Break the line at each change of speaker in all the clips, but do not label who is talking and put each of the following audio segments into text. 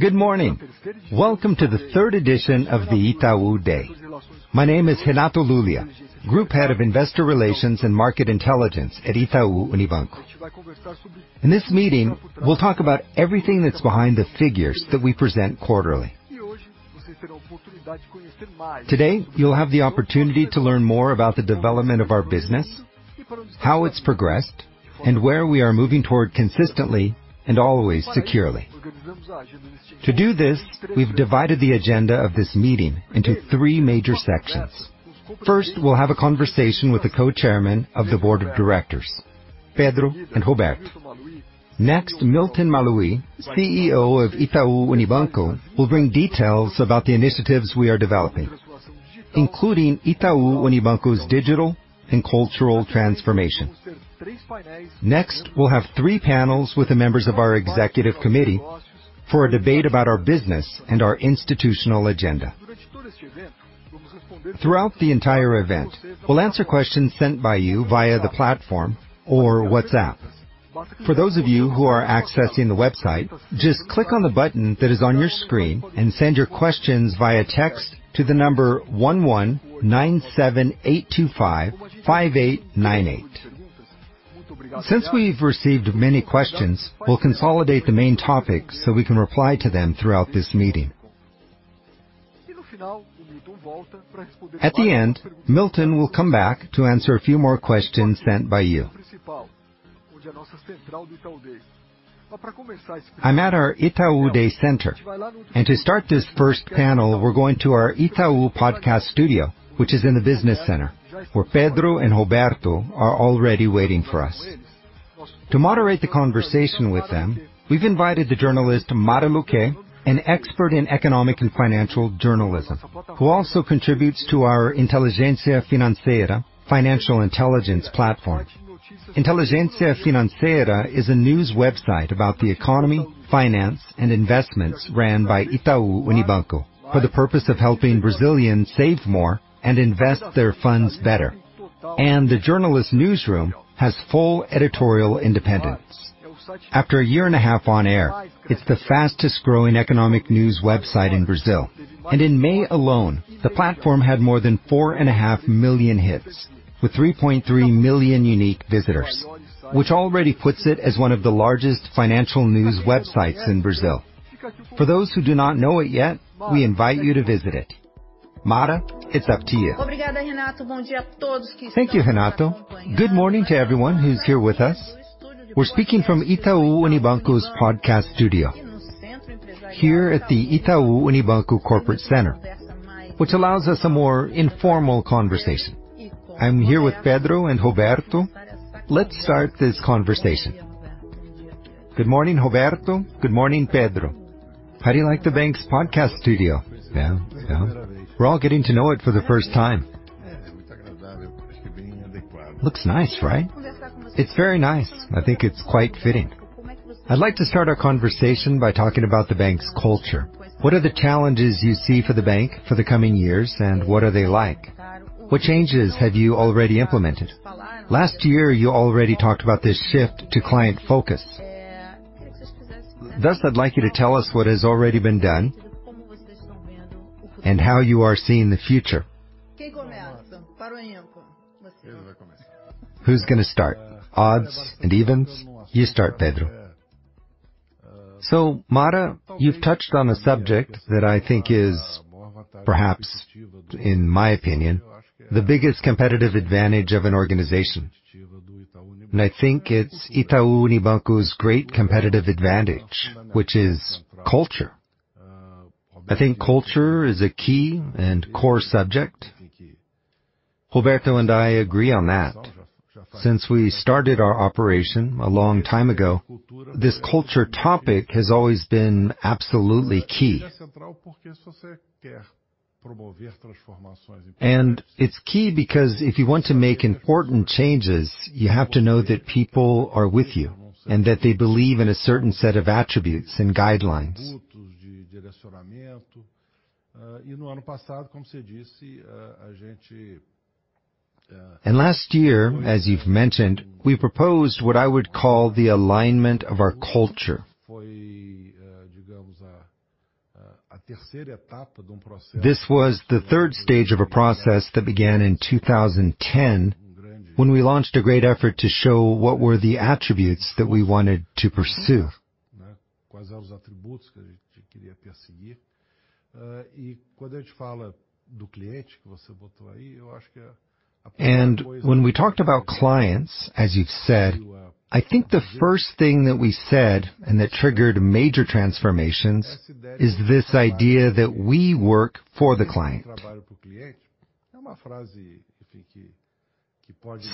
Good morning! Welcome to the third edition of the Itaú Day. My name is Renato Lulia, Group Head of Investor Relations and Market Intelligence at Itaú Unibanco. In this meeting, we'll talk about everything that's behind the figures that we present quarterly. Today, you'll have the opportunity to learn more about the development of our business, how it's progressed, and where we are moving toward consistently and always securely. To do this, we've divided the agenda of this meeting into three major sections. First, we'll have a conversation with the Co-chairman of the board of directors, Pedro and Roberto. Next, Milton Maluhy, CEO of Itaú Unibanco, will bring details about the initiatives we are developing, including Itaú Unibanco's digital and cultural transformation. Next, we'll have three panels with the members of our executive committee for a debate about our business and our institutional agenda. Throughout the entire event, we'll answer questions sent by you via the platform or WhatsApp. For those of you who are accessing the website, just click on the button that is on your screen and send your questions via text to the number 11978255898. We've received many questions, we'll consolidate the main topics so we can reply to them throughout this meeting. At the end, Milton will come back to answer a few more questions sent by you. I'm at our Itaú Day center, and to start this first panel, we're going to our Itaú Podcast studio, which is in the business center, where Pedro and Roberto are already waiting for us. To moderate the conversation with them, we've invited the journalist, Mara Luquet, an expert in economic and financial journalism, who also contributes to our Inteligência Financeira, Financial Intelligence platform. Inteligência Financeira is a news website about the economy, finance, and investments ran by Itaú Unibanco for the purpose of helping Brazilians save more and invest their funds better. The journalist newsroom has full editorial independence. After a year and a half on air, it's the fastest growing economic news website in Brazil, and in May alone, the platform had more than 4.5 million hits, with 3.3 million unique visitors, which already puts it as one of the largest financial news websites in Brazil. For those who do not know it yet, we invite you to visit it. Mara, it's up to you.
Thank you, Renato. Good morning to everyone who's here with us. We're speaking from Itaú Podcast Studio here at the Itaú Unibanco Corporate Center, which allows us a more informal conversation. I'm here with Pedro and Roberto. Let's start this conversation. Good morning, Roberto. Good morning, Pedro. How do you like the bank's podcast studio? Well, well, we're all getting to know it for the first time. Looks nice, right? It's very nice. I think it's quite fitting. I'd like to start our conversation by talking about the bank's culture. What are the challenges you see for the bank for the coming years, and what are they like? What changes have you already implemented? Last year, you already talked about this shift to client focus. I'd like you to tell us what has already been done and how you are seeing the future. Who's gonna start? Odds and evens. You start, Pedro.
Mara, you've touched on a subject that I think is perhaps, in my opinion, the biggest competitive advantage of an organization, and I think it's Itaú Unibanco's great competitive advantage, which is culture. I think culture is a key and core subject. Roberto and I agree on that. Since we started our operation a long time ago, this culture topic has always been absolutely key. It's key because if you want to make important changes, you have to know that people are with you and that they believe in a certain set of attributes and guidelines. Last year, as you've mentioned, we proposed what I would call the alignment of our culture. This was the third stage of a process that began in 2010, when we launched a great effort to show what were the attributes that we wanted to pursue. When we talked about clients, as you've said, I think the first thing that we said and that triggered major transformations is this idea that we work for the client.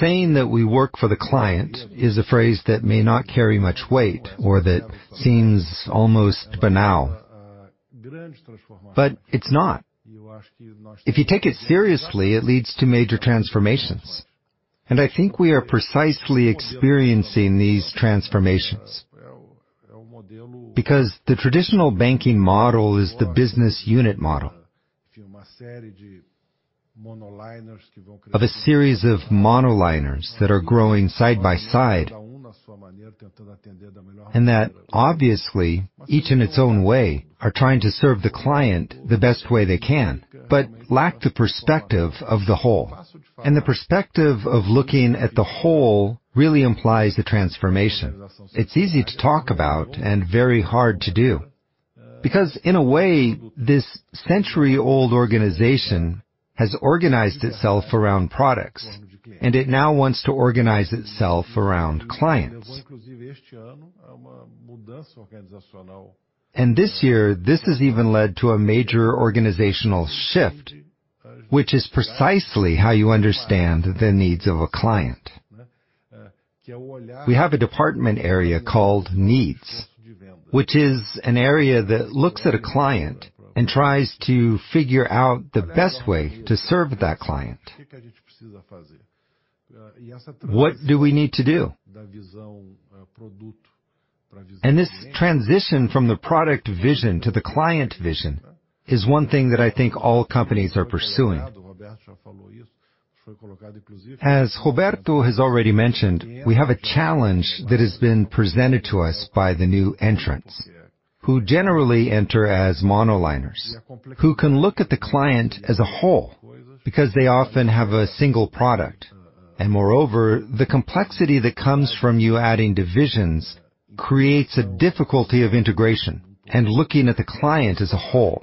Saying that we work for the client is a phrase that may not carry much weight or that seems almost banal, but it's not. If you take it seriously, it leads to major transformations, and I think we are precisely experiencing these transformations. The traditional banking model is the business unit model. Of a series of monoliners that are growing side by side, and that, obviously, each in its own way, are trying to serve the client the best way they can, but lack the perspective of the whole. The perspective of looking at the whole really implies the transformation. It's easy to talk about and very hard to do, because in a way, this century-old organization has organized itself around products, and it now wants to organize itself around clients. This year, this has even led to a major organizational shift, which is precisely how you understand the needs of a client. We have a department area called Needs, which is an area that looks at a client and tries to figure out the best way to serve that client. What do we need to do? This transition from the product vision to the client vision is one thing that I think all companies are pursuing. As Roberto has already mentioned, we have a challenge that has been presented to us by the new entrants, who generally enter as monoliners, who can look at the client as a whole because they often have a single product. Moreover, the complexity that comes from you adding divisions creates a difficulty of integration and looking at the client as a whole.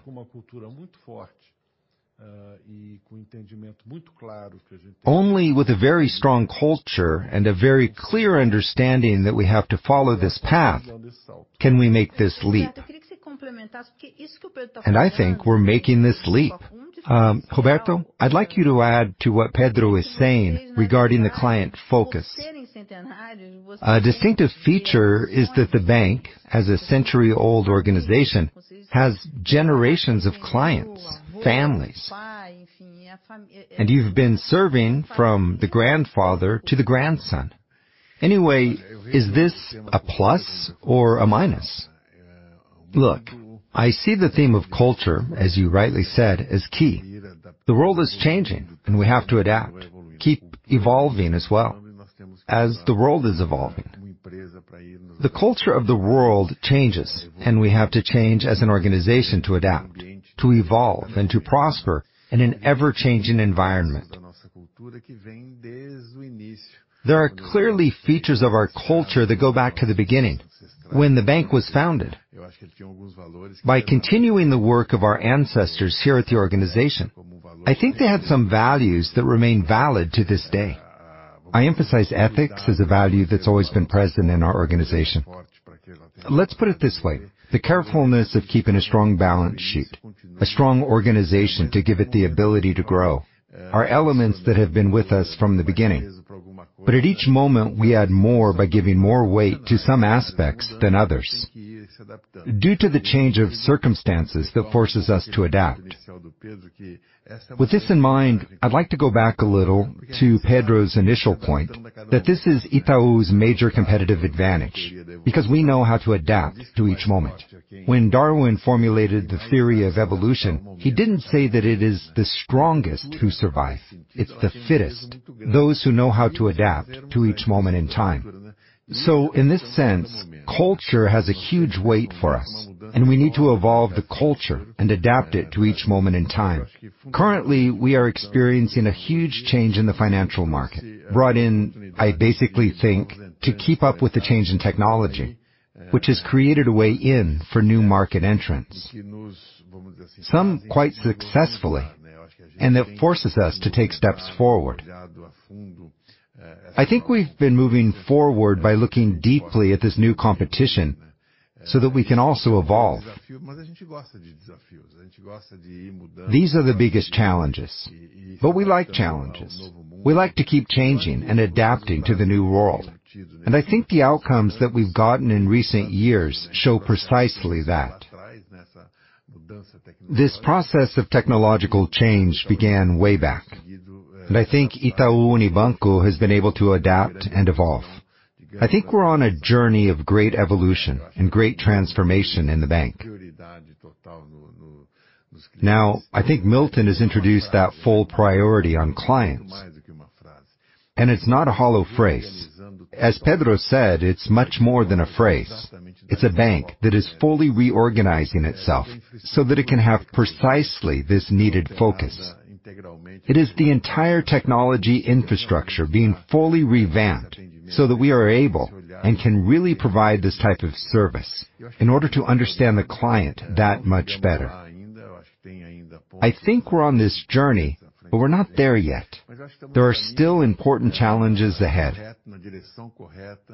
Only with a very strong culture and a very clear understanding that we have to follow this path, can we make this leap, and I think we're making this leap. Roberto, I'd like you to add to what Pedro is saying regarding the client focus. A distinctive feature is that the bank, as a century-old organization, has generations of clients, families, and you've been serving from the grandfather to the grandson. Is this a plus or a minus? I see the theme of culture, as you rightly said, as key. The world is changing, we have to adapt, keep evolving as well as the world is evolving. The culture of the world changes, and we have to change as an organization to adapt, to evolve, and to prosper in an ever-changing environment. There are clearly features of our culture that go back to the beginning, when the bank was founded. By continuing the work of our ancestors here at the organization, I think they had some values that remain valid to this day. I emphasize ethics as a value that's always been present in our organization. Let's put it this way, the carefulness of keeping a strong balance sheet, a strong organization to give it the ability to grow, are elements that have been with us from the beginning. At each moment, we add more by giving more weight to some aspects than others, due to the change of circumstances that forces us to adapt.
With this in mind, I'd like to go back a little to Pedro's initial point, that this is Itaú's major competitive advantage, because we know how to adapt to each moment. When Darwin formulated the theory of evolution, he didn't say that it is the strongest who survive, it's the fittest, those who know how to adapt to each moment in time. In this sense, culture has a huge weight for us, and we need to evolve the culture and adapt it to each moment in time. Currently, we are experiencing a huge change in the financial market, brought in, I basically think, to keep up with the change in technology, which has created a way in for new market entrants, some quite successfully, and that forces us to take steps forward. I think we've been moving forward by looking deeply at this new competition so that we can also evolve. These are the biggest challenges, but we like challenges. We like to keep changing and adapting to the new world, and I think the outcomes that we've gotten in recent years show precisely that. This process of technological change began way back, and I think Itaú Unibanco has been able to adapt and evolve. I think we're on a journey of great evolution and great transformation in the bank. Now, I think Milton has introduced that full priority on clients, and it's not a hollow phrase. As Pedro said, it's much more than a phrase. It's a bank that is fully reorganizing itself so that it can have precisely this needed focus. It is the entire technology infrastructure being fully revamped so that we are able and can really provide this type of service in order to understand the client that much better. I think we're on this journey, but we're not there yet. There are still important challenges ahead,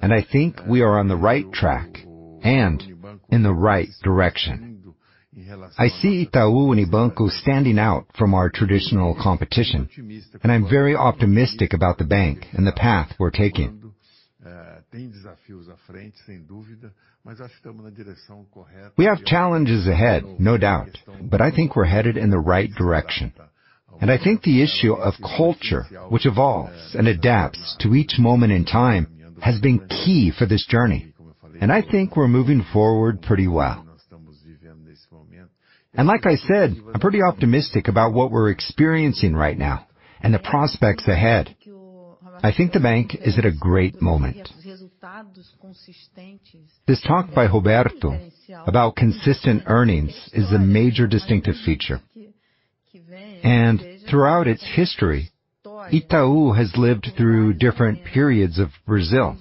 and I think we are on the right track and in the right direction. I see Itaú Unibanco standing out from our traditional competition, and I'm very optimistic about the bank and the path we're taking. We have challenges ahead, no doubt, but I think we're headed in the right direction. I think the issue of culture, which evolves and adapts to each moment in time, has been key for this journey, and I think we're moving forward pretty well. Like I said, I'm pretty optimistic about what we're experiencing right now and the prospects ahead. I think the bank is at a great moment. This talk by Roberto about consistent earnings is a major distinctive feature, and throughout its history, Itaú has lived through different periods of Brazil.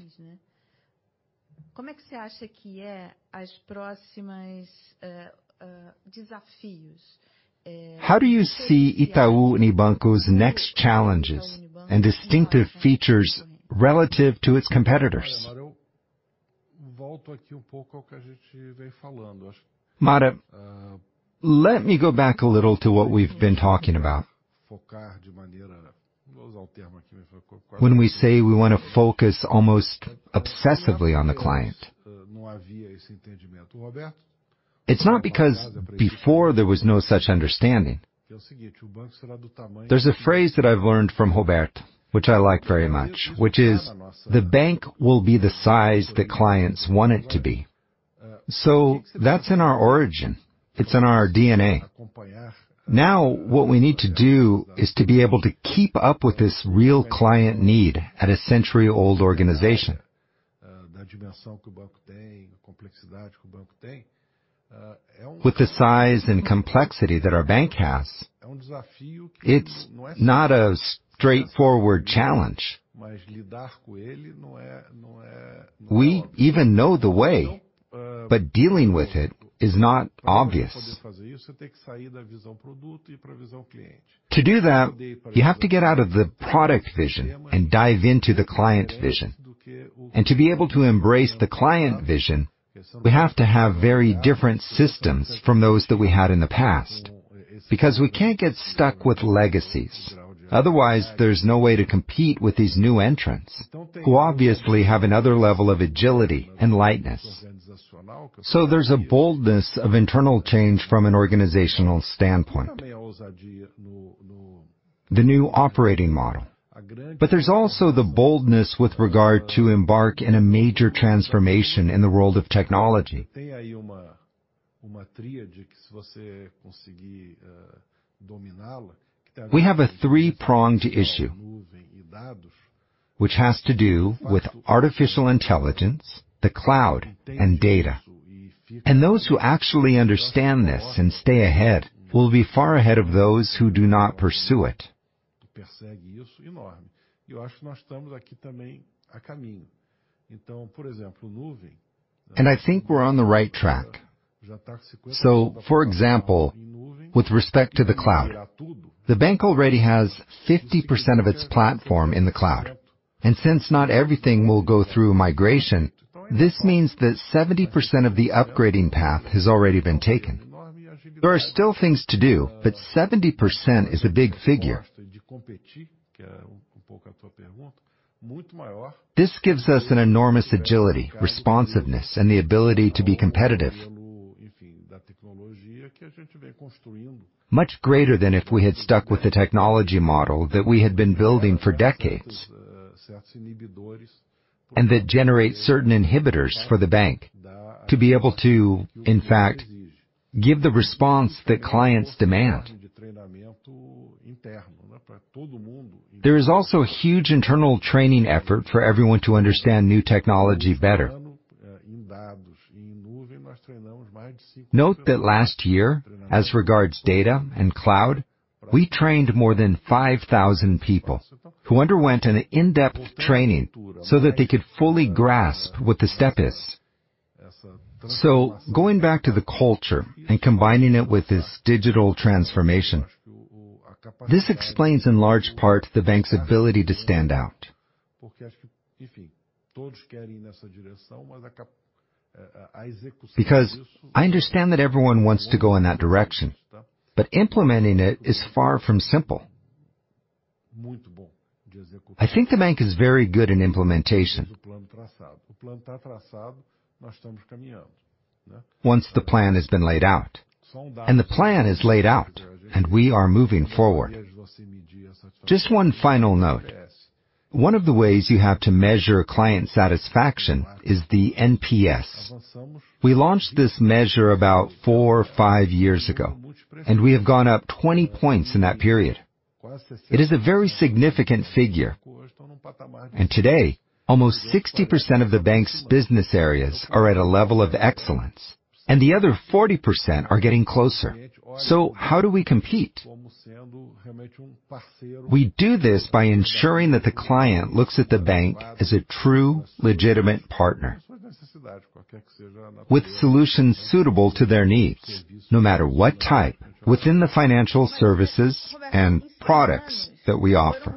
How do you see Itaú Unibanco's next challenges and distinctive features relative to its competitors? Mara, let me go back a little to what we've been talking about. When we say we wanna focus almost obsessively on the client, it's not because before there was no such understanding. There's a phrase that I've learned from Roberto, which I like very much, which is: "The bank will be the size that clients want it to be." That's in our origin. It's in our DNA. Now, what we need to do is to be able to keep up with this real client need at a century-old organization. With the size and complexity that our bank has, it's not a straightforward challenge. We even know the way, but dealing with it is not obvious. To do that, you have to get out of the product vision and dive into the client vision. To be able to embrace the client vision, we have to have very different systems from those that we had in the past, because we can't get stuck with legacies. Otherwise, there's no way to compete with these new entrants, who obviously have another level of agility and lightness. There's a boldness of internal change from an organizational standpoint, the new operating model, but there's also the boldness with regard to embark in a major transformation in the world of technology. We have a 3-pronged issue, which has to do with artificial intelligence, the cloud, and data, and those who actually understand this and stay ahead will be far ahead of those who do not pursue it. I think we're on the right track. For example, with respect to the cloud, the bank already has 50% of its platform in the cloud, and since not everything will go through migration, this means that 70% of the upgrading path has already been taken. There are still things to do, but 70% is a big figure. This gives us an enormous agility, responsiveness, and the ability to be competitive. Much greater than if we had stuck with the technology model that we had been building for decades, that generates certain inhibitors for the bank to be able to, in fact, give the response that clients demand. There is also a huge internal training effort for everyone to understand new technology better. Note that last year, as regards data and cloud, we trained more than 5,000 people who underwent an in-depth training so that they could fully grasp what the step is. Going back to the culture and combining it with this digital transformation, this explains in large part the bank's ability to stand out. I understand that everyone wants to go in that direction, but implementing it is far from simple. I think the bank is very good in implementation. Once the plan has been laid out, and we are moving forward. Just one final note: One of the ways you have to measure client satisfaction is the NPS. We launched this measure about 4 or 5 years ago, and we have gone up 20 points in that period. It is a very significant figure, and today, almost 60% of the bank's business areas are at a level of excellence, and the other 40% are getting closer. How do we compete? We do this by ensuring that the client looks at the bank as a true, legitimate partner, with solutions suitable to their needs, no matter what type, within the financial services and products that we offer.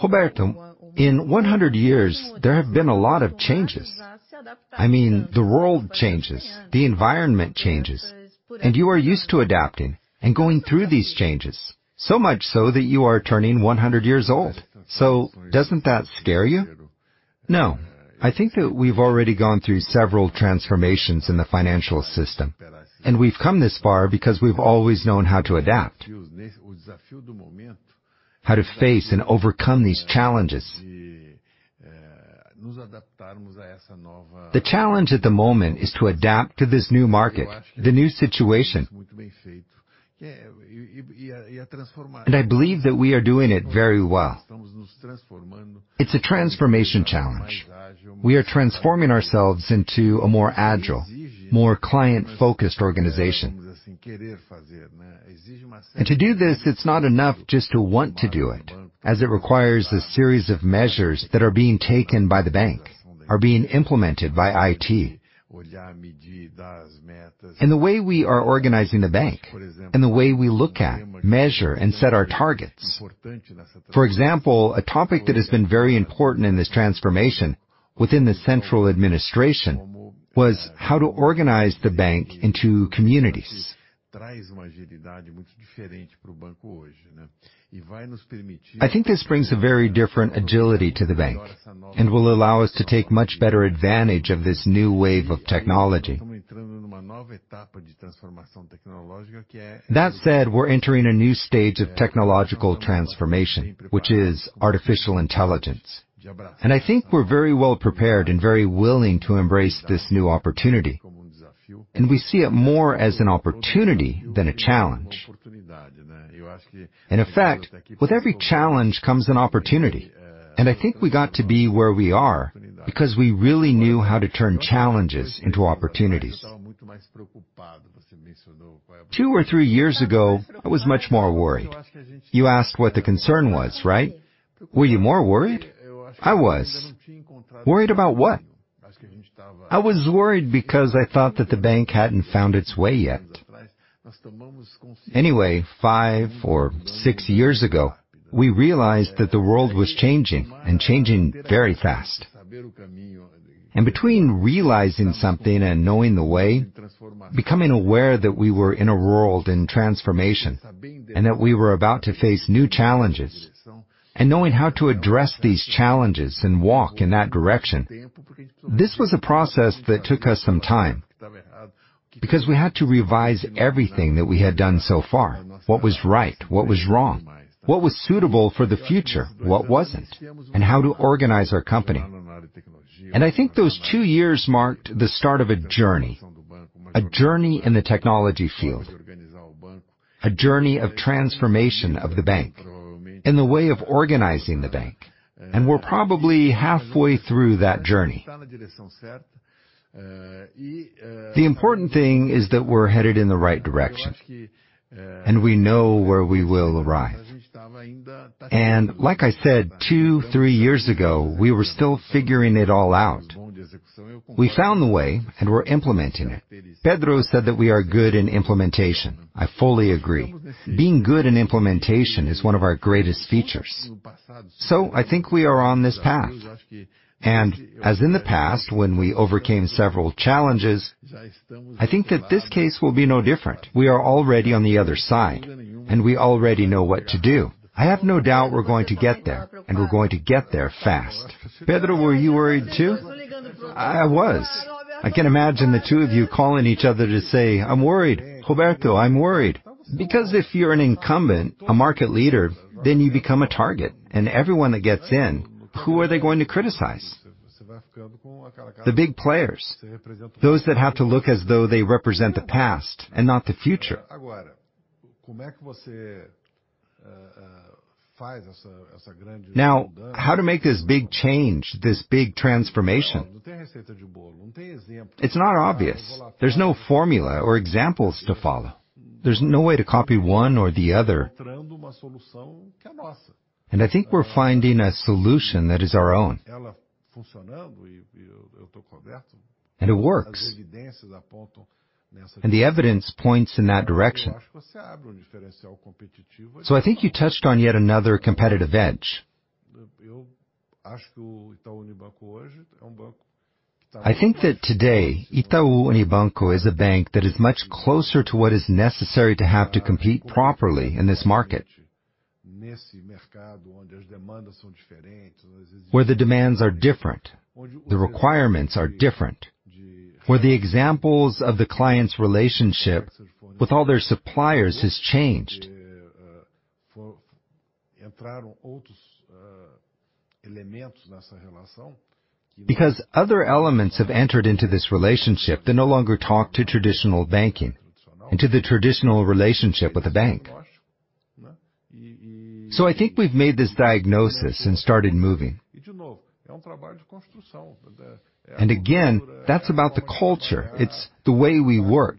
Roberto, in 100 years, there have been a lot of changes. I mean, the world changes, the environment changes, and you are used to adapting and going through these changes, so much so that you are turning 100 years old. Doesn't that scare you? No, I think that we've already gone through several transformations in the financial system, and we've come this far because we've always known how to adapt, how to face and overcome these challenges. The challenge at the moment is to adapt to this new market, the new situation. I believe that we are doing it very well. It's a transformation challenge. We are transforming ourselves into a more agile, more client-focused organization. To do this, it's not enough just to want to do it, as it requires a series of measures that are being taken by the bank, are being implemented by IT. The way we are organizing the bank, and the way we look at, measure, and set our targets. For example, a topic that has been very important in this transformation within the central administration was how to organize the bank into communities. I think this brings a very different agility to the bank, and will allow us to take much better advantage of this new wave of technology. That said, we're entering a new stage of technological transformation, which is artificial intelligence, and I think we're very well prepared and very willing to embrace this new opportunity, and we see it more as an opportunity than a challenge. In effect, with every challenge comes an opportunity, and I think we got to be where we are because we really knew how to turn challenges into opportunities. Two or three years ago, I was much more worried. You asked what the concern was, right? Were you more worried? I was. Worried about what? I was worried because I thought that the bank hadn't found its way yet. Five or six years ago, we realized that the world was changing and changing very fast. Between realizing something and knowing the way, becoming aware that we were in a world in transformation, and that we were about to face new challenges, and knowing how to address these challenges and walk in that direction, this was a process that took us some time because we had to revise everything that we had done so far. What was right, what was wrong, what was suitable for the future, what wasn't, and how to organize our company. I think those two years marked the start of a journey, a journey in the technology field, a journey of transformation of the bank and the way of organizing the bank, and we're probably halfway through that journey. The important thing is that we're headed in the right direction, and we know where we will arrive. Like I said, two, three years ago, we were still figuring it all out. We found the way, and we're implementing it. Pedro said that we are good in implementation. I fully agree. Being good in implementation is one of our greatest features. I think we are on this path, and as in the past, when we overcame several challenges, I think that this case will be no different. We are already on the other side, and we already know what to do. I have no doubt we're going to get there, and we're going to get there fast. Pedro, were you worried, too? I was. I can imagine the two of you calling each other to say, "I'm worried. Roberto, I'm worried. If you're an incumbent, a market leader, then you become a target, and everyone that gets in, who are they going to criticize? The big players, those that have to look as though they represent the past and not the future. How to make this big change, this big transformation? It's not obvious. There's no formula or examples to follow. There's no way to copy one or the other, and I think we're finding a solution that is our own. It works, and the evidence points in that direction. I think you touched on yet another competitive edge. I think that today, Itaú Unibanco is a bank that is much closer to what is necessary to have to compete properly in this market. Where the demands are different, the requirements are different, where the examples of the client's relationship with all their suppliers has changed. Other elements have entered into this relationship that no longer talk to traditional banking and to the traditional relationship with the bank. I think we've made this diagnosis and started moving. Again, that's about the culture. It's the way we work.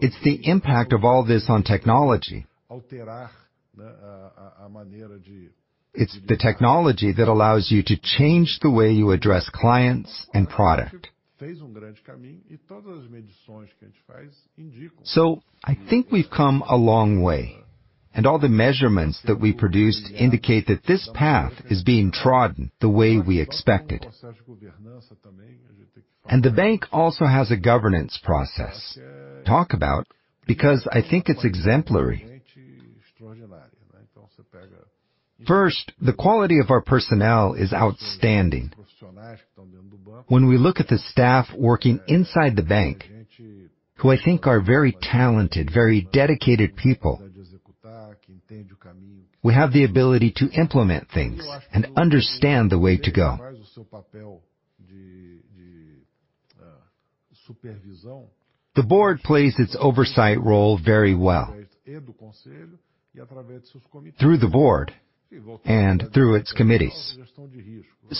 It's the impact of all this on technology. It's the technology that allows you to change the way you address clients and product. I think we've come a long way, and all the measurements that we produced indicate that this path is being trodden the way we expected. The bank also has a governance process. I think it's exemplary. First, the quality of our personnel is outstanding. When we look at the staff working inside the bank, who I think are very talented, very dedicated people, we have the ability to implement things and understand the way to go. The board plays its oversight role very well, through the board and through its committees.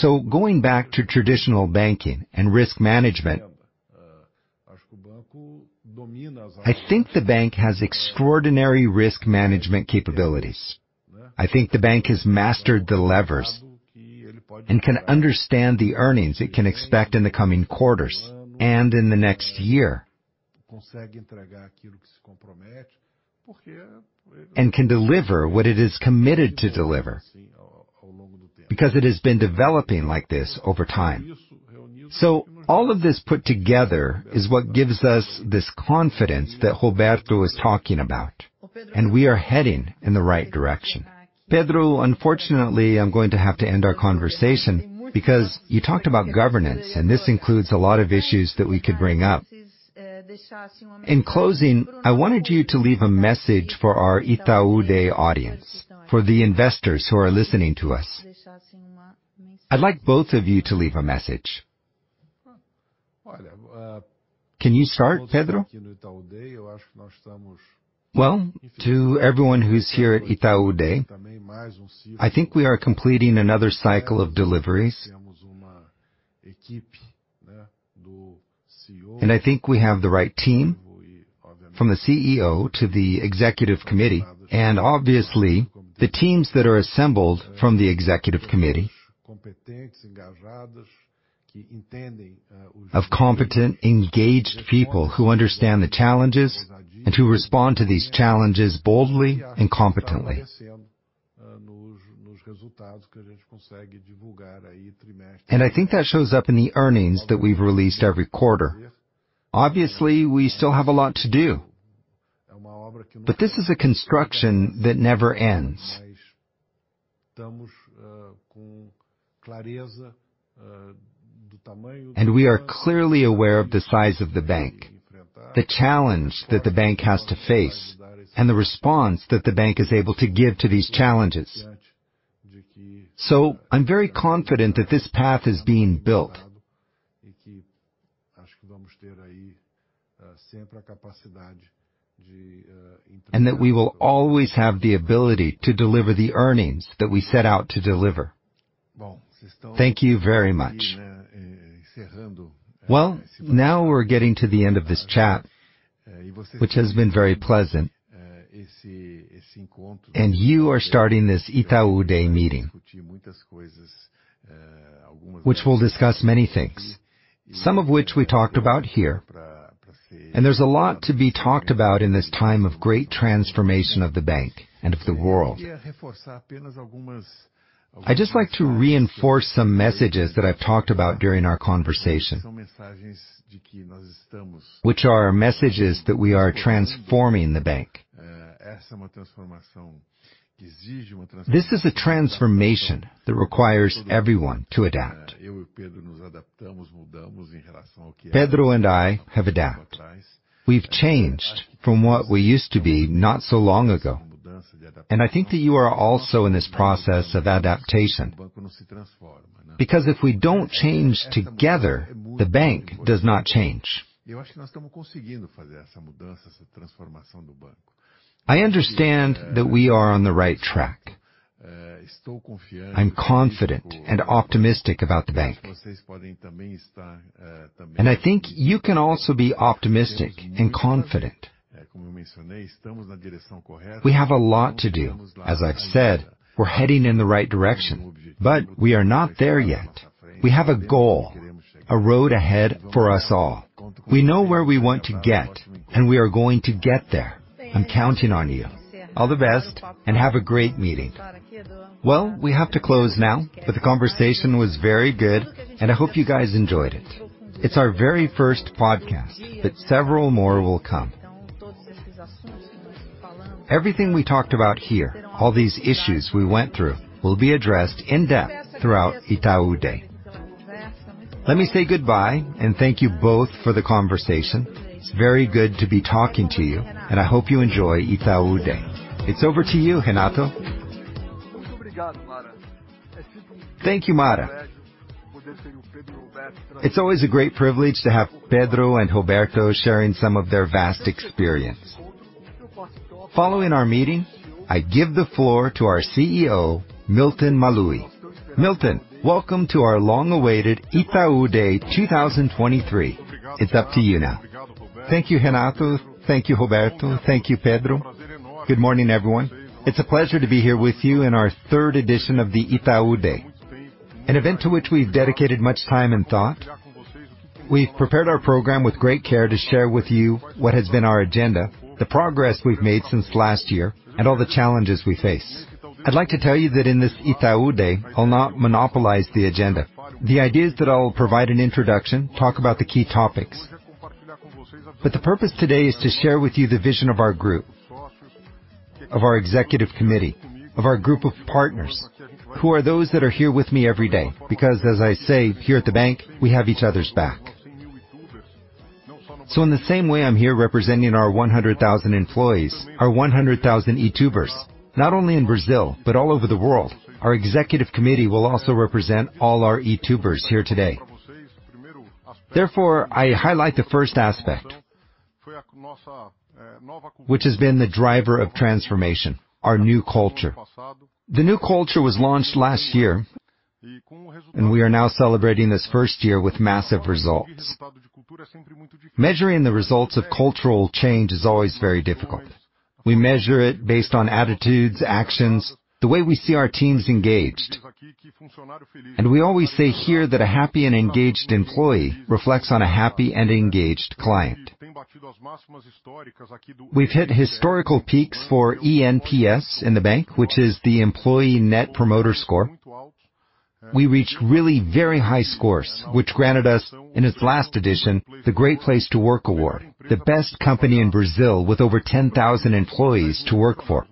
Going back to traditional banking and risk management, I think the bank has extraordinary risk management capabilities. I think the bank has mastered the levers, and can understand the earnings it can expect in the coming quarters, and in the next year. Can deliver what it is committed to deliver, because it has been developing like this over time. All of this put together is what gives us this confidence that Roberto is talking about, and we are heading in the right direction. Pedro, unfortunately, I'm going to have to end our conversation because you talked about governance, and this includes a lot of issues that we could bring up. In closing, I wanted you to leave a message for our Itaú Day audience, for the investors who are listening to us. I'd like both of you to leave a message. Can you start, Pedro?
Well, to everyone who's here at Itaú Day, I think we are completing another cycle of deliveries. I think we have the right team, from the CEO to the executive committee, and obviously, the teams that are assembled from the executive committee. Of competent, engaged people who understand the challenges, and who respond to these challenges boldly and competently. I think that shows up in the earnings that we've released every quarter. Obviously, we still have a lot to do, but this is a construction that never ends. We are clearly aware of the size of the bank, the challenge that the bank has to face, and the response that the bank is able to give to these challenges. I'm very confident that this path is being built. That we will always have the ability to deliver the earnings that we set out to deliver. Thank you very much. Well, now we're getting to the end of this chat, which has been very pleasant. You are starting this Itaú Day meeting, which will discuss many things, some of which we talked about here. There's a lot to be talked about in this time of great transformation of the bank and of the world. I'd just like to reinforce some messages that I've talked about during our conversation, which are messages that we are transforming the bank. This is a transformation that requires everyone to adapt. Pedro and I have adapted. We've changed from what we used to be not so long ago, and I think that you are also in this process of adaptation, because if we don't change together, the bank does not change. I understand that we are on the right track. I'm confident and optimistic about the bank, and I think you can also be optimistic and confident. We have a lot to do. As I've said, we're heading in the right direction, but we are not there yet. We have a goal, a road ahead for us all. We know where we want to get, and we are going to get there. I'm counting on you. All the best, and have a great meeting. Well, we have to close now, but the conversation was very good, and I hope you guys enjoyed it. It's our very first podcast, but several more will come. Everything we talked about here, all these issues we went through, will be addressed in depth throughout Itaú Day. Let me say goodbye, and thank you both for the conversation. It's very good to be talking to you, and I hope you enjoy Itaú Day. It's over to you, Renato.
It's a pleasure to be here with you in our third edition of the Itaú Day, an event to which we've dedicated much time and thought. We've prepared our program with great care to share with you what has been our agenda, the progress we've made since last year, and all the challenges we face. I'd like to tell you that in this Itaú Day, I'll not monopolize the agenda. The idea is that I'll provide an introduction, talk about the key topics. The purpose today is to share with you the vision of our group, of our executive committee, of our group of partners, who are those that are here with me every day, because as I say, here at the bank, we have each other's back. In the same way I'm here representing our 100,000 employees, our 100,000 Itubers, not only in Brazil, but all over the world, our executive committee will also represent all our Itubers here today. Therefore, I highlight the first aspect, which has been the driver of transformation, our new culture. The new culture was launched last year, and we are now celebrating this first year with massive results. Measuring the results of cultural change is always very difficult. We measure it based on attitudes, actions, the way we see our teams engaged. We always say here that a happy and engaged employee reflects on a happy and engaged client. We've hit historical peaks for eNPS in the bank, which is the Employee Net Promoter Score. We reached really very high scores, which granted us, in its last edition, the Great Place to Work award, the best company in Brazil with over 10,000 employees to work for.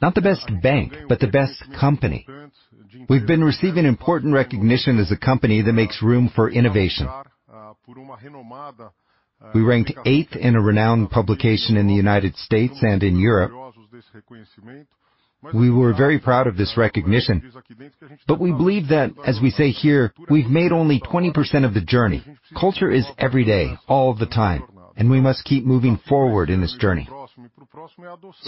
Not the best bank, but the best company. We've been receiving important recognition as a company that makes room for innovation. We ranked eighth in a renowned publication in the United States and in Europe. We were very proud of this recognition, but we believe that, as we say here, we've made only 20% of the journey. Culture is every day, all the time, and we must keep moving forward in this journey.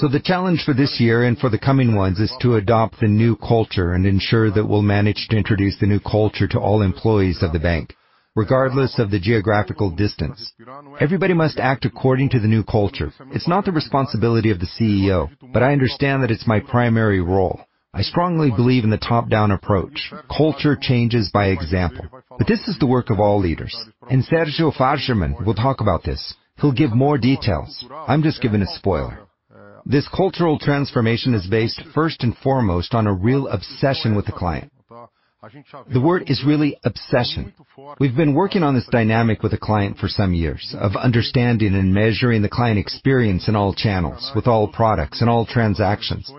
The challenge for this year and for the coming ones is to adopt the new culture and ensure that we'll manage to introduce the new culture to all employees of the bank, regardless of the geographical distance. Everybody must act according to the new culture. It's not the responsibility of the CEO, but I understand that it's my primary role. I strongly believe in the top-down approach. Culture changes by example, but this is the work of all leaders, and Sérgio Fajerman will talk about this. He'll give more details. I'm just giving a spoiler. This cultural transformation is based, first and foremost, on a real obsession with the client. The word is really obsession. We've been working on this dynamic with the client for some years, of understanding and measuring the client experience in all channels, with all products and all transactions,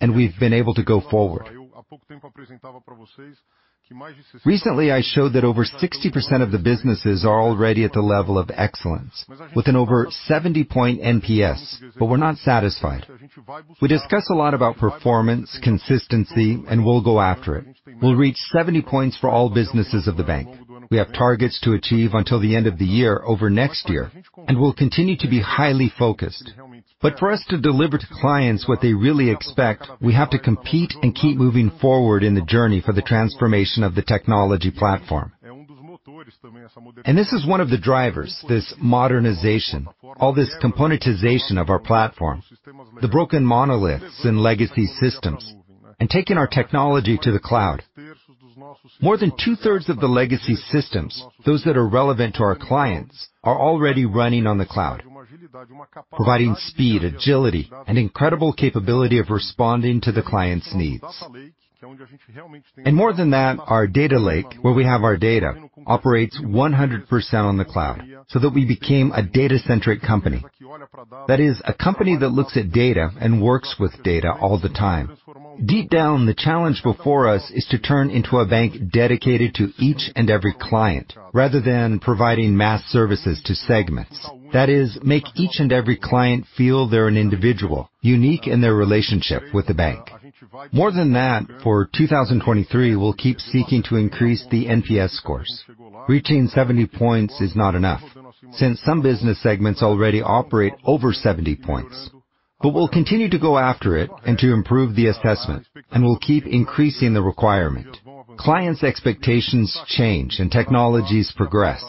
and we've been able to go forward. Recently, I showed that over 60% of the businesses are already at the level of excellence, with an over 70-point NPS, but we're not satisfied. We discuss a lot about performance, consistency, and we'll go after it. We'll reach 70 points for all businesses of the bank. We have targets to achieve until the end of the year, over next year, and we'll continue to be highly focused. For us to deliver to clients what they really expect, we have to compete and keep moving forward in the journey for the transformation of the technology platform. This is one of the drivers, this modernization, all this componentization of our platform, the broken monoliths and legacy systems, and taking our technology to the cloud. More than two-thirds of the legacy systems, those that are relevant to our clients, are already running on the cloud, providing speed, agility, and incredible capability of responding to the client's needs. More than that, our data lake, where we have our data, operates 100% on the cloud, we became a data-centric company. That is, a company that looks at data and works with data all the time. Deep down, the challenge before us is to turn into a bank dedicated to each and every client, rather than providing mass services to segments. That is, make each and every client feel they're an individual, unique in their relationship with the bank. More than that, for 2023, we'll keep seeking to increase the NPS scores. Reaching 70 points is not enough, since some business segments already operate over 70 points. We'll continue to go after it and to improve the assessment, and we'll keep increasing the requirement. Clients' expectations change and technologies progress,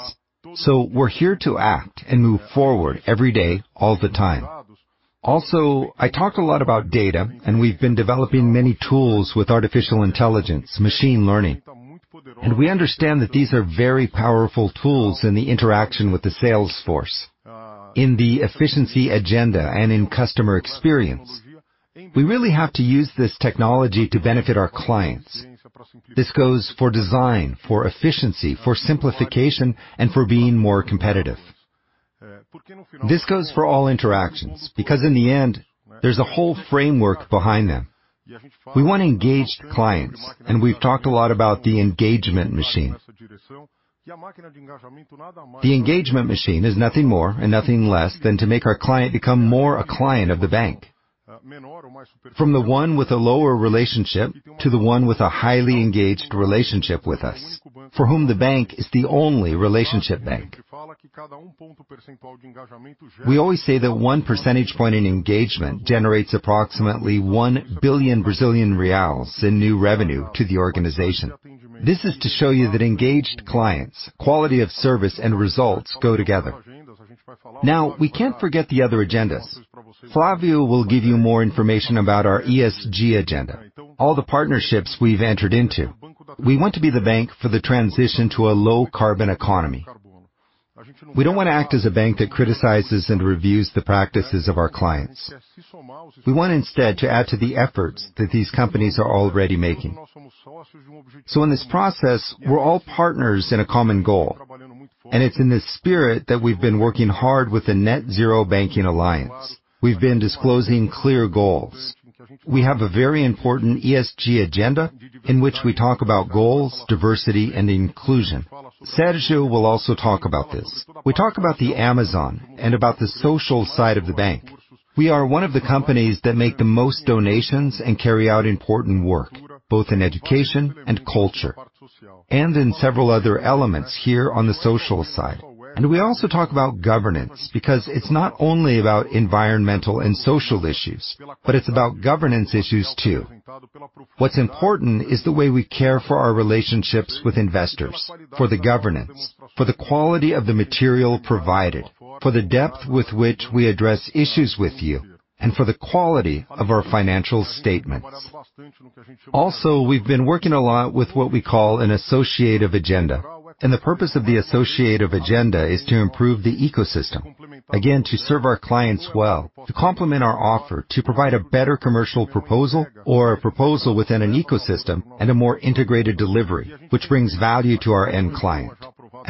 so we're here to act and move forward every day, all the time. Also, I talk a lot about data, and we've been developing many tools with artificial intelligence, machine learning, and we understand that these are very powerful tools in the interaction with the sales force, in the efficiency agenda, and in customer experience. We really have to use this technology to benefit our clients. This goes for design, for efficiency, for simplification, and for being more competitive. This goes for all interactions, because in the end, there's a whole framework behind them. We want engaged clients, and we've talked a lot about the engagement machine. The engagement machine is nothing more and nothing less than to make our client become more a client of the bank. From the one with a lower relationship, to the one with a highly engaged relationship with us, for whom the bank is the only relationship bank. We always say that one percentage point in engagement generates approximately 1 billion Brazilian reais in new revenue to the organization. This is to show you that engaged clients, quality of service, and results go together. We can't forget the other agendas. Flávio will give you more information about our ESG agenda, all the partnerships we've entered into. We want to be the bank for the transition to a low carbon economy. We don't want to act as a bank that criticizes and reviews the practices of our clients. We want, instead, to add to the efforts that these companies are already making. In this process, we're all partners in a common goal, and it's in this spirit that we've been working hard with the Net-Zero Banking Alliance. We've been disclosing clear goals. We have a very important ESG agenda, in which we talk about goals, diversity, and inclusion. Sérgio will also talk about this. We talk about the Amazon and about the social side of the bank. We are one of the companies that make the most donations and carry out important work, both in education and culture, and in several other elements here on the social side. We also talk about governance, because it's not only about environmental and social issues, but it's about governance issues, too. What's important is the way we care for our relationships with investors, for the governance, for the quality of the material provided, for the depth with which we address issues with you, and for the quality of our financial statements. We've been working a lot with what we call an associative agenda, and the purpose of the associative agenda is to improve the ecosystem. To serve our clients well, to complement our offer, to provide a better commercial proposal or a proposal within an ecosystem and a more integrated delivery, which brings value to our end client.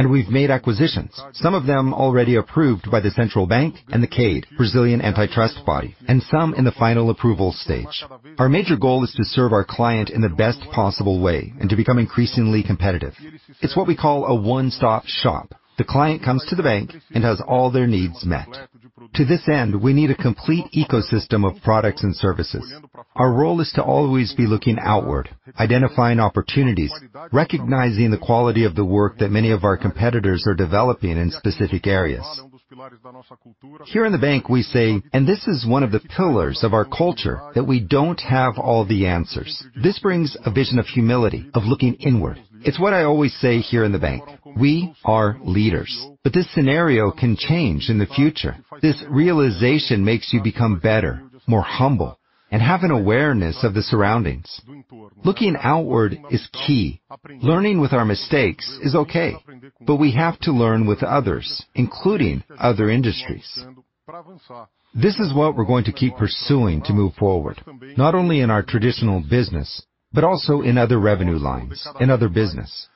We've made acquisitions, some of them already approved by the Central Bank and the CADE, Brazilian Antitrust Body, and some in the final approval stage. Our major goal is to serve our client in the best possible way and to become increasingly competitive. It's what we call a one-stop shop. The client comes to the bank and has all their needs met. To this end, we need a complete ecosystem of products and services. Our role is to always be looking outward, identifying opportunities, recognizing the quality of the work that many of our competitors are developing in specific areas. Here in the bank, we say, "This is one of the pillars of our culture, that we don't have all the answers." This brings a vision of humility, of looking inward. It's what I always say here in the bank: we are leaders, but this scenario can change in the future. This realization makes you become better, more humble, and have an awareness of the surroundings. Looking outward is key. Learning with our mistakes is okay, but we have to learn with others, including other industries. This is what we're going to keep pursuing to move forward, not only in our traditional business, but also in other revenue lines and other business.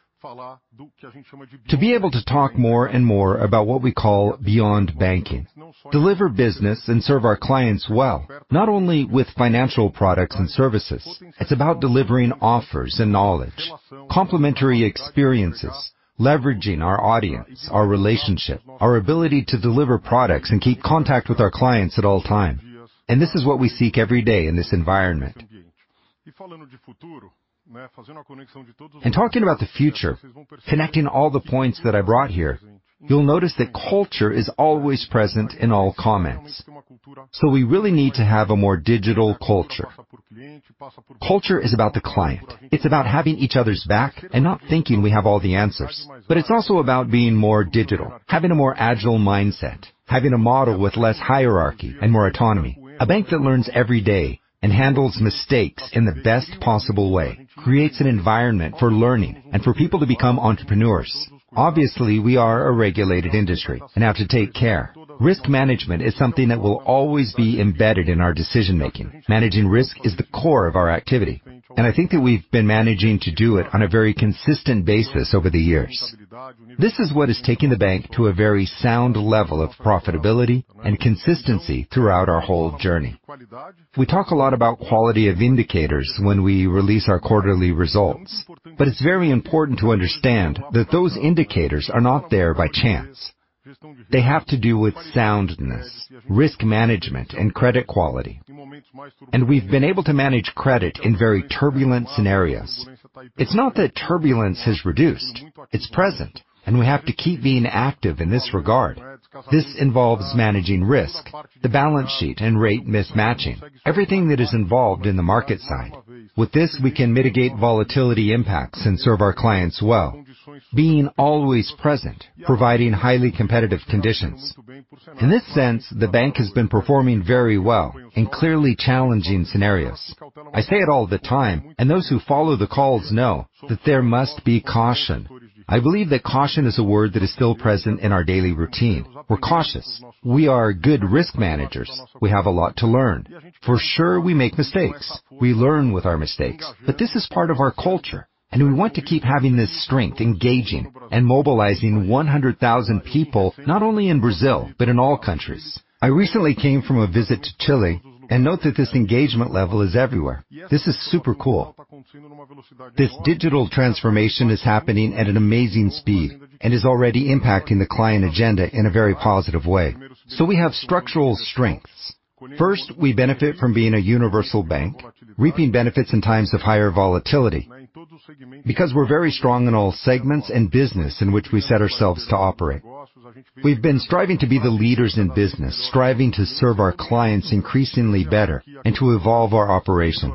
To be able to talk more and more about what we call beyond banking, deliver business and serve our clients well, not only with financial products and services, it's about delivering offers and knowledge, complementary experiences, leveraging our audience, our relationship, our ability to deliver products and keep contact with our clients at all time. This is what we seek every day in this environment. Talking about the future, connecting all the points that I brought here, you'll notice that culture is always present in all comments. We really need to have a more digital culture. Culture is about the client. It's about having each other's back and not thinking we have all the answers. It's also about being more digital, having a more agile mindset, having a model with less hierarchy and more autonomy. A bank that learns every day and handles mistakes in the best possible way, creates an environment for learning and for people to become entrepreneurs. Obviously, we are a regulated industry and have to take care. Risk management is something that will always be embedded in our decision-making. Managing risk is the core of our activity, and I think that we've been managing to do it on a very consistent basis over the years. This is what is taking the bank to a very sound level of profitability and consistency throughout our whole journey. We talk a lot about quality of indicators when we release our quarterly results, but it's very important to understand that those indicators are not there by chance. They have to do with soundness, risk management, and credit quality. We've been able to manage credit in very turbulent scenarios. It's not that turbulence has reduced, it's present, and we have to keep being active in this regard. This involves managing risk, the balance sheet and rate mismatching, everything that is involved in the market side. With this, we can mitigate volatility impacts and serve our clients well, being always present, providing highly competitive conditions. In this sense, the bank has been performing very well in clearly challenging scenarios. I say it all the time, and those who follow the calls know that there must be caution. I believe that caution is a word that is still present in our daily routine. We're cautious. We are good risk managers. We have a lot to learn. For sure, we make mistakes. We learn with our mistakes, but this is part of our culture, and we want to keep having this strength, engaging and mobilizing 100,000 people, not only in Brazil, but in all countries. I recently came from a visit to Chile, and note that this engagement level is everywhere. This is super cool. This digital transformation is happening at an amazing speed and is already impacting the client agenda in a very positive way. We have structural strengths. First, we benefit from being a universal bank, reaping benefits in times of higher volatility, because we're very strong in all segments and business in which we set ourselves to operate. We've been striving to be the leaders in business, striving to serve our clients increasingly better and to evolve our operation.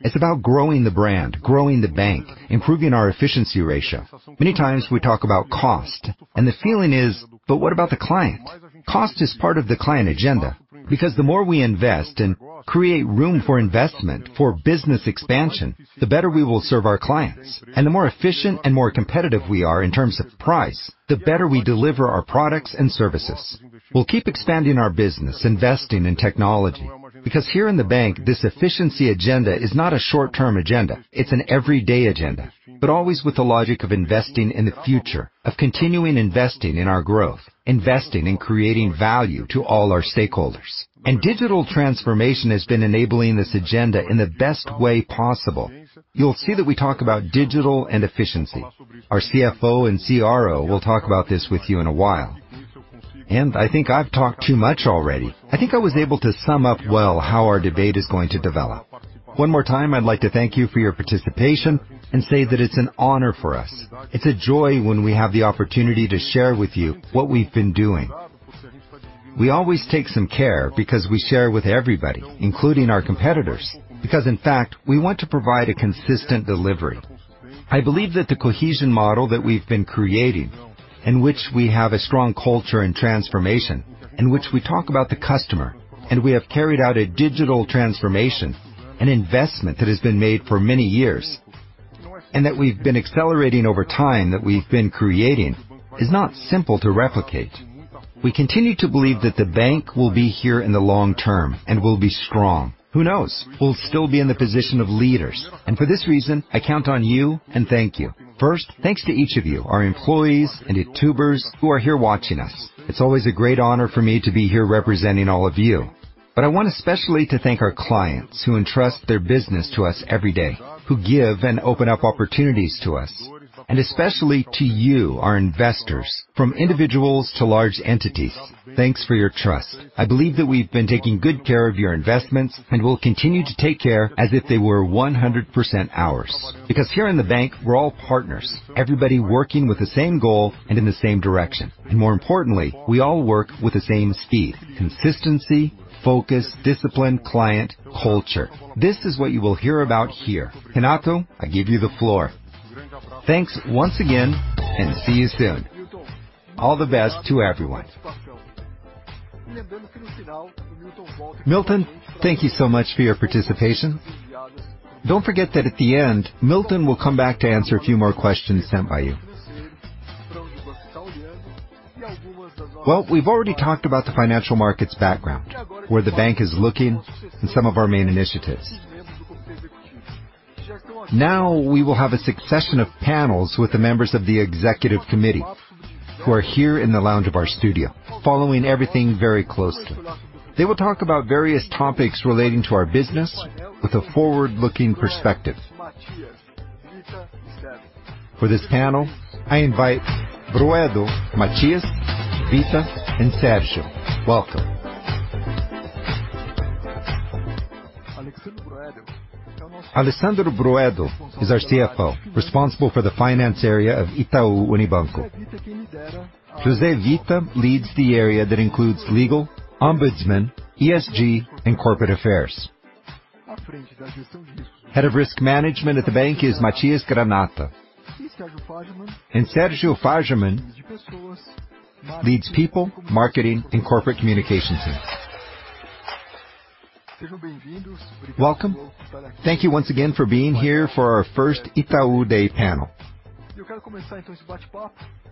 It's about growing the brand, growing the bank, improving our efficiency ratio. Many times we talk about cost. What about the client? Cost is part of the client agenda, because the more we invest and create room for investment, for business expansion, the better we will serve our clients. The more efficient and more competitive we are in terms of price, the better we deliver our products and services. We'll keep expanding our business, investing in technology, because here in the bank, this efficiency agenda is not a short-term agenda, it's an everyday agenda, but always with the logic of investing in the future, of continuing investing in our growth, investing and creating value to all our stakeholders. Digital transformation has been enabling this agenda in the best way possible. You'll see that we talk about digital and efficiency. Our CFO and CRO will talk about this with you in a while. I think I've talked too much already. I think I was able to sum up well how our debate is going to develop. One more time, I'd like to thank you for your participation and say that it's an honor for us. It's a joy when we have the opportunity to share with you what we've been doing. We always take some care because we share with everybody, including our competitors, because, in fact, we want to provide a consistent delivery. I believe that the cohesion model that we've been creating, in which we have a strong culture and transformation, in which we talk about the customer, and we have carried out a digital transformation, an investment that has been made for many years, and that we've been accelerating over time that we've been creating, is not simple to replicate. We continue to believe that the bank will be here in the long term and will be strong. Who knows? We'll still be in the position of leaders. For this reason, I count on you. Thank you. First, thanks to each of you, our employees and Itubers who are here watching us. It's always a great honor for me to be here representing all of you. I want, especially, to thank our clients who entrust their business to us every day, who give and open up opportunities to us. Especially to you, our investors, from individuals to large entities. Thanks for your trust. I believe that we've been taking good care of your investments. We'll continue to take care as if they were 100% ours. Here in the bank, we're all partners, everybody working with the same goal and in the same direction, and more importantly, we all work with the same speed, consistency, focus, discipline, client, culture. This is what you will hear about here. Renato, I give you the floor. Thanks once again, and see you soon. All the best to everyone. Milton, thank you so much for your participation. Don't forget that at the end, Milton will come back to answer a few more questions sent by you. Well, we've already talked about the financial markets background, where the bank is looking and some of our main initiatives. Now, we will have a succession of panels with the members of the executive committee, who are here in the lounge of our studio, following everything very closely. They will talk about various topics relating to our business with a forward-looking perspective. For this panel, I invite Broedo, Matias, José Vita, and Sérgio. Welcome. Alexsandro Broedel is our CFO, responsible for the finance area of Itaú Unibanco. José Vita leads the area that includes legal, ombudsman, ESG, and corporate affairs. Head of Risk Management at the bank is Matias Granata, Sérgio Fajerman leads people, marketing, and corporate communications. Welcome. Thank you once again for being here for our first Itaú Day panel.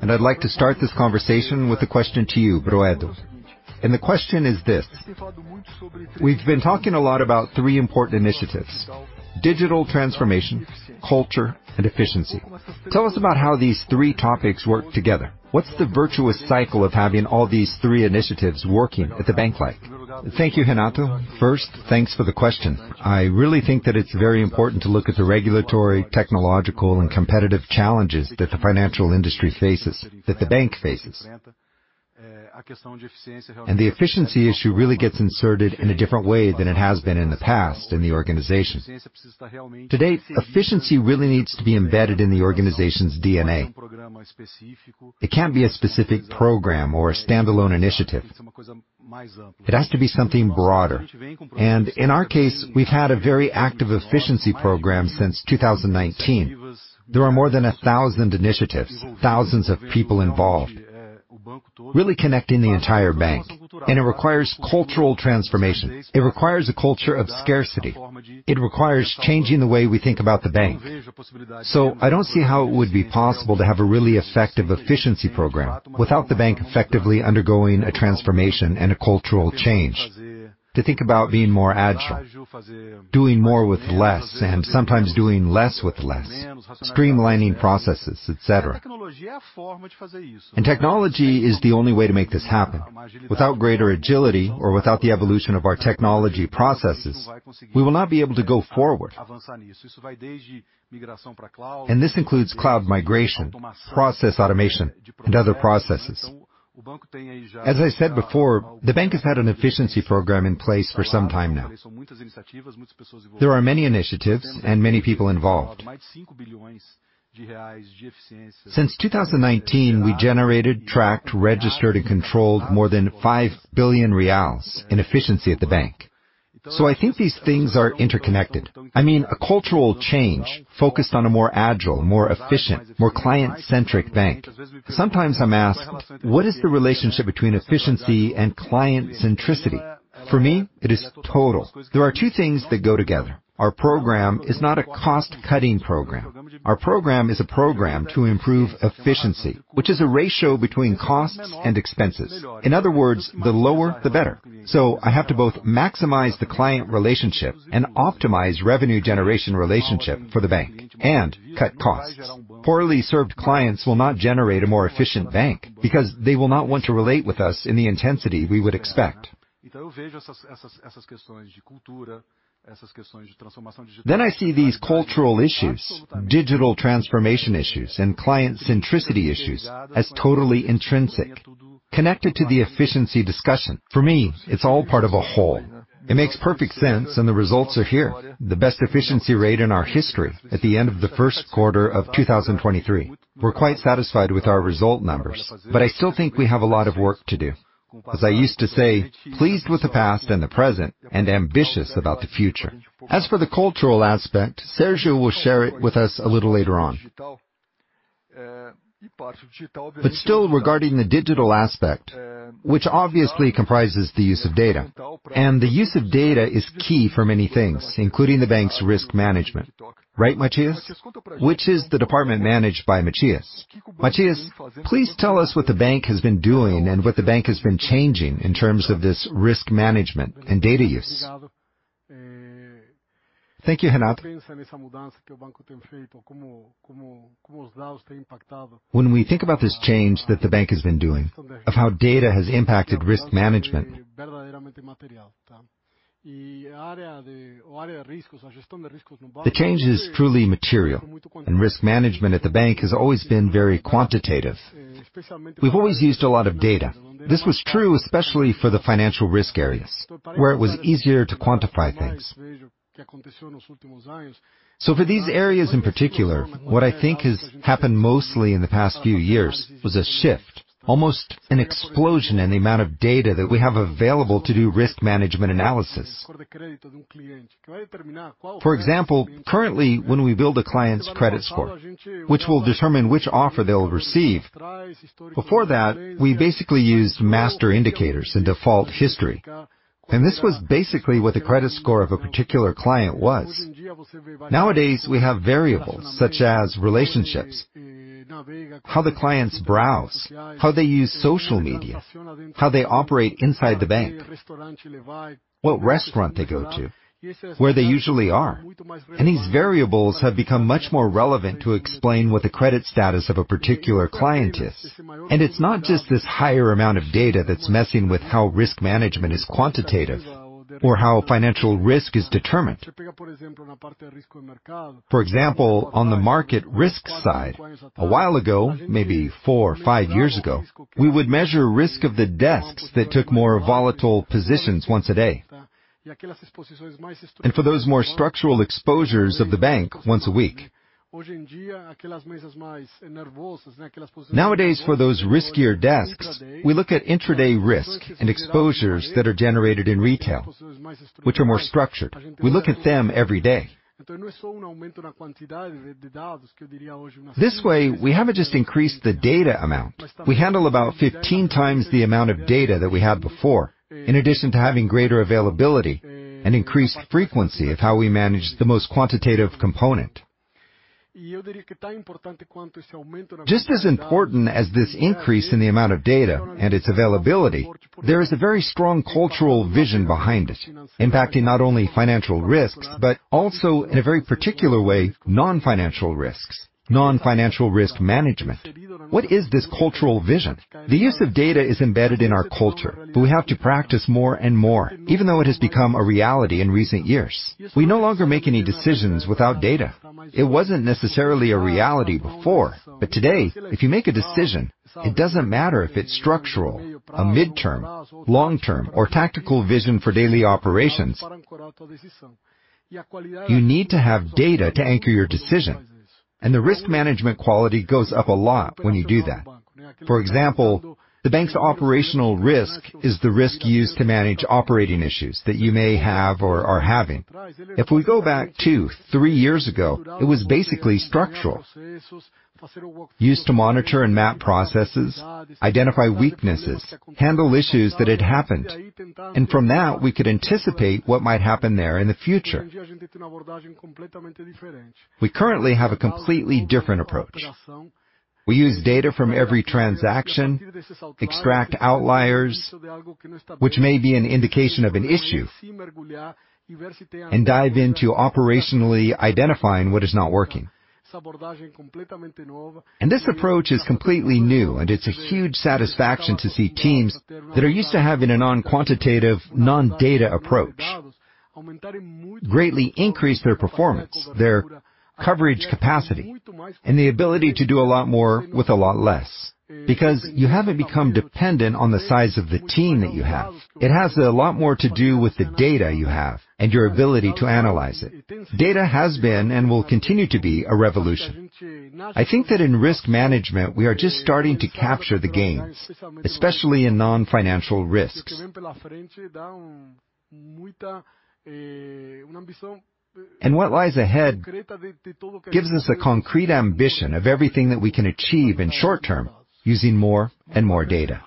I'd like to start this conversation with a question to you, Broedo. The question is this: We've been talking a lot about three important initiatives: digital transformation, culture, and efficiency. Tell us about how these three topics work together. What's the virtuous cycle of having all these three initiatives working at the bank like?
Thank you, Renato. First, thanks for the question. I really think that it's very important to look at the regulatory, technological, and competitive challenges that the financial industry faces, that the bank faces. The efficiency issue really gets inserted in a different way than it has been in the past in the organization. To date, efficiency really needs to be embedded in the organization's DNA. It can't be a specific program or a standalone initiative. It has to be something broader. In our case, we've had a very active efficiency program since 2019. There are more than 1,000 initiatives, thousands of people involved, really connecting the entire bank. It requires cultural transformation. It requires a culture of scarcity. It requires changing the way we think about the bank. I don't see how it would be possible to have a really effective efficiency program without the bank effectively undergoing a transformation and a cultural change to think about being more agile, doing more with less, and sometimes doing less with less, streamlining processes, et cetera. Technology is the only way to make this happen. Without greater agility or without the evolution of our technology processes, we will not be able to go forward. This includes cloud migration, process automation, and other processes. As I said before, the bank has had an efficiency program in place for some time now. There are many initiatives and many people involved. Since 2019, we generated, tracked, registered, and controlled more than 5 billion reais in efficiency at the bank. I think these things are interconnected. I mean, a cultural change focused on a more agile, more efficient, more client-centric bank. Sometimes I'm asked: What is the relationship between efficiency and client centricity? For me, it is total. There are two things that go together. Our program is not a cost-cutting program. Our program is a program to improve efficiency, which is a ratio between costs and expenses. In other words, the lower, the better. I have to both maximize the client relationship and optimize revenue generation relationship for the bank, and cut costs. Poorly served clients will not generate a more efficient bank, because they will not want to relate with us in the intensity we would expect. I see these cultural issues, digital transformation issues, and client centricity issues as totally intrinsic, connected to the efficiency discussion. For me, it's all part of a whole.
It makes perfect sense, and the results are here. The best efficiency rate in our history at the end of the 1st quarter of 2023. We're quite satisfied with our result numbers, but I still think we have a lot of work to do. As I used to say, "Pleased with the past and the present, and ambitious about the future." As for the cultural aspect, Sérgio will share it with us a little later on. Regarding the digital aspect, which obviously comprises the use of data, and the use of data is key for many things, including the bank's risk management. Right, Matias? Which is the department managed by Matias. Matias, please tell us what the bank has been doing and what the bank has been changing in terms of this risk management and data use.
Thank you, Renato. We think about this change that the bank has been doing, of how data has impacted risk management, the change is truly material. Risk management at the bank has always been very quantitative. We've always used a lot of data. This was true, especially for the financial risk areas, where it was easier to quantify things. For these areas in particular, what I think has happened mostly in the past few years was a shift, almost an explosion in the amount of data that we have available to do risk management analysis. For example, currently, when we build a client's credit score, which will determine which offer they'll receive, before that, we basically used master indicators and default history. This was basically what the credit score of a particular client was. Nowadays, we have variables such as relationships, how the clients browse, how they use social media, how they operate inside the bank, what restaurant they go to, where they usually are, these variables have become much more relevant to explain what the credit status of a particular client is. It's not just this higher amount of data that's messing with how risk management is quantitative or how financial risk is determined. For example, on the market risk side, a while ago, maybe 4 or 5 years ago, we would measure risk of the desks that took more volatile positions once a day. For those more structural exposures of the bank, once a week. Nowadays, for those riskier desks, we look at intraday risk and exposures that are generated in retail, which are more structured. We look at them every day. This way, we haven't just increased the data amount. We handle about 15 times the amount of data that we had before, in addition to having greater availability and increased frequency of how we manage the most quantitative component. Just as important as this increase in the amount of data and its availability, there is a very strong cultural vision behind it, impacting not only financial risks, but also, in a very particular way, non-financial risks, non-financial risk management. What is this cultural vision? The use of data is embedded in our culture, but we have to practice more and more, even though it has become a reality in recent years. We no longer make any decisions without data. It wasn't necessarily a reality before, but today, if you make a decision, it doesn't matter if it's structural, a midterm, long-term, or tactical vision for daily operations, you need to have data to anchor your decision, and the risk management quality goes up a lot when you do that. For example, the bank's operational risk is the risk used to manage operating issues that you may have or are having. If we go back two, three years ago, it was basically structural, used to monitor and map processes, identify weaknesses, handle issues that had happened, and from that, we could anticipate what might happen there in the future. We currently have a completely different approach. We use data from every transaction, extract outliers, which may be an indication of an issue, and dive into operationally identifying what is not working. This approach is completely new, and it's a huge satisfaction to see teams that are used to having a non-quantitative, non-data approach, greatly increase their performance, their coverage capacity, and the ability to do a lot more with a lot less. You haven't become dependent on the size of the team that you have. It has a lot more to do with the data you have and your ability to analyze it. Data has been and will continue to be a revolution. I think that in risk management, we are just starting to capture the game, especially in non-financial risks. What lies ahead gives us a concrete ambition of everything that we can achieve in short term, using more and more data.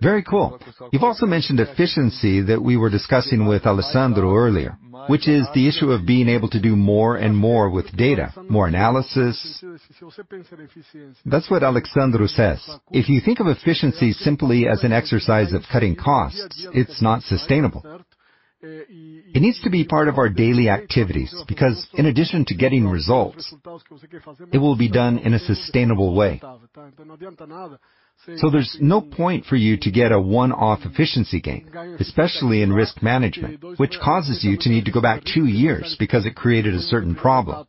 ery cool. You've also mentioned efficiency that we were discussing with Alexsandro earlier, which is the issue of being able to do more and more with data, more analysis. That's what Alexsandro says. If you think of efficiency simply as an exercise of cutting costs, it's not sustainable. It needs to be part of our daily activities, because in addition to getting results, it will be done in a sustainable way. There's no point for you to get a one-off efficiency gain, especially in risk management, which causes you to need to go back two years because it created a certain problem.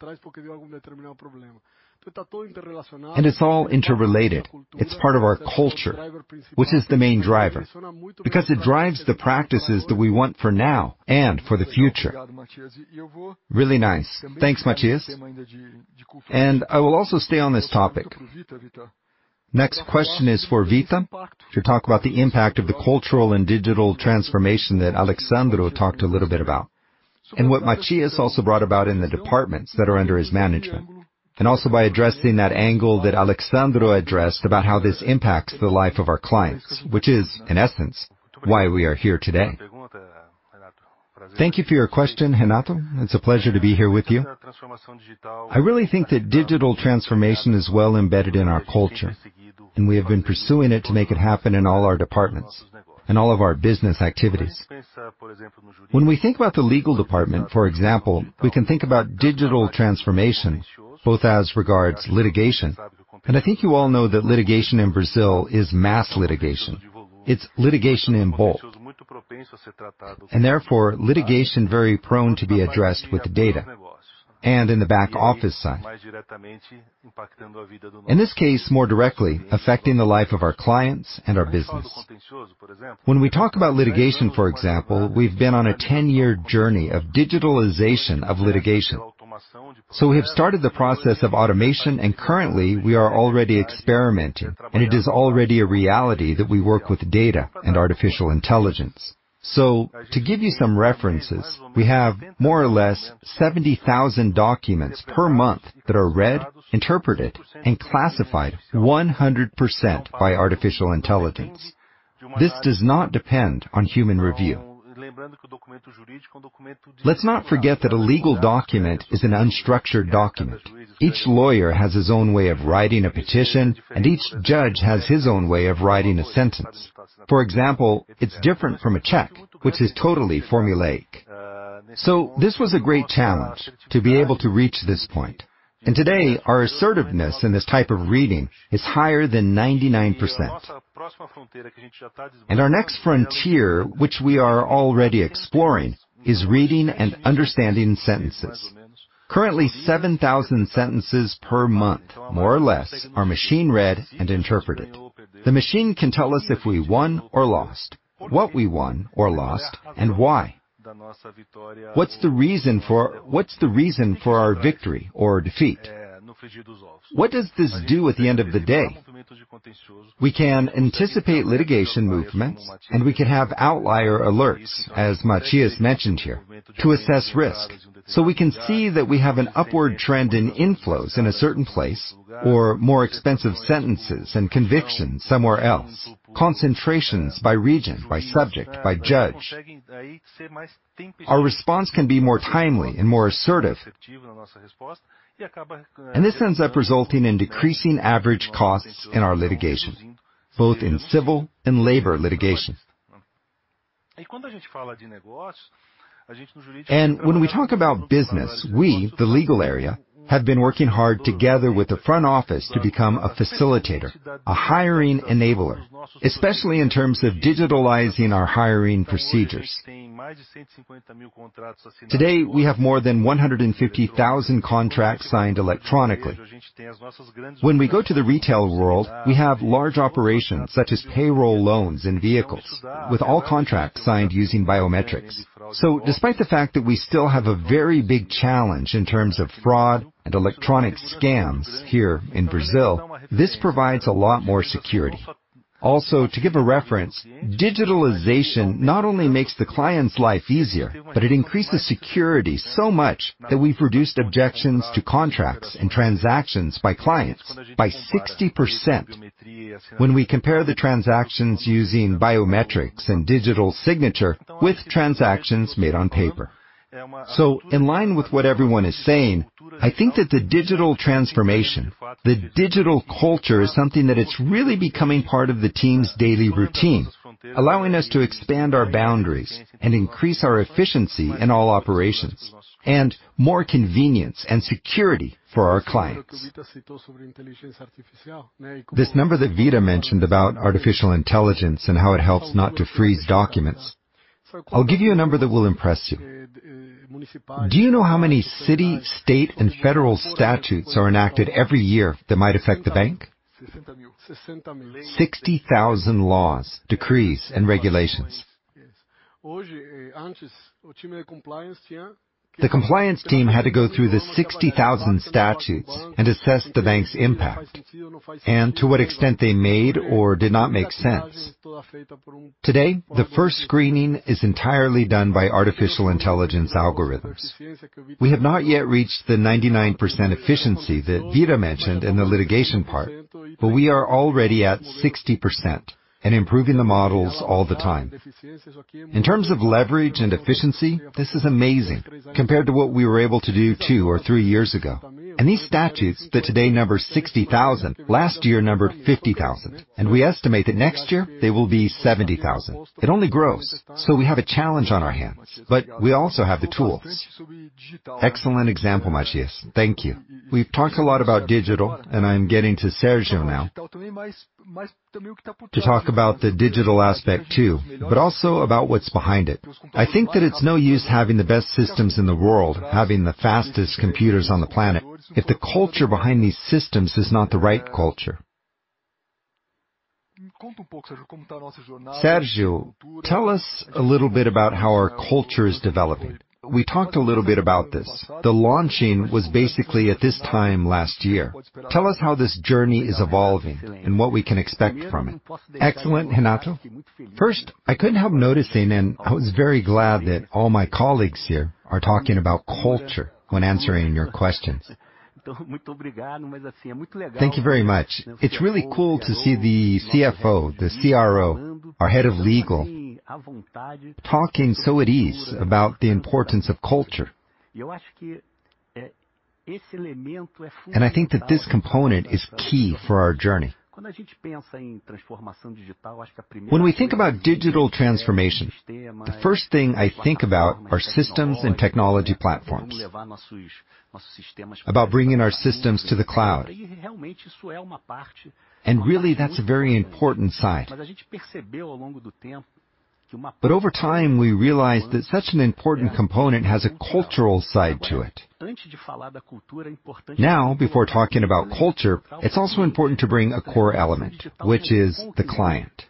It's all interrelated. It's part of our culture, which is the main driver, because it drives the practices that we want for now and for the future. Really nice. Thanks, Matias. I will also stay on this topic. Next question is for Vita, to talk about the impact of the cultural and digital transformation that Alexsandro talked a little bit about, and what Matias also brought about in the departments that are under his management, and also by addressing that angle that Alexsandro addressed about how this impacts the life of our clients, which is, in essence, why we are here today.
Thank you for your question, Renato. It's a pleasure to be here with you. We have been pursuing it to make it happen in all our departments and all of our business activities. When we think about the legal department, for example, we can think about digital transformation, both as regards litigation. I think you all know that litigation in Brazil is mass litigation. It's litigation in bulk, and therefore, litigation very prone to be addressed with data and in the back office side. In this case, more directly affecting the life of our clients and our business. When we talk about litigation, for example, we've been on a 10-year journey of digitalization of litigation. We have started the process of automation, and currently, we are already experimenting, and it is already a reality that we work with data and artificial intelligence. To give you some references, we have more or less 70,000 documents per month that are read, interpreted, and classified 100% by artificial intelligence. This does not depend on human review. Let's not forget that a legal document is an unstructured document. Each lawyer has his own way of writing a petition, and each judge has his own way of writing a sentence. For example, it's different from a check, which is totally formulaic. This was a great challenge to be able to reach this point, today, our assertiveness in this type of reading is higher than 99%. Our next frontier, which we are already exploring, is reading and understanding sentences. Currently, 7,000 sentences per month, more or less, are machine-read and interpreted. The machine can tell us if we won or lost, what we won or lost, and why. What's the reason for our victory or defeat? What does this do at the end of the day? We can anticipate litigation movements, we can have outlier alerts, as Matias mentioned here, to assess risk. We can see that we have an upward trend in inflows in a certain place or more expensive sentences and convictions somewhere else, concentrations by region, by subject, by judge. Our response can be more timely and more assertive, and this ends up resulting in decreasing average costs in our litigation, both in civil and labor litigation. When we talk about business, we, the legal area, have been working hard together with the front office to become a facilitator, a hiring enabler, especially in terms of digitalizing our hiring procedures. Today, we have more than 150,000 contracts signed electronically. When we go to the retail world, we have large operations such as payroll, loans, and vehicles, with all contracts signed using biometrics. Despite the fact that we still have a very big challenge in terms of fraud and electronic scams here in Brazil, this provides a lot more security. Also, to give a reference, digitalization not only makes the client's life easier, but it increases security so much that we've reduced objections to contracts and transactions by clients by 60% when we compare the transactions using biometrics and digital signature with transactions made on paper. In line with what everyone is saying, I think that the digital transformation, the digital culture, is something that it's really becoming part of the team's daily routine, allowing us to expand our boundaries and increase our efficiency in all operations, and more convenience and security for our clients. This number that Vita mentioned about artificial intelligence and how it helps not to freeze documents, I'll give you a number that will impress you. Do you know how many city, state, and federal statutes are enacted every year that might affect the bank? 60,000 laws, decrees, and regulations. The compliance team had to go through the 60,000 statutes and assess the bank's impact, and to what extent they made or did not make sense. Today, the first screening is entirely done by artificial intelligence algorithms. We have not yet reached the 99% efficiency that Vita mentioned in the litigation part, but we are already at 60% and improving the models all the time. These statutes, that today number 60,000, last year numbered 50,000, and we estimate that next year, they will be 70,000. It only grows, so we have a challenge on our hands, but we also have the tools. Excellent example, Matias.
Thank you. We've talked a lot about digital. I'm getting to Sérgio now, to talk about the digital aspect, too, but also about what's behind it. I think that it's no use having the best systems in the world, having the fastest computers on the planet, if the culture behind these systems is not the right culture. Sérgio, tell us a little bit about how our culture is developing. We talked a little bit about this. The launching was basically at this time last year. Tell us how this journey is evolving and what we can expect from it.
Excellent, Renato. First, I couldn't help noticing. I was very glad that all my colleagues here are talking about culture when answering your questions. Thank you very much. It's really cool to see the CFO, the CRO, our Head of Legal, talking so at ease about the importance of culture. I think that this component is key for our journey. When we think about digital transformation, the first thing I think about are systems and technology platforms, about bringing our systems to the cloud. Really, that's a very important side. Over time, we realized that such an important component has a cultural side to it. Now, before talking about culture, it's also important to bring a core element, which is the client.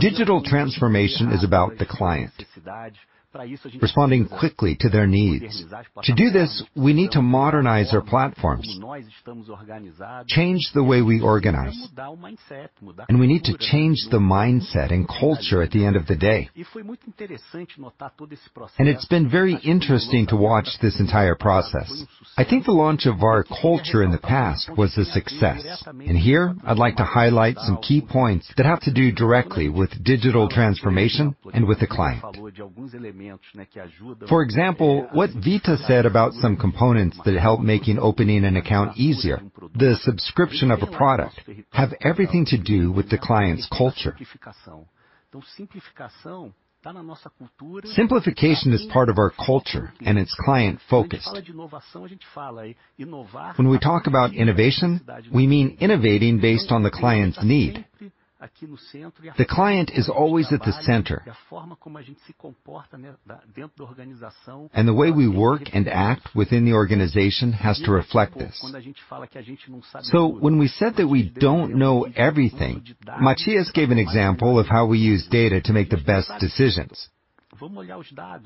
Digital transformation is about the client, responding quickly to their needs. To do this, we need to modernize our platforms, change the way we organize, and we need to change the mindset and culture at the end of the day. It's been very interesting to watch this entire process. I think the launch of our culture in the past was a success. Here, I'd like to highlight some key points that have to do directly with digital transformation and with the client. For example, what Vita said about some components that help making opening an account easier, the subscription of a product, have everything to do with the client's culture. Simplification is part of our culture. It's client-focused. When we talk about innovation, we mean innovating based on the client's need. The client is always at the center. The way we work and act within the organization has to reflect this. When we said that we don't know everything, Matias gave an example of how we use data to make the best decisions.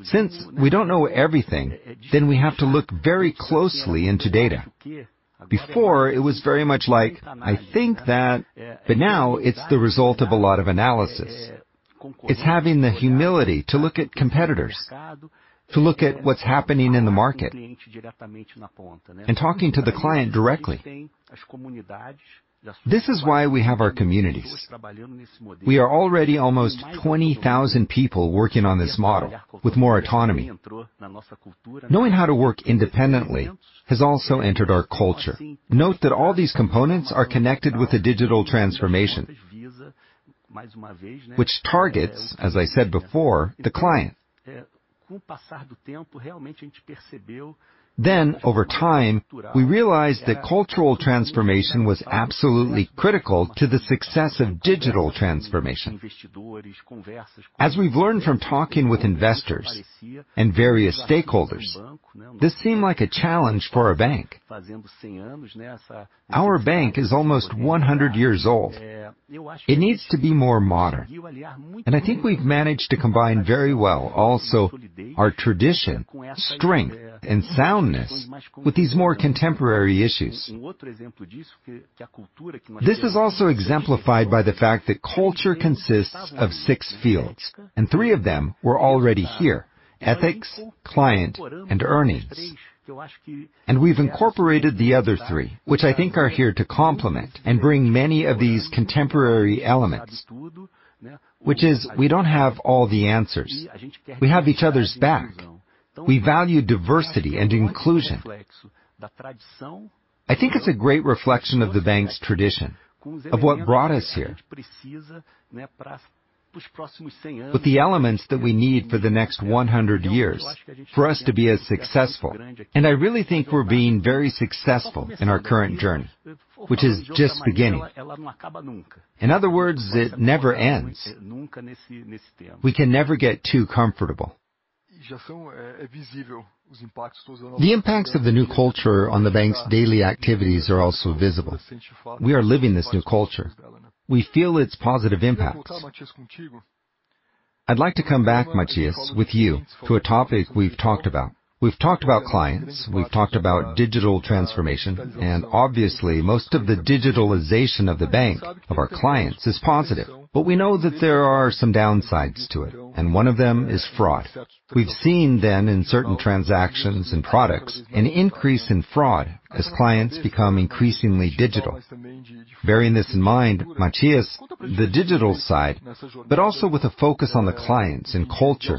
Since we don't know everything, we have to look very closely into data. Before, it was very much like, "I think that..." now it's the result of a lot of analysis. It's having the humility to look at competitors, to look at what's happening in the market, and talking to the client directly. This is why we have our communities. We are already almost 20,000 people working on this model with more autonomy. Knowing how to work independently has also entered our culture. Note that all these components are connected with the digital transformation, which targets, as I said before, the client. Over time, we realized that cultural transformation was absolutely critical to the success of digital transformation. As we've learned from talking with investors and various stakeholders, this seemed like a challenge for our bank. Our bank is almost 100 years old. It needs to be more modern, and I think we've managed to combine very well also our tradition, strength, and soundness with these more contemporary issues. This is also exemplified by the fact that culture consists of six fields, and three of them were already here: ethics, client, and earnings. We've incorporated the other three, which I think are here to complement and bring many of these contemporary elements, which is we don't have all the answers. We have each other's back. We value diversity and inclusion. I think it's a great reflection of the bank's tradition, of what brought us here. With the elements that we need for the next 100 years, for us to be as successful, and I really think we're being very successful in our current journey, which is just beginning. In other words, it never ends. We can never get too comfortable. The impacts of the new culture on the bank's daily activities are also visible. We are living this new culture. We feel its positive impacts. I'd like to come back, Matias, with you, to a topic we've talked about. We've talked about clients, we've talked about digital transformation. Obviously, most of the digitalization of the bank, of our clients, is positive. We know that there are some downsides to it, and one of them is fraud. We've seen then, in certain transactions and products, an increase in fraud as clients become increasingly digital. Bearing this in mind, Matias, the digital side, but also with a focus on the clients and culture,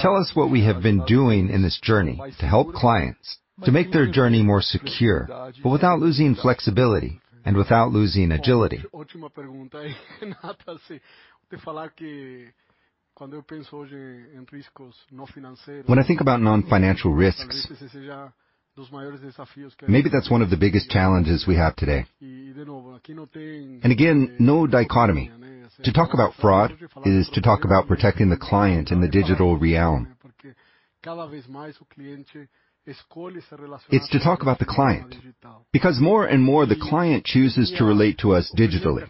tell us what we have been doing in this journey to help clients to make their journey more secure, but without losing flexibility and without losing agility. When I think about non-financial risks, maybe that's one of the biggest challenges we have today. Again, no dichotomy. To talk about fraud is to talk about protecting the client in the digital realm. It's to talk about the client, because more and more, the client chooses to relate to us digitally.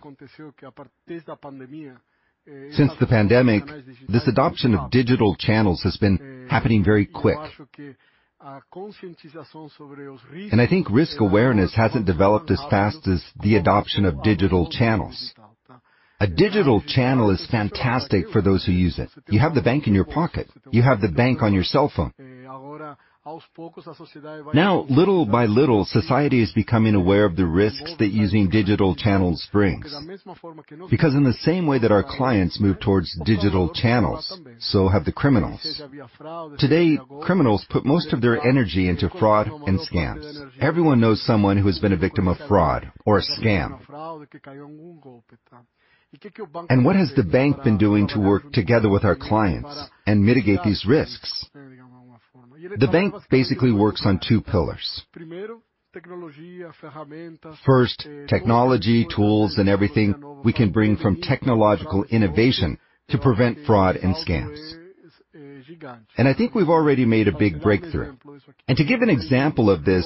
Since the pandemic, this adoption of digital channels has been happening very quick. I think risk awareness hasn't developed as fast as the adoption of digital channels. A digital channel is fantastic for those who use it. You have the bank in your pocket, you have the bank on your cell phone. Now, little by little, society is becoming aware of the risks that using digital channels brings, because in the same way that our clients move towards digital channels, so have the criminals. Today, criminals put most of their energy into fraud and scams. Everyone knows someone who has been a victim of fraud or a scam. What has the bank been doing to work together with our clients and mitigate these risks? The bank basically works on 2 pillars. First, technology, tools, and everything we can bring from technological innovation to prevent fraud and scams. I think we've already made a big breakthrough. To give an example of this,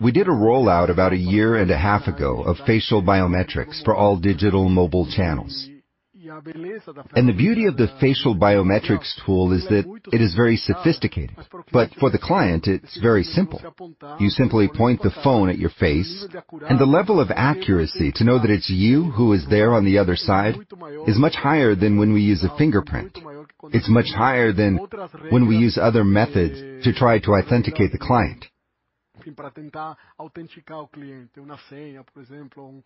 we did a rollout about 1.5 years ago of facial biometrics for all digital mobile channels. The beauty of the facial biometrics tool is that it is very sophisticated, but for the client, it's very simple. You simply point the phone at your face, and the level of accuracy to know that it's you who is there on the other side, is much higher than when we use a fingerprint. It's much higher than when we use other methods to try to authenticate the client,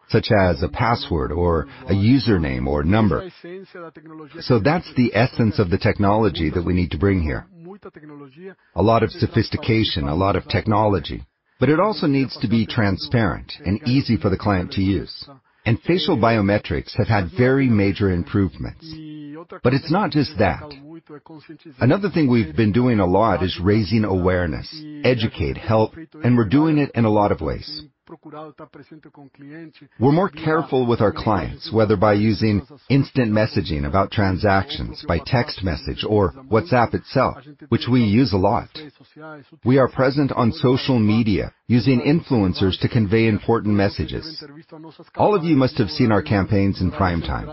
such as a password or a username or number. That's the essence of the technology that we need to bring here. A lot of sophistication, a lot of technology, but it also needs to be transparent and easy for the client to use. Facial biometrics have had very major improvements, but it's not just that. Another thing we've been doing a lot is raising awareness, educate, help, and we're doing it in a lot of ways. We're more careful with our clients, whether by using instant messaging about transactions, by text message or WhatsApp itself, which we use a lot. We are present on social media, using influencers to convey important messages. All of you must have seen our campaigns in prime time,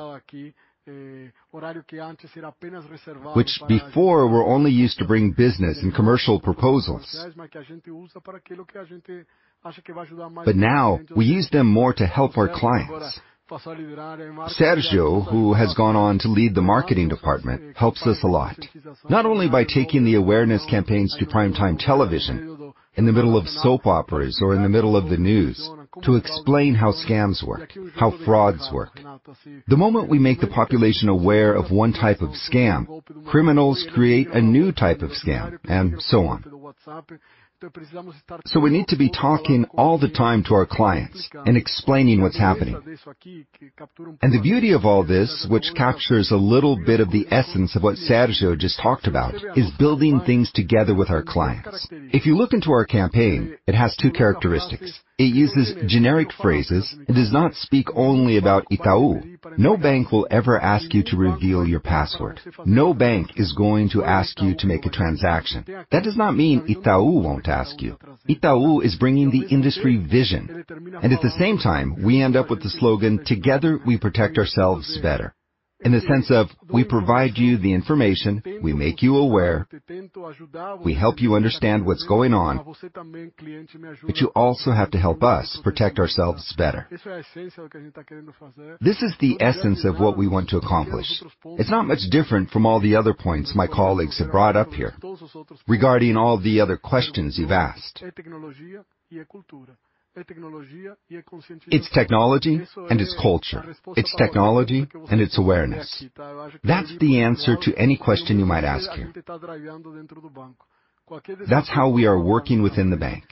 which before were only used to bring business and commercial proposals. Now, we use them more to help our clients. Sérgio, who has gone on to lead the marketing department, helps us a lot, not only by taking the awareness campaigns to prime time television, in the middle of soap operas or in the middle of the news, to explain how scams work, how frauds work. The moment we make the population aware of one type of scam, criminals create a new type of scam, and so on. We need to be talking all the time to our clients and explaining what's happening. The beauty of all this, which captures a little bit of the essence of what Sérgio just talked about, is building things together with our clients. If you look into our campaign, it has two characteristics: It uses generic phrases, it does not speak only about Itaú. "No bank will ever ask you to reveal your password. No bank is going to ask you to make a transaction." That does not mean Itaú won't ask you. Itaú is bringing the industry vision, and at the same time, we end up with the slogan: "Together, we protect ourselves better," in the sense of we provide you the information, we make you aware, we help you understand what's going on, but you also have to help us protect ourselves better. This is the essence of what we want to accomplish. It's not much different from all the other points my colleagues have brought up here regarding all the other questions you've asked. It's technology and it's culture, it's technology and it's awareness.
That's the answer to any question you might ask here. That's how we are working within the bank.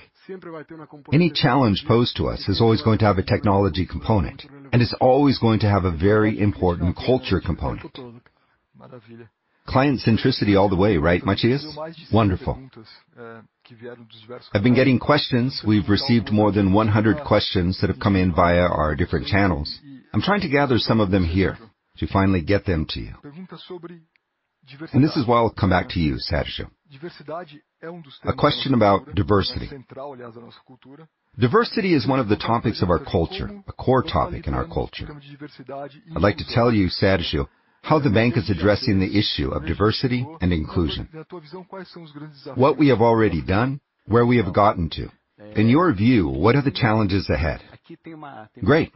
Any challenge posed to us is always going to have a technology component, and is always going to have a very important culture component. Client centricity all the way, right, Matias?
Wonderful. I've been getting questions. We've received more than 100 questions that have come in via our different channels. I'm trying to gather some of them here to finally get them to you. This is why I'll come back to you, Sérgio. A question about diversity. Diversity is one of the topics of our culture, a core topic in our culture. I'd like to tell you, Sérgio, how the bank is addressing the issue of diversity and inclusion. What we have already done, where we have gotten to. In your view, what are the challenges ahead? Great!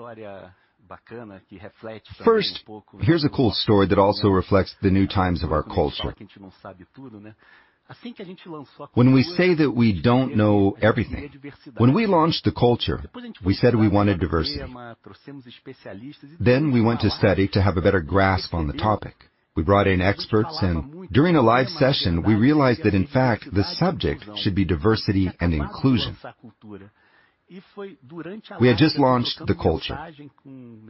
First, here's a cool story that also reflects the new times of our culture. When we say that we don't know everything, when we launched the culture, we said we wanted diversity. We went to study to have a better grasp on the topic. We brought in experts, during a live session, we realized that, in fact, the subject should be diversity and inclusion. We had just launched the culture.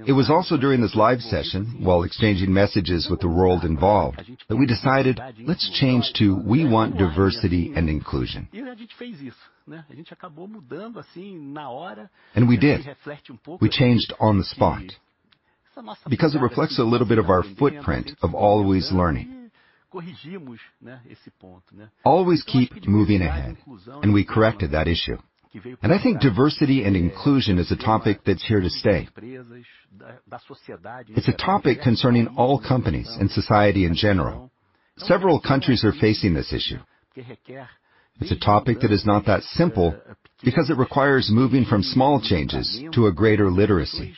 It was also during this live session, while exchanging messages with the world involved, that we decided, "Let's change to, we want diversity and inclusion." We did. We changed on the spot because it reflects a little bit of our footprint of always learning. Always keep moving ahead, we corrected that issue. I think diversity and inclusion is a topic that's here to stay. It's a topic concerning all companies and society in general. Several countries are facing this issue. It's a topic that is not that simple because it requires moving from small changes to a greater literacy.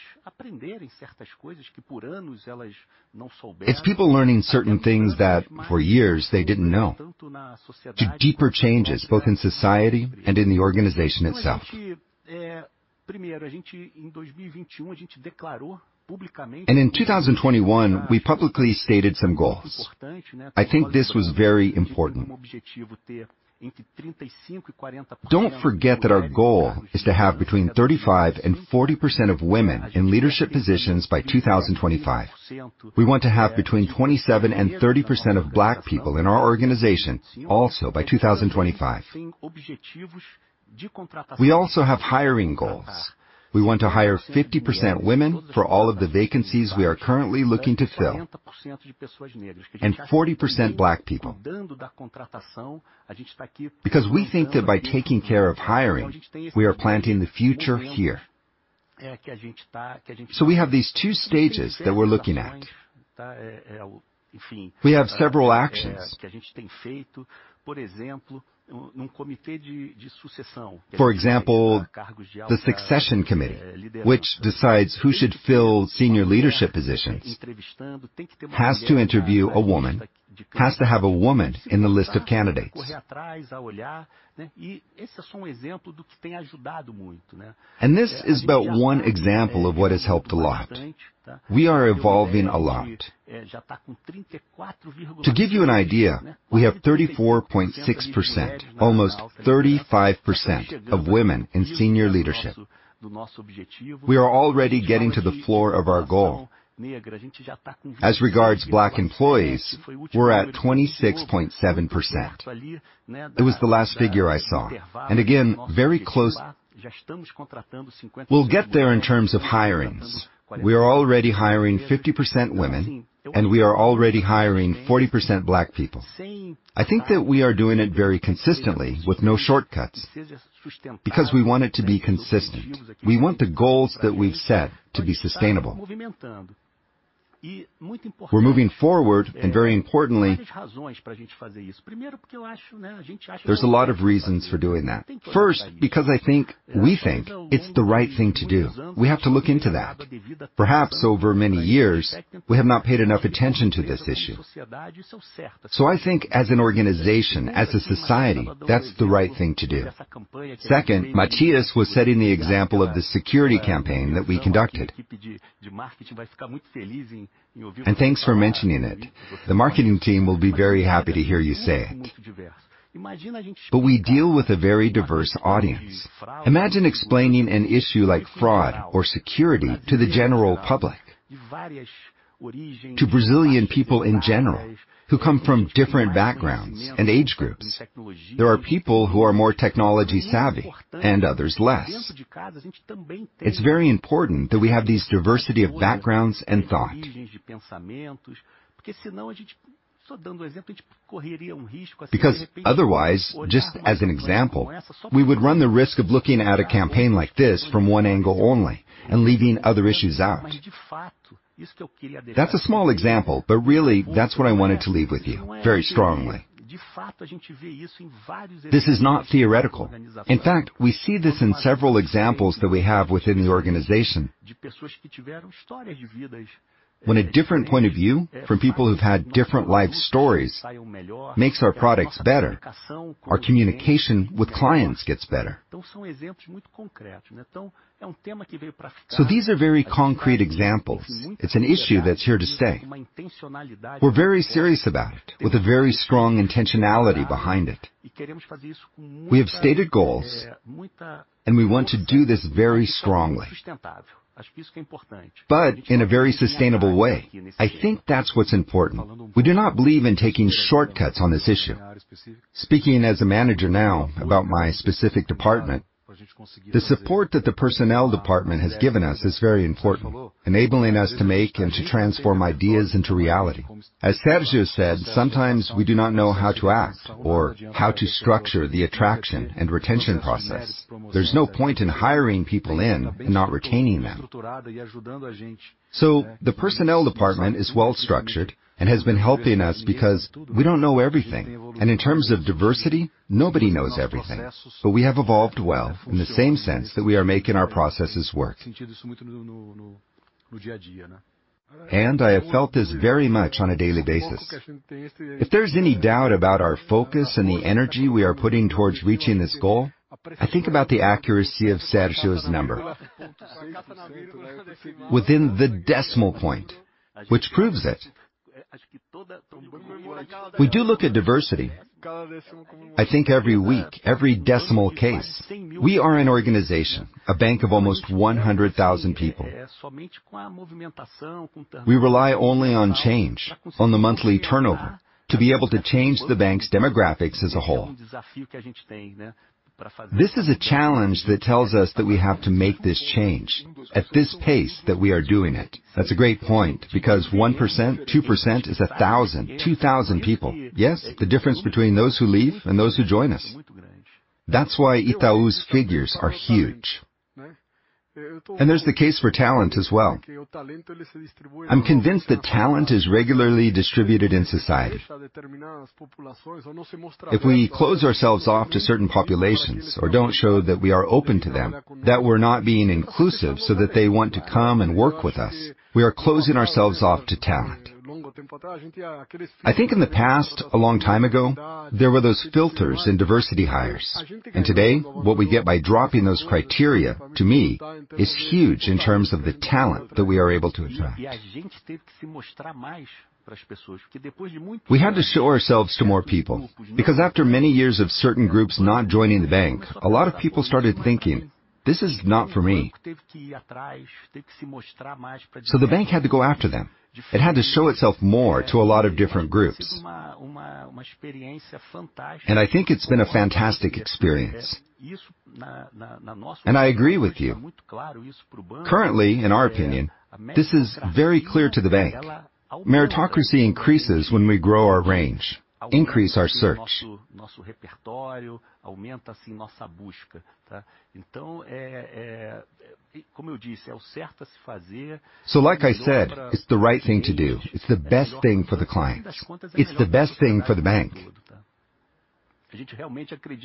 It's people learning certain things that for years they didn't know, to deeper changes both in society and in the organization itself. In 2021, we publicly stated some goals. I think this was very important. Don't forget that our goal is to have between 35%-40% of women in leadership positions by 2025. We want to have between 27%-30% of Black people in our organization, also by 2025. We also have hiring goals. We want to hire 50% women for all of the vacancies we are currently looking to fill, and 40% Black people. We think that by taking care of hiring, we are planting the future here. We have these two stages that we're looking at. We have several actions. For example, the succession committee, which decides who should fill senior leadership positions, has to interview a woman, has to have a woman in the list of candidates. This is but one example of what has helped a lot. We are evolving a lot. To give you an idea, we have 34.6%, almost 35% of women in senior leadership. We are already getting to the floor of our goal. As regards Black employees, we're at 26.7%. It was the last figure I saw. We'll get there in terms of hirings. We are already hiring 50% women, and we are already hiring 40% Black people. I think that we are doing it very consistently with no shortcuts, because we want it to be consistent. We want the goals that we've set to be sustainable. We're moving forward. Very importantly, there's a lot of reasons for doing that. First, because I think, we think it's the right thing to do. We have to look into that. Perhaps over many years, we have not paid enough attention to this issue. I think as an organization, as a society, that's the right thing to do. Second, Matias was setting the example of the security campaign that we conducted. Thanks for mentioning it. The marketing team will be very happy to hear you say it. We deal with a very diverse audience. Imagine explaining an issue like fraud or security to the general public, to Brazilian people in general, who come from different backgrounds and age groups. There are people who are more technology savvy and others less. It's very important that we have these diversity of backgrounds and thought. Otherwise, just as an example, we would run the risk of looking at a campaign like this from one angle only and leaving other issues out. That's a small example, but really, that's what I wanted to leave with you very strongly. This is not theoretical. In fact, we see this in several examples that we have within the organization. When a different point of view from people who've had different life stories makes our products better, our communication with clients gets better. These are very concrete examples. It's an issue that's here to stay. We're very serious about it, with a very strong intentionality behind it. We have stated goals. We want to do this very strongly, but in a very sustainable way. I think that's what's important. We do not believe in taking shortcuts on this issue. Speaking as a manager now, about my specific department, the support that the personnel department has given us is very important, enabling us to make and to transform ideas into reality. As Sérgio said, sometimes we do not know how to act or how to structure the attraction and retention process. There's no point in hiring people in and not retaining them. The personnel department is well-structured and has been helping us because we don't know everything, and in terms of diversity, nobody knows everything. We have evolved well in the same sense that we are making our processes work. I have felt this very much on a daily basis. If there's any doubt about our focus and the energy we are putting towards reaching this goal, I think about the accuracy of Sérgio's number. Within the decimal point, which proves it. We do look at diversity, I think every week, every decimal case. We are an organization, a bank of almost 100,000 people. We rely only on change, on the monthly turnover, to be able to change the bank's demographics as a whole. This is a challenge that tells us that we have to make this change at this pace that we are doing it. That's a great point, because 1%, 2% is 1,000, 2,000 people. Yes, the difference between those who leave and those who join us. That's why Itaú's figures are huge. There's the case for talent as well. I'm convinced that talent is regularly distributed in society. If we close ourselves off to certain populations or don't show that we are open to them, that we're not being inclusive, so that they want to come and work with us, we are closing ourselves off to talent. I think in the past, a long time ago, there were those filters in diversity hires, and today, what we get by dropping those criteria, to me, is huge in terms of the talent that we are able to attract. We had to show ourselves to more people, because after many years of certain groups not joining the bank, a lot of people started thinking: This is not for me. The bank had to go after them, it had to show itself more to a lot of different groups. I think it's been a fantastic experience. I agree with you. Currently, in our opinion, this is very clear to the bank. Meritocracy increases when we grow our range, increase our search. Like I said, it's the right thing to do. It's the best thing for the client. It's the best thing for the bank.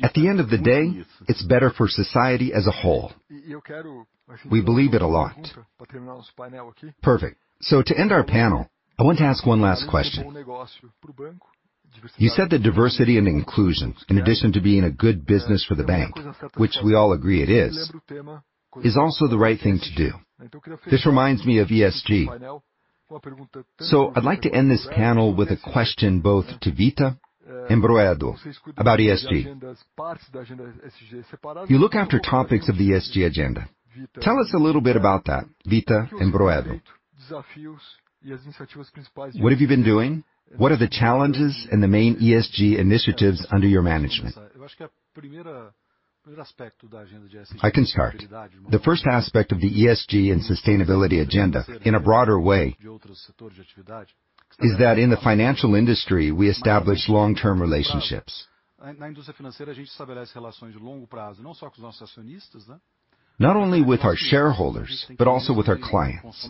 At the end of the day, it's better for society as a whole. We believe it a lot. Perfect.
To end our panel, I want to ask 1 last question. You said that diversity and inclusion, in addition to being a good business for the bank, which we all agree it is also the right thing to do. This reminds me of ESG. I'd like to end this panel with a question both to Rita and Broedel about ESG. You look after topics of the ESG agenda. Tell us a little bit about that, Rita and Broedel. What have you been doing? What are the challenges and the main ESG initiatives under your management? I can start. The first aspect of the ESG and sustainability agenda, in a broader way, is that in the financial industry, we establish long-term relationships. Not only with our shareholders, but also with our clients.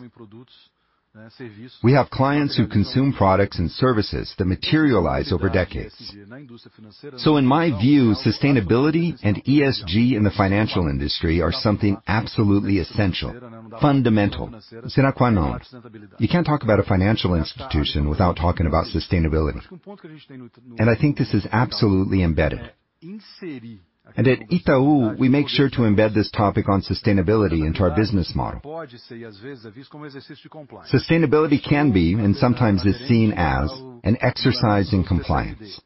We have clients who consume products and services that materialize over decades. In my view, sustainability and ESG in the financial industry are something absolutely essential, fundamental. Sine qua non. You can't talk about a financial institution without talking about sustainability, and I think this is absolutely embedded. At Itaú, we make sure to embed this topic on sustainability into our business model. Sustainability can be, and sometimes is seen as, an exercise in compliance.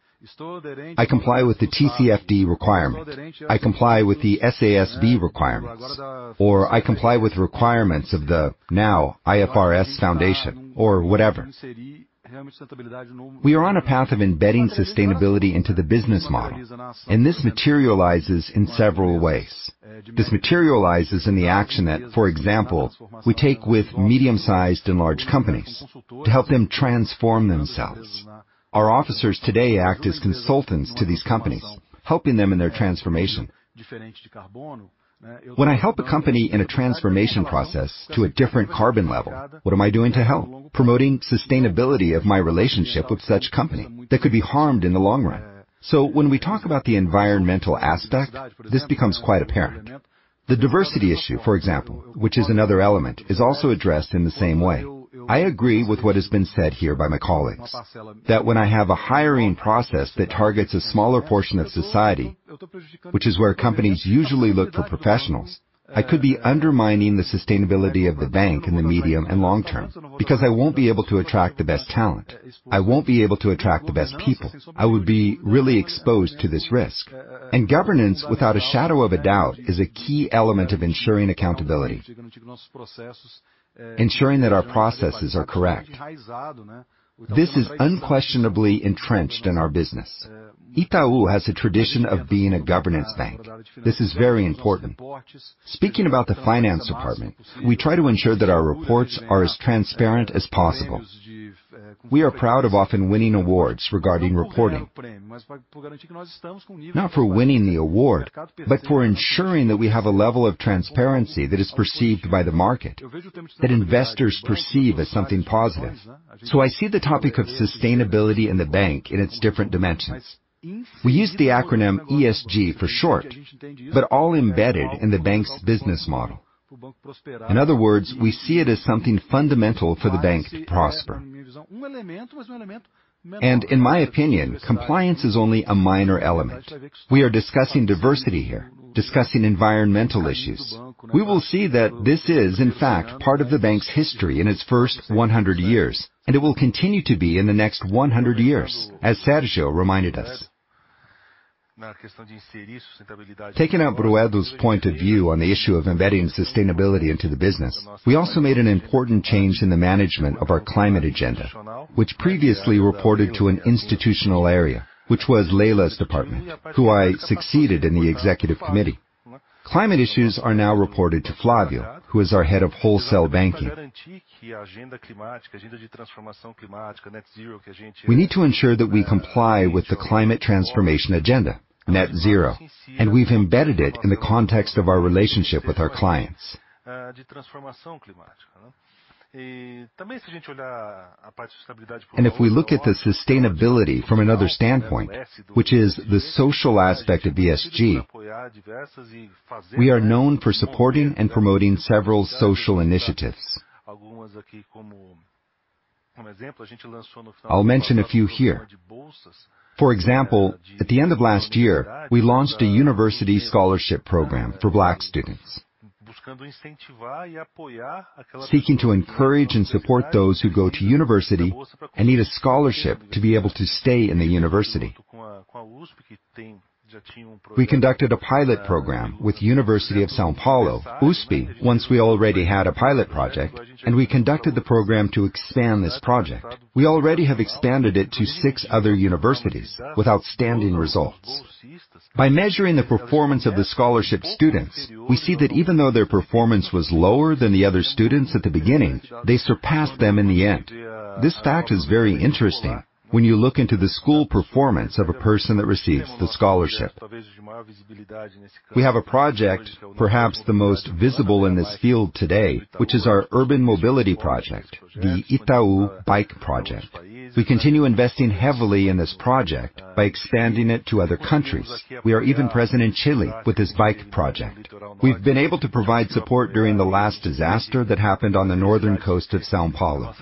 I comply with the TCFD requirement, I comply with the SASB requirements, or I comply with requirements of the now IFRS foundation or whatever. We are on a path of embedding sustainability into the business model, this materializes in several ways. This materializes in the action that, for example, we take with medium-sized and large companies to help them transform themselves. Our officers today act as consultants to these companies, helping them in their transformation. When I help a company in a transformation process to a different carbon level, what am I doing to help? Promoting sustainability of my relationship with such company that could be harmed in the long run. When we talk about the environmental aspect, this becomes quite apparent. The diversity issue, for example, which is another element, is also addressed in the same way. I agree with what has been said here by my colleagues, that when I have a hiring process that targets a smaller portion of society, which is where companies usually look for professionals, I could be undermining the sustainability of the bank in the medium and long term, because I won't be able to attract the best talent. I won't be able to attract the best people. I would be really exposed to this risk. Governance, without a shadow of a doubt, is a key element of ensuring accountability, ensuring that our processes are correct. This is unquestionably entrenched in our business. Itaú has a tradition of being a governance bank. This is very important. Speaking about the finance department, we try to ensure that our reports are as transparent as possible. We are proud of often winning awards regarding reporting. Not for winning the award, but for ensuring that we have a level of transparency that is perceived by the market, that investors perceive as something positive. I see the topic of sustainability in the bank in its different dimensions. We use the acronym ESG for short, but all embedded in the bank's business model. In other words, we see it as something fundamental for the bank to prosper. In my opinion, compliance is only a minor element. We are discussing diversity here, discussing environmental issues. We will see that this is, in fact, part of the bank's history in its first 100 years, and it will continue to be in the next 100 years, as Sérgio reminded us. Taking out Broedel's point of view on the issue of embedding sustainability into the business, we also made an important change in the management of our climate agenda, which previously reported to an institutional area, which was Leila's department, who I succeeded in the executive committee. Climate issues are now reported to Flávio, who is our head of wholesale banking. We need to ensure that we comply with the climate transformation agenda, net zero, and we've embedded it in the context of our relationship with our clients. If we look at the sustainability from another standpoint, which is the social aspect of ESG, we are known for supporting and promoting several social initiatives. I'll mention a few here: For example, at the end of last year, we launched a university scholarship program for Black students, seeking to encourage and support those who go to university and need a scholarship to be able to stay in the university. We conducted a pilot program with University of São Paulo, USP, once we already had a pilot project. We conducted the program to expand this project. We already have expanded it to six other universities with outstanding results. By measuring the performance of the scholarship students, we see that even though their performance was lower than the other students at the beginning, they surpassed them in the end. This fact is very interesting when you look into the school performance of a person that receives the scholarship. We have a project, perhaps the most visible in this field today, which is our urban mobility project, the Itaú Bike project. We continue investing heavily in this project by expanding it to other countries. We are even present in Chile with this bike project. We've been able to provide support during the last disaster that happened on the northern coast of São Paulo.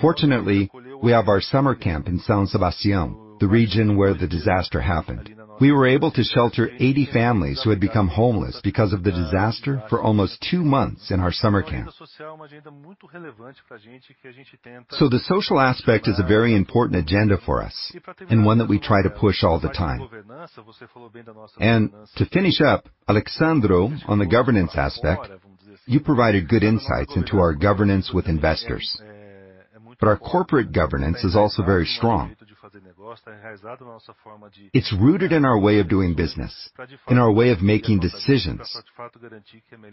Fortunately, we have our summer camp in São Sebastião, the region where the disaster happened. We were able to shelter 80 families who had become homeless because of the disaster for almost 2 months in our summer camp. The social aspect is a very important agenda for us and one that we try to push all the time. To finish up, Alexsandro, on the governance aspect, you provided good insights into our governance with investors, but our corporate governance is also very strong. It's rooted in our way of doing business, in our way of making decisions,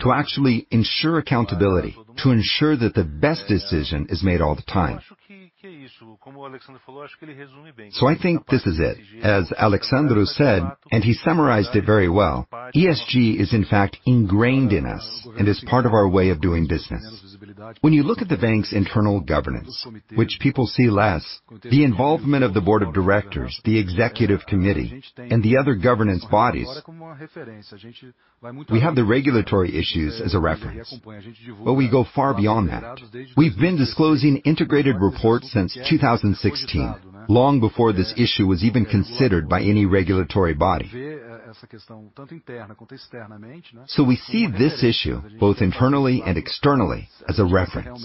to actually ensure accountability, to ensure that the best decision is made all the time. I think this is it. As Alexsandro said, and he summarized it very well, ESG is, in fact, ingrained in us and is part of our way of doing business. When you look at the bank's internal governance, which people see less, the involvement of the board of directors, the executive committee, and the other governance bodies, we have the regulatory issues as a reference, but we go far beyond that. We've been disclosing integrated reports since 2016, long before this issue was even considered by any regulatory body. We see this issue, both internally and externally, as a reference.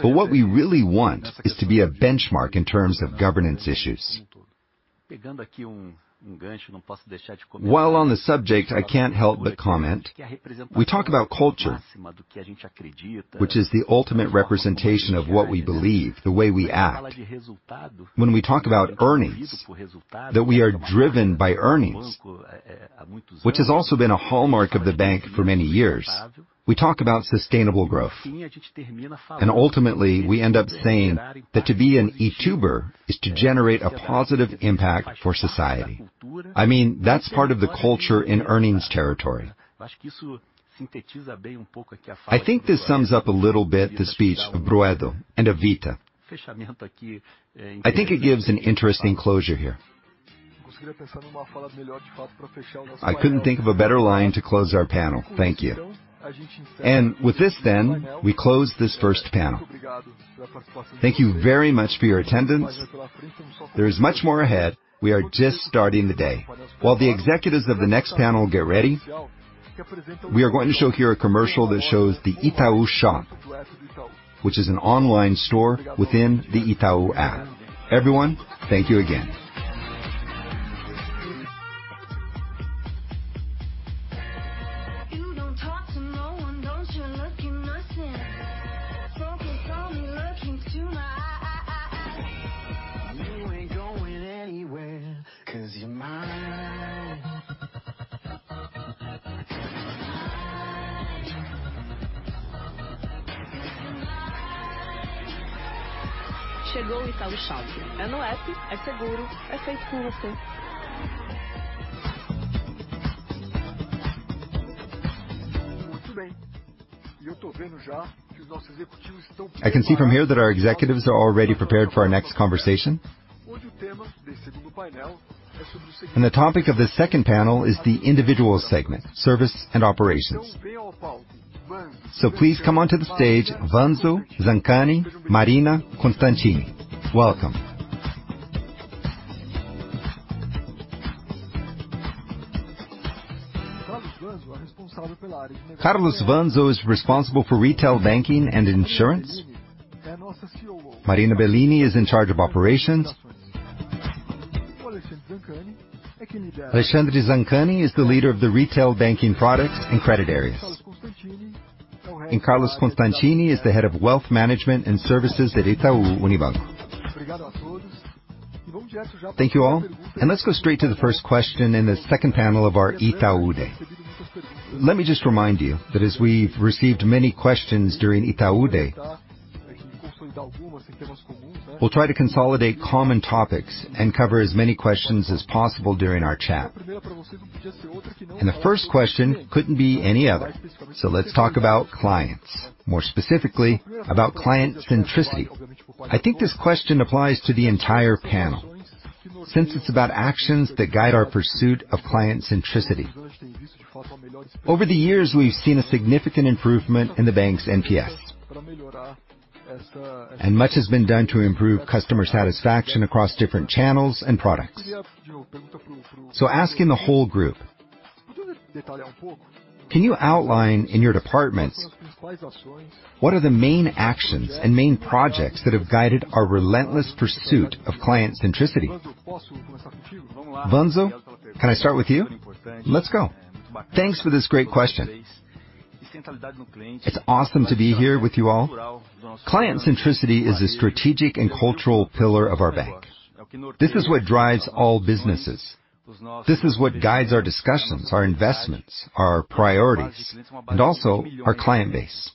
What we really want is to be a benchmark in terms of governance issues. While on the subject, I can't help but comment, we talk about culture, which is the ultimate representation of what we believe, the way we act. When we talk about earnings, that we are driven by earnings, which has also been a hallmark of the bank for many years, we talk about sustainable growth. Ultimately, we end up saying that to be an Ituber is to generate a positive impact for society. I mean, that's part of the culture in earnings territory. I think this sums up a little bit the speech of Broedel and of Rita. I think it gives an interesting closure here. I couldn't think of a better line to close our panel. Thank you. With this then, we close this first panel. Thank you very much for your attendance. There is much more ahead. We are just starting the day. While the executives of the next panel get ready, we are going to show here a commercial that shows the Itaú Shop, which is an online store within the Itaú app. Everyone, thank you again.
You don't talk to no one, don't you? Looking nothing. Focus on me, look into my eyes. You ain't going anywhere 'cause you're mine. 'Cause you're mine. 'Cause you're mine.
I can see from here that our executives are already prepared for our next conversation. The topic of the second panel is the individual segment, service and operations. Please come onto the stage, Vanzo, Zancani, Marina, Constantini. Welcome. Carlos Vanzo is responsible for retail banking and insurance. Marina Bellini is in charge of operations. Alexandre Zancani is the leader of the retail banking products and credit areas. Carlos Constantini is the head of wealth management and services at Itaú Unibanco. Thank you all, and let's go straight to the first question in the second panel of our Itaú Day. Let me just remind you that as we've received many questions during Itaú Day, we'll try to consolidate common topics and cover as many questions as possible during our chat. The first question couldn't be any other, so let's talk about clients, more specifically, about client centricity. I think this question applies to the entire panel, since it's about actions that guide our pursuit of client centricity. Over the years, we've seen a significant improvement in the bank's NPS, and much has been done to improve customer satisfaction across different channels and products. Asking the whole group, can you outline in your departments, what are the main actions and main projects that have guided our relentless pursuit of client centricity? Vanzo, can I start with you? Let's go. Thanks for this great question. It's awesome to be here with you all. Client centricity is a strategic and cultural pillar of our bank. This is what drives all businesses. This is what guides our discussions, our investments, our priorities, and also our client base,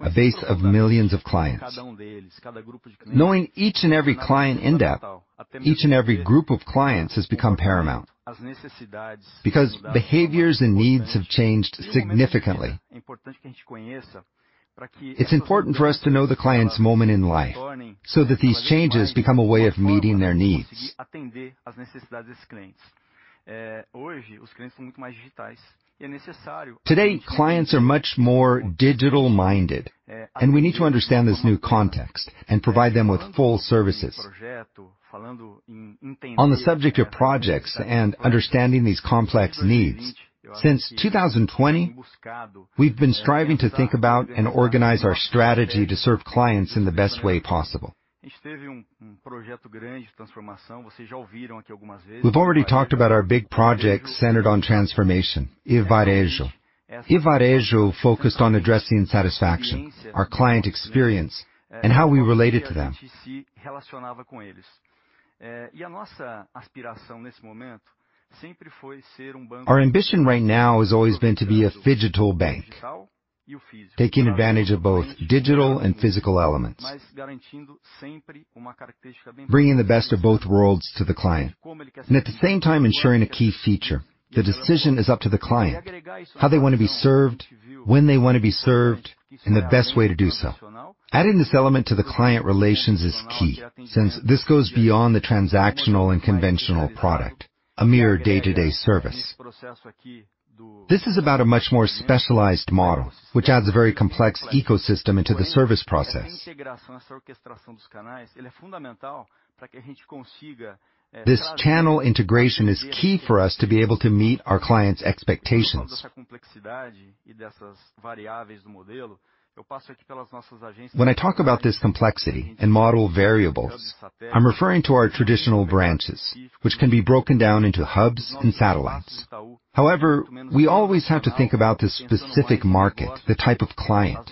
a base of millions of clients. Knowing each and every client in depth, each and every group of clients, has become paramount because behaviors and needs have changed significantly. It's important for us to know the client's moment in life, so that these changes become a way of meeting their needs. Today, clients are much more digital-minded, and we need to understand this new context and provide them with full services. On the subject of projects and understanding these complex needs, since 2020, we've been striving to think about and organize our strategy to serve clients in the best way possible. We've already talked about our big project centered on transformation, iVarejo. iVarejo focused on addressing satisfaction, our client experience, and how we related to them. Our ambition right now has always been to be a phygital bank, taking advantage of both digital and physical elements, bringing the best of both worlds to the client, and at the same time, ensuring a key feature: the decision is up to the client, how they want to be served, when they want to be served, and the best way to do so. Adding this element to the client relations is key, since this goes beyond the transactional and conventional product, a mere day-to-day service. This is about a much more specialized model, which adds a very complex ecosystem into the service process. This channel integration is key for us to be able to meet our clients' expectations. When I talk about this complexity and model variables, I'm referring to our traditional branches, which can be broken down into hubs and satellites. We always have to think about the specific market, the type of client.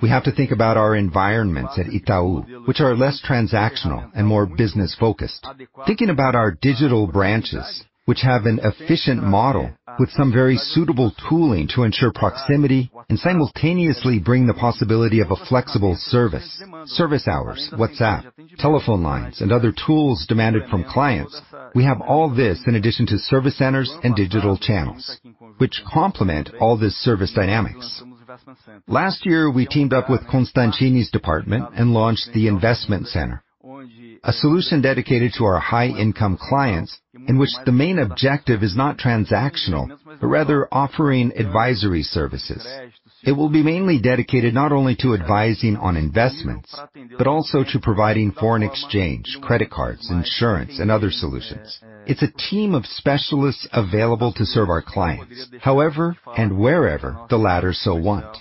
We have to think about our environments at Itaú, which are less transactional and more business-focused. Thinking about our digital branches, which have an efficient model with some very suitable tooling to ensure proximity and simultaneously bring the possibility of a flexible service hours, WhatsApp, telephone lines, and other tools demanded from clients, we have all this in addition to service centers and digital channels, which complement all this service dynamics. Last year, we teamed up with Constantini's department and launched the Investment Center, a solution dedicated to our high-income clients, in which the main objective is not transactional, but rather offering advisory services. It will be mainly dedicated not only to advising on investments, but also to providing foreign exchange, credit cards, insurance, and other solutions. It's a team of specialists available to serve our clients, however and wherever the latter so want.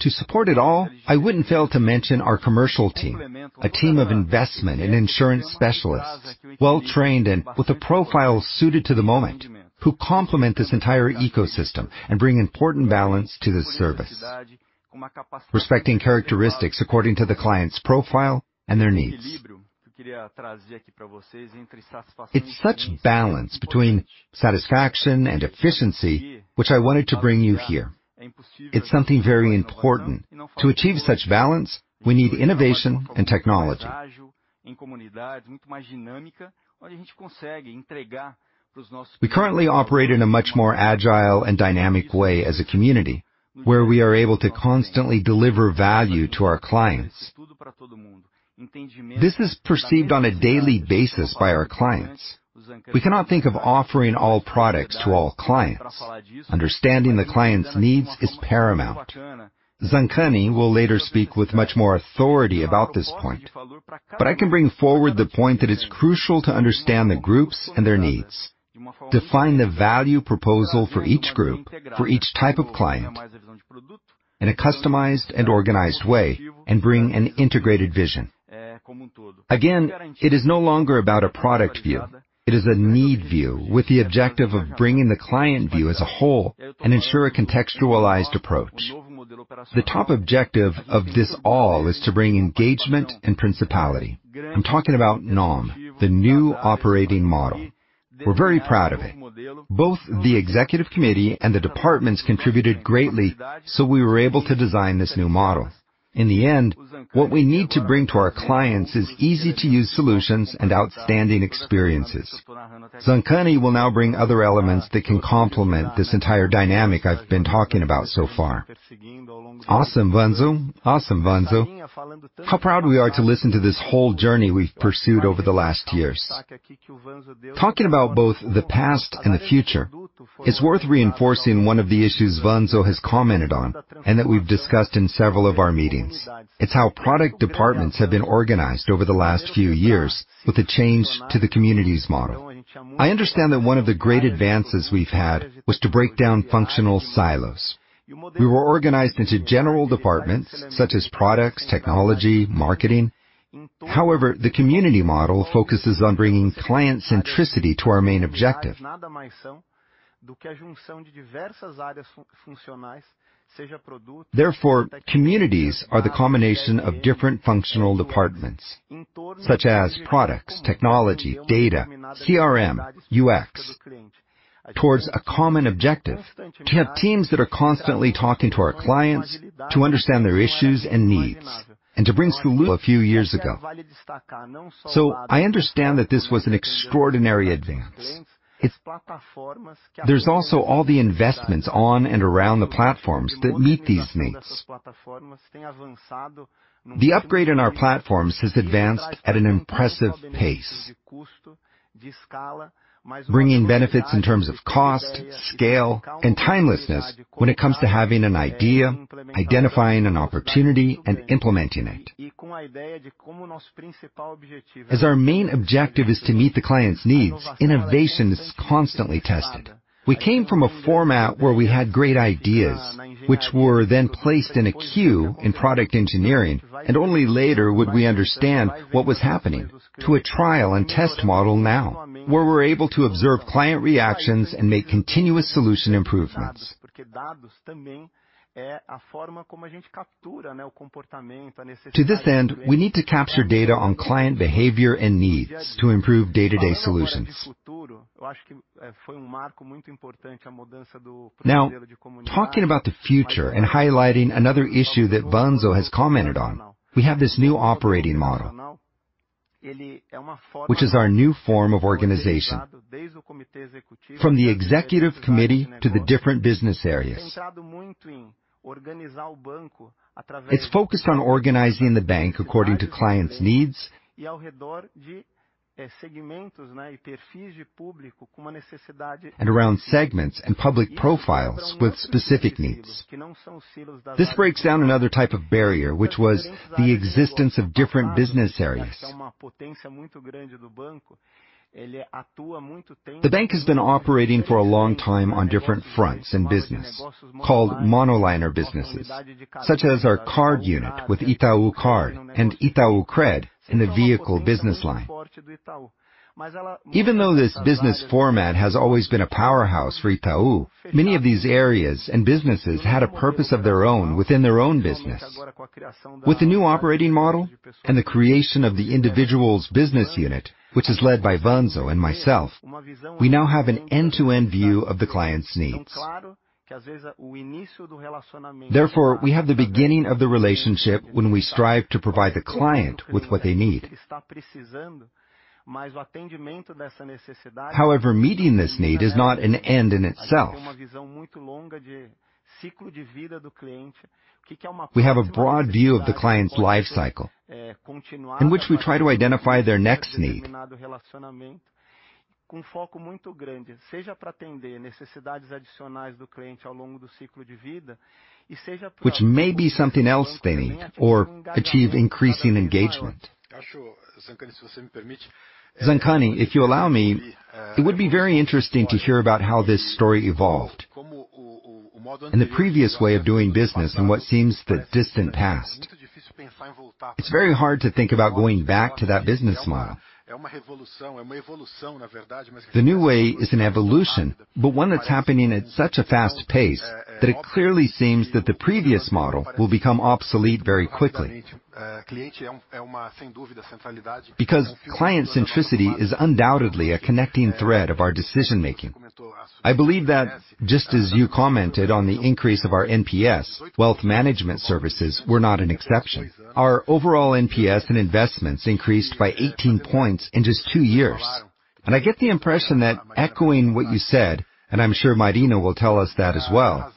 To support it all, I wouldn't fail to mention our commercial team, a team of investment and insurance specialists, well-trained and with a profile suited to the moment, who complement this entire ecosystem and bring important balance to this service, respecting characteristics according to the client's profile and their needs. It's such balance between satisfaction and efficiency, which I wanted to bring you here. It's something very important. To achieve such balance, we need innovation and technology. We currently operate in a much more agile and dynamic way as a community, where we are able to constantly deliver value to our clients. This is perceived on a daily basis by our clients. We cannot think of offering all products to all clients. Understanding the client's needs is paramount. Zancani will later speak with much more authority about this point, I can bring forward the point that it's crucial to understand the groups and their needs, define the value proposal for each group, for each type of client, in a customized and organized way, and bring an integrated vision. It is no longer about a product view. It is a need view, with the objective of bringing the client view as a whole and ensure a contextualized approach. The top objective of this all is to bring engagement and principality. I'm talking about NOM, the new operating model. We're very proud of it. Both the executive committee and the departments contributed greatly, we were able to design this new model. In the end, what we need to bring to our clients is easy-to-use solutions and outstanding experiences. Zancani will now bring other elements that can complement this entire dynamic I've been talking about so far. Awesome, Vanzo. Awesome, Vanzo. How proud we are to listen to this whole journey we've pursued over the last years. Talking about both the past and the future, it's worth reinforcing one of the issues Vanzo has commented on and that we've discussed in several of our meetings. It's how product departments have been organized over the last few years with a change to the communities model. I understand that one of the great advances we've had was to break down functional silos. We were organized into general departments such as products, technology, marketing. However, the community model focuses on bringing client centricity to our main objective. Communities are the combination of different functional departments, such as products, technology, data, CRM, UX, towards a common objective: to have teams that are constantly talking to our clients, to understand their issues and needs, and to bring solutions a few years ago. I understand that this was an extraordinary advance. There's also all the investments on and around the platforms that meet these needs. The upgrade in our platforms has advanced at an impressive pace, bringing benefits in terms of cost, scale, and timelessness when it comes to having an idea, identifying an opportunity, and implementing it. As our main objective is to meet the client's needs, innovation is constantly tested. We came from a format where we had great ideas, which were then placed in a queue in product engineering, and only later would we understand what was happening, to a trial and test model now, where we're able to observe client reactions and make continuous solution improvements. To this end, we need to capture data on client behavior and needs to improve day-to-day solutions. Talking about the future and highlighting another issue that Vanzo has commented on, we have this new operating model, which is our new form of organization, from the executive committee to the different business areas. It's focused on organizing the bank according to clients' needs and around segments and public profiles with specific needs. This breaks down another type of barrier, which was the existence of different business areas. The bank has been operating for a long time on different fronts and business, called monoliner businesses, such as our card unit with Itaucard and Itaú Cred in the vehicle business line. Even though this business format has always been a powerhouse for Itaú, many of these areas and businesses had a purpose of their own within their own business. With the new operating model and the creation of the individuals business unit, which is led by Vanzo and myself, we now have an end-to-end view of the client's needs. We have the beginning of the relationship when we strive to provide the client with what they need. Meeting this need is not an end in itself. We have a broad view of the client's life cycle, in which we try to identify their next need, which may be something else they need or achieve increasing engagement. Zancani, if you allow me, it would be very interesting to hear about how this story evolved, and the previous way of doing business in what seems the distant past. It's very hard to think about going back to that business model. The new way is an evolution, but one that's happening at such a fast pace, that it clearly seems that the previous model will become obsolete very quickly. Client centricity is undoubtedly a connecting thread of our decision-making. I believe that just as you commented on the increase of our NPS, wealth management services were not an exception. Our overall NPS and investments increased by 18 points in just two years. I get the impression that echoing what you said, and I'm sure Marina will tell us that as well,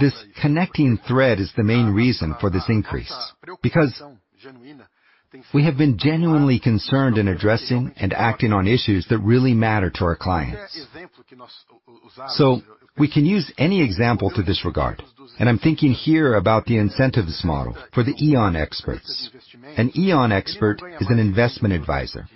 this connecting thread is the main reason for this increase, because we have been genuinely concerned in addressing and acting on issues that really matter to our clients. We can use any example to disregard, and I'm thinking here about the incentives model for the íon experts. An íon expert is an investment advisor.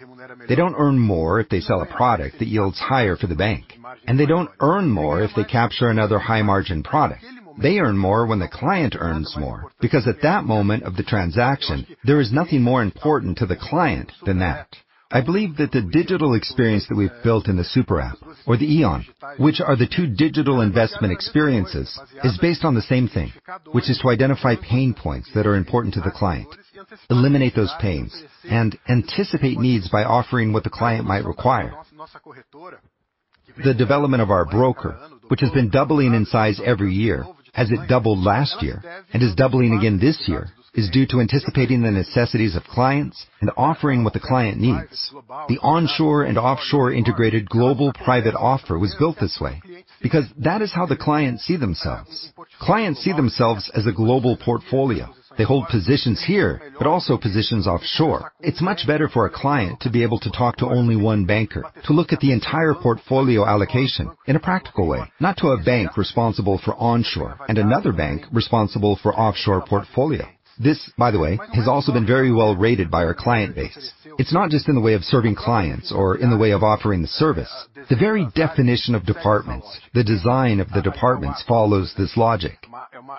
They don't earn more if they sell a product that yields higher for the bank. They don't earn more if they capture another high-margin product. They earn more when the client earns more, because at that moment of the transaction, there is nothing more important to the client than that. I believe that the digital experience that we've built in the Superapp or the íon, which are the 2 digital investment experiences, is based on the same thing, which is to identify pain points that are important to the client, eliminate those pains, and anticipate needs by offering what the client might require. The development of our broker, which has been doubling in size every year, as it doubled last year and is doubling again this year, is due to anticipating the necessities of clients and offering what the client needs. The onshore and offshore integrated global private offer was built this way because that is how the clients see themselves. Clients see themselves as a global portfolio. They hold positions here, but also positions offshore. It's much better for a client to be able to talk to only one banker, to look at the entire portfolio allocation in a practical way, not to a bank responsible for onshore and another bank responsible for offshore portfolio. This, by the way, has also been very well rated by our client base. It's not just in the way of serving clients or in the way of offering the service. The very definition of departments, the design of the departments follows this logic.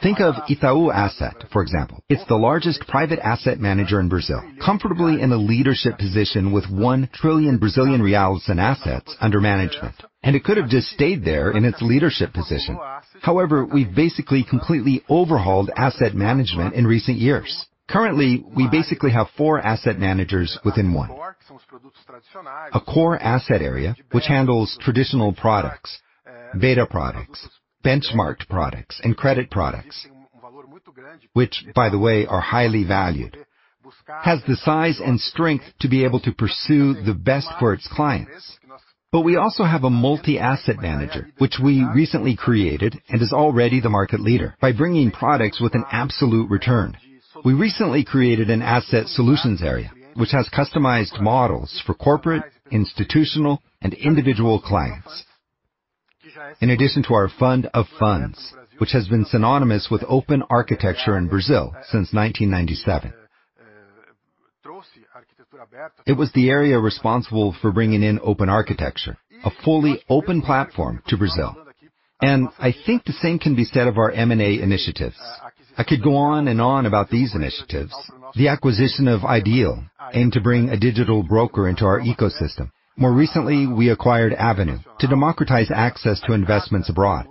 Think of Itaú Asset, for example. It's the largest private asset manager in Brazil, comfortably in a leadership position with 1 trillion Brazilian reais and assets under management. It could have just stayed there in its leadership position. However, we've basically completely overhauled asset management in recent years. Currently, we basically have 4 asset managers within one: A core asset area, which handles traditional products, beta products, benchmarked products and credit products, which, by the way, are highly valued, has the size and strength to be able to pursue the best for its clients. We also have a multi-asset manager, which we recently created and is already the market leader, by bringing products with an absolute return. We recently created an asset solutions area, which has customized models for corporate, institutional, and individual clients. In addition to our fund of funds, which has been synonymous with open architecture in Brazil since 1997. It was the area responsible for bringing in open architecture, a fully open platform to Brazil, and I think the same can be said of our M&A initiatives. I could go on and on about these initiatives. The acquisition of Ideal aimed to bring a digital broker into our ecosystem. More recently, we acquired Avenue to democratize access to investments abroad.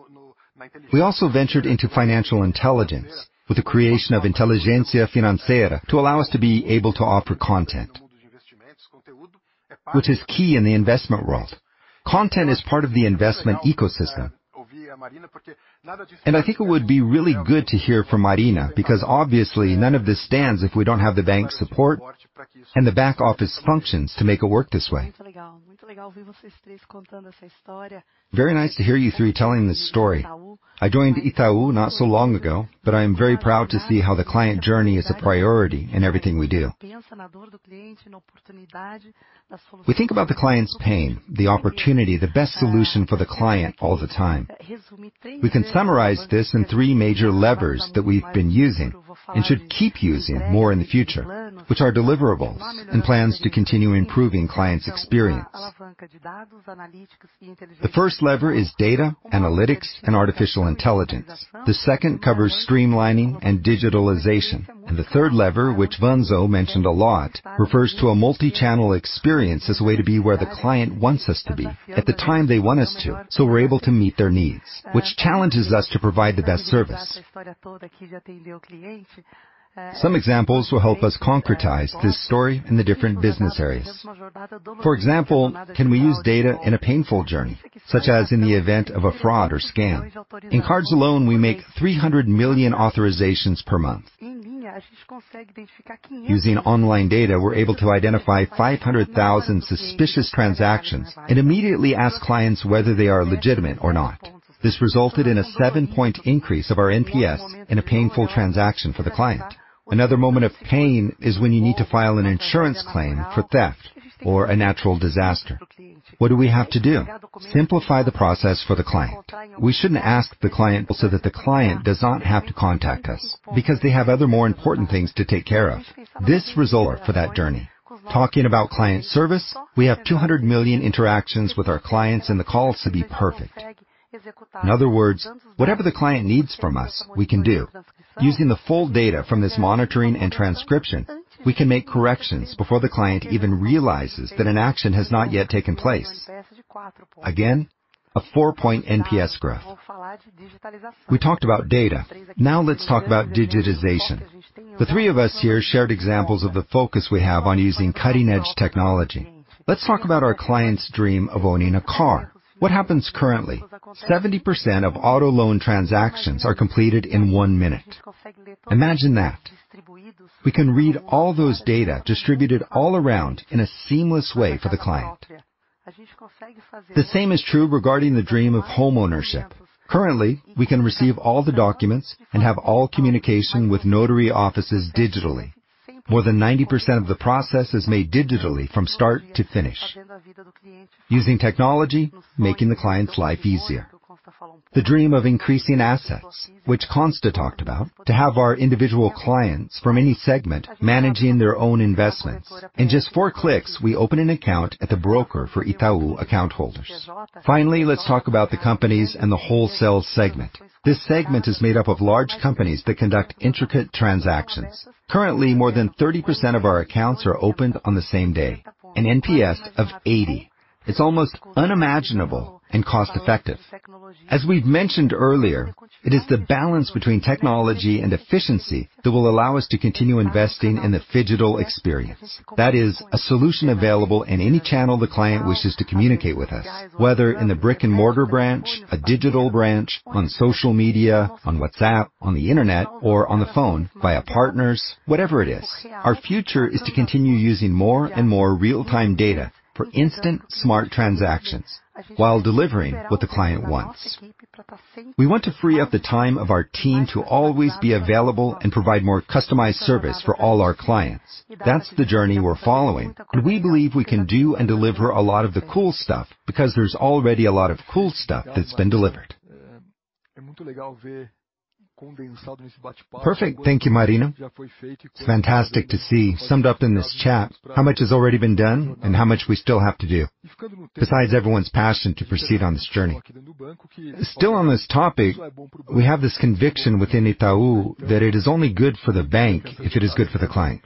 We also ventured into financial intelligence with the creation of Inteligência Financeira to allow us to be able to offer content, which is key in the investment world. Content is part of the investment ecosystem, and I think it would be really good to hear from Marina, because obviously, none of this stands if we don't have the bank's support and the back office functions to make it work this way.
Very nice to hear you three telling this story. I joined Itaú not so long ago, but I am very proud to see how the client journey is a priority in everything we do. We think about the client's pain, the opportunity, the best solution for the client all the time. We can summarize this in three major levers that we've been using and should keep using more in the future, which are deliverables and plans to continue improving clients' experience. The first lever is data, analytics, and artificial intelligence. The second covers streamlining and digitalization. The third lever, which Vanzo mentioned a lot, refers to a multi-channel experience as a way to be where the client wants us to be, at the time they want us to, so we're able to meet their needs, which challenges us to provide the best service. Some examples will help us concretize this story in the different business areas. For example, can we use data in a painful journey, such as in the event of a fraud or scam? In cards alone, we make 300 million authorizations per month.... Using online data, we're able to identify 500,000 suspicious transactions and immediately ask clients whether they are legitimate or not. This resulted in a 7-point increase of our NPS in a painful transaction for the client. Another moment of pain is when you need to file an insurance claim for theft or a natural disaster. What do we have to do? Simplify the process for the client. We shouldn't ask the client, so that the client does not have to contact us, because they have other, more important things to take care of. This result for that journey. Talking about client service, we have 200 million interactions with our clients, and the call has to be perfect. In other words, whatever the client needs from us, we can do. Using the full data from this monitoring and transcription, we can make corrections before the client even realizes that an action has not yet taken place. A 4-point NPS growth. We talked about data. Let's talk about digitization. The three of us here shared examples of the focus we have on using cutting-edge technology. Let's talk about our client's dream of owning a car. What happens currently? 70% of auto loan transactions are completed in 1 minute. Imagine that! We can read all those data distributed all around in a seamless way for the client. The same is true regarding the dream of homeownership. Currently, we can receive all the documents and have all communication with notary offices digitally. More than 90% of the process is made digitally from start to finish, using technology, making the client's life easier. The dream of increasing assets, which Consta talked about, to have our individual clients from any segment managing their own investments. In just four clicks, we open an account at the broker for Itaú account holders. Let's talk about the companies and the wholesale segment. This segment is made up of large companies that conduct intricate transactions. Currently, more than 30% of our accounts are opened on the same day, an NPS of 80. It's almost unimaginable and cost-effective. As we've mentioned earlier, it is the balance between technology and efficiency that will allow us to continue investing in the phygital experience. That is, a solution available in any channel the client wishes to communicate with us, whether in the brick-and-mortar branch, a digital branch, on social media, on WhatsApp, on the Internet, or on the phone, via partners, whatever it is. Our future is to continue using more and more real-time data for instant smart transactions while delivering what the client wants. We want to free up the time of our team to always be available and provide more customized service for all our clients. That's the journey we're following. We believe we can do and deliver a lot of the cool stuff because there's already a lot of cool stuff that's been delivered.
Perfect. Thank you, Marina. It's fantastic to see, summed up in this chat, how much has already been done and how much we still have to do, besides everyone's passion to proceed on this journey. On this topic, we have this conviction within Itaú that it is only good for the bank if it is good for the client.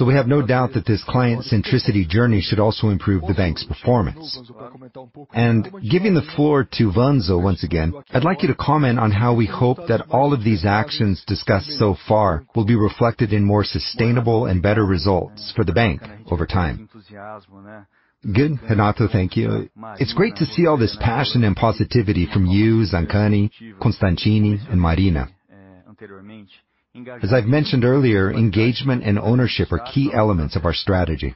We have no doubt that this client centricity journey should also improve the bank's performance. Giving the floor to Vanzo once again, I'd like you to comment on how we hope that all of these actions discussed so far will be reflected in more sustainable and better results for the bank over time. Good, Renato. Thank you. It's great to see all this passion and positivity from you, Zancani, Constantini, and Marina. As I've mentioned earlier, engagement and ownership are key elements of our strategy.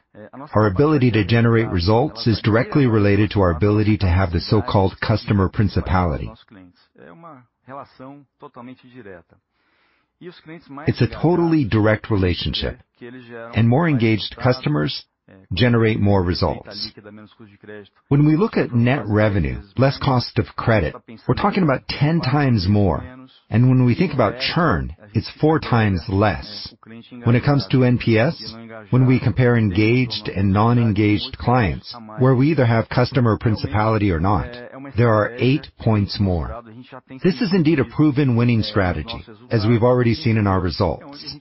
Our ability to generate results is directly related to our ability to have the so-called customer principality. It's a totally direct relationship, and more engaged customers generate more results. When we look at net revenue, less cost of credit, we're talking about 10 times more, and when we think about churn, it's 4 times less. When it comes to NPS, when we compare engaged and non-engaged clients, where we either have customer principality or not, there are 8 points more. This is indeed a proven winning strategy, as we've already seen in our results.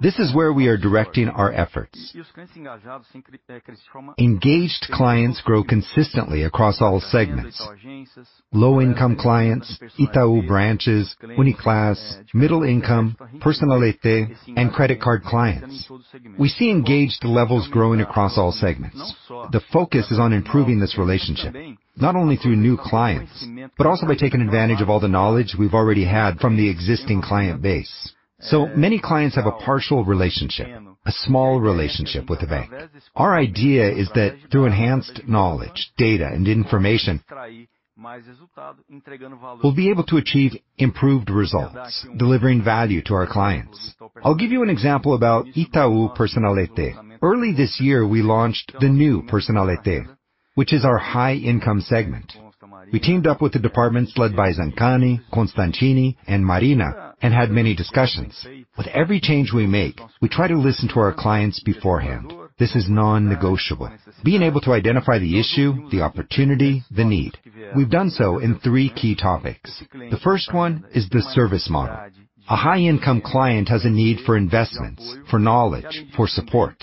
This is where we are directing our efforts. Engaged clients grow consistently across all segments: low-income clients, Itaú branches, Uniclass, middle income, Personnalité, and credit card clients. We see engaged levels growing across all segments. The focus is on improving this relationship, not only through new clients, but also by taking advantage of all the knowledge we've already had from the existing client base. Many clients have a partial relationship, a small relationship with the bank. Our idea is that through enhanced knowledge, data, and information, we'll be able to achieve improved results, delivering value to our clients. I'll give you an example about Itaú Personnalité. Early this year, we launched the new Personnalité, which is our high-income segment. We teamed up with the departments led by Zancani, Constantini, and Marina, and had many discussions. With every change we make, we try to listen to our clients beforehand. This is non-negotiable. Being able to identify the issue, the opportunity, the need. We've done so in three key topics. The first one is the service model. A high-income client has a need for investments, for knowledge, for support.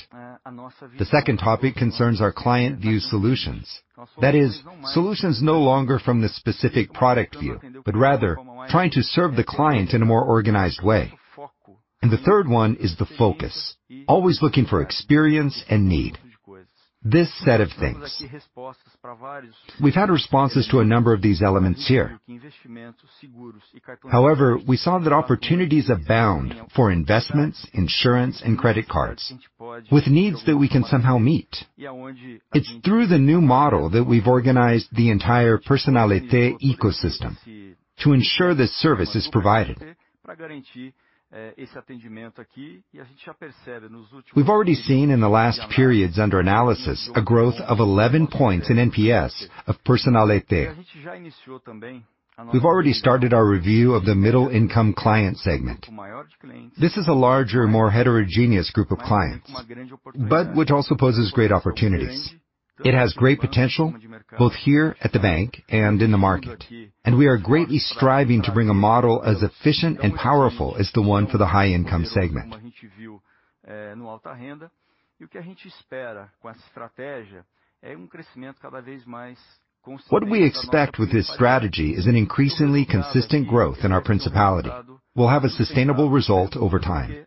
The second topic concerns our client view solutions. That is, solutions no longer from the specific product view, but rather trying to serve the client in a more organized way. The third one is the focus, always looking for experience and need. This set of things. We've had responses to a number of these elements here. We saw that opportunities abound for investments, insurance, and credit cards, with needs that we can somehow meet. It's through the new model that we've organized the entire Personalité ecosystem to ensure this service is provided. We've already seen in the last periods under analysis, a growth of 11 points in NPS of Personalité. We've already started our review of the middle income client segment. This is a larger, more heterogeneous group of clients, but which also poses great opportunities. It has great potential, both here at the bank and in the market, we are greatly striving to bring a model as efficient and powerful as the one for the high-income segment. What we expect with this strategy is an increasingly consistent growth in our Personalité. We'll have a sustainable result over time.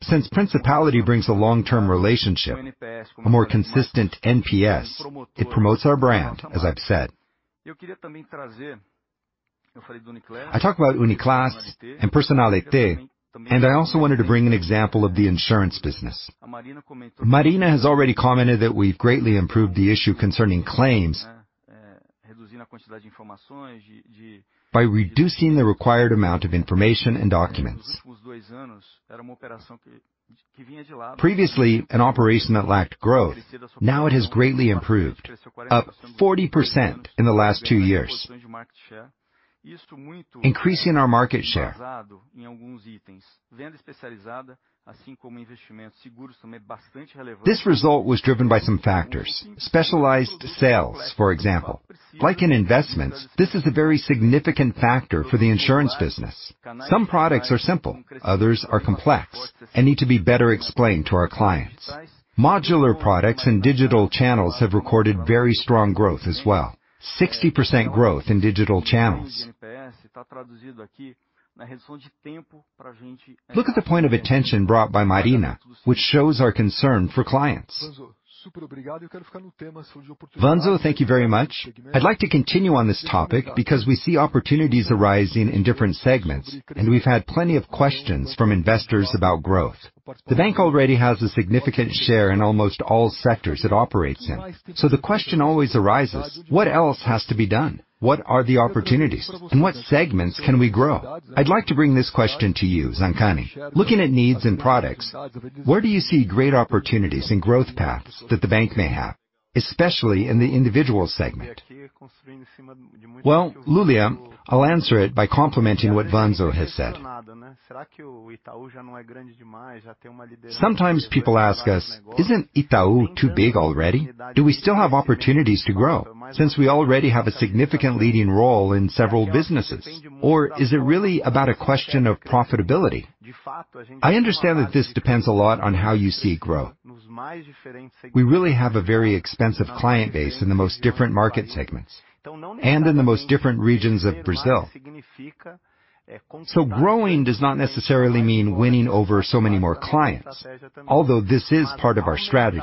Since principality brings a long-term relationship, a more consistent NPS, it promotes our brand, as I've said. I talked about Uniclass and Personnalité, and I also wanted to bring an example of the insurance business. Marina has already commented that we've greatly improved the issue concerning claims by reducing the required amount of information and documents. Previously, an operation that lacked growth, now it has greatly improved, up 40% in the last 2 years, increasing our market share. This result was driven by some factors: specialized sales, for example. Like in investments, this is a very significant factor for the insurance business. Some products are simple, others are complex and need to be better explained to our clients. Modular products and digital channels have recorded very strong growth as well. 60% growth in digital channels. Look at the point of attention brought by Marina, which shows our concern for clients. Vanzo, thank you very much. I'd like to continue on this topic because we see opportunities arising in different segments, and we've had plenty of questions from investors about growth. The bank already has a significant share in almost all sectors it operates in. The question always arises: What else has to be done? What are the opportunities? In what segments can we grow? I'd like to bring this question to you, Zancani. Looking at needs and products, where do you see great opportunities and growth paths that the bank may have, especially in the individual segment? Well, Lulia, I'll answer it by complimenting what Vanzo has said. Sometimes people ask us: "Isn't Itaú too big already? Do we still have opportunities to grow since we already have a significant leading role in several businesses, or is it really about a question of profitability? I understand that this depends a lot on how you see growth. We really have a very expansive client base in the most different market segments and in the most different regions of Brazil. Growing does not necessarily mean winning over so many more clients, although this is part of our strategy.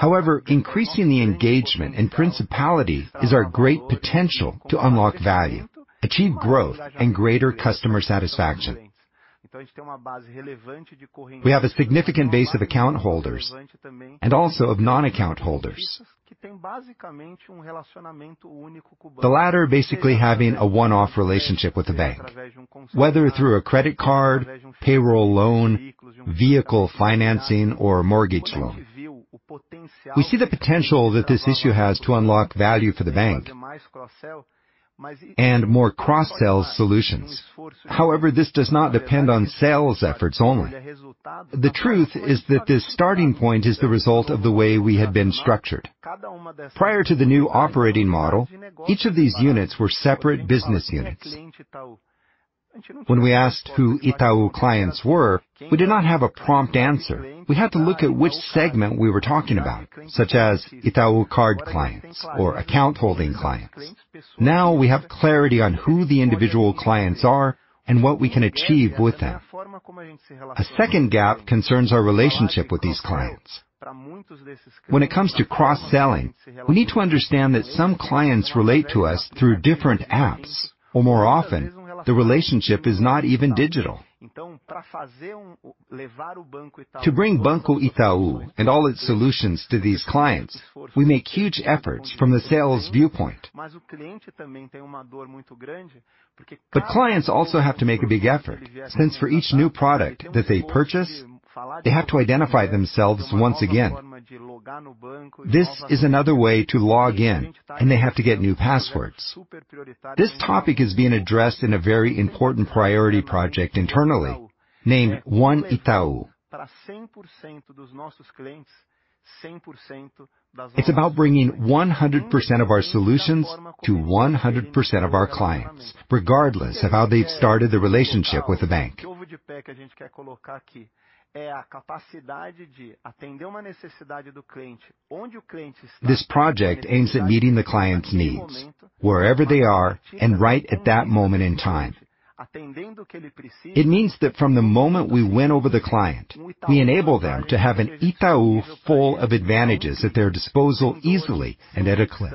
However, increasing the engagement and principality is our great potential to unlock value, achieve growth, and greater customer satisfaction. We have a significant base of account holders and also of non-account holders. The latter, basically having a one-off relationship with the bank, whether through a credit card, payroll loan, vehicle financing, or a mortgage loan. We see the potential that this issue has to unlock value for the bank and more cross-sell solutions. However, this does not depend on sales efforts only. The truth is that this starting point is the result of the way we had been structured. Prior to the new operating model, each of these units were separate business units. When we asked who Itaú clients were, we did not have a prompt answer. We had to look at which segment we were talking about, such as Itaucard clients or account-holding clients. Now we have clarity on who the individual clients are and what we can achieve with them. A second gap concerns our relationship with these clients. When it comes to cross-selling, we need to understand that some clients relate to us through different apps, or more often, the relationship is not even digital. To bring Banco Itaú and all its solutions to these clients, we make huge efforts from the sales viewpoint. Clients also have to make a big effort, since for each new product that they purchase, they have to identify themselves once again. This is another way to log in, and they have to get new passwords. This topic is being addressed in a very important priority project internally named One Itaú. It's about bringing 100% of our solutions to 100% of our clients, regardless of how they've started the relationship with the bank. This project aims at meeting the client's needs. Wherever they are, and right at that moment in time. It means that from the moment we win over the client, we enable them to have an Itaú full of advantages at their disposal easily and at a click.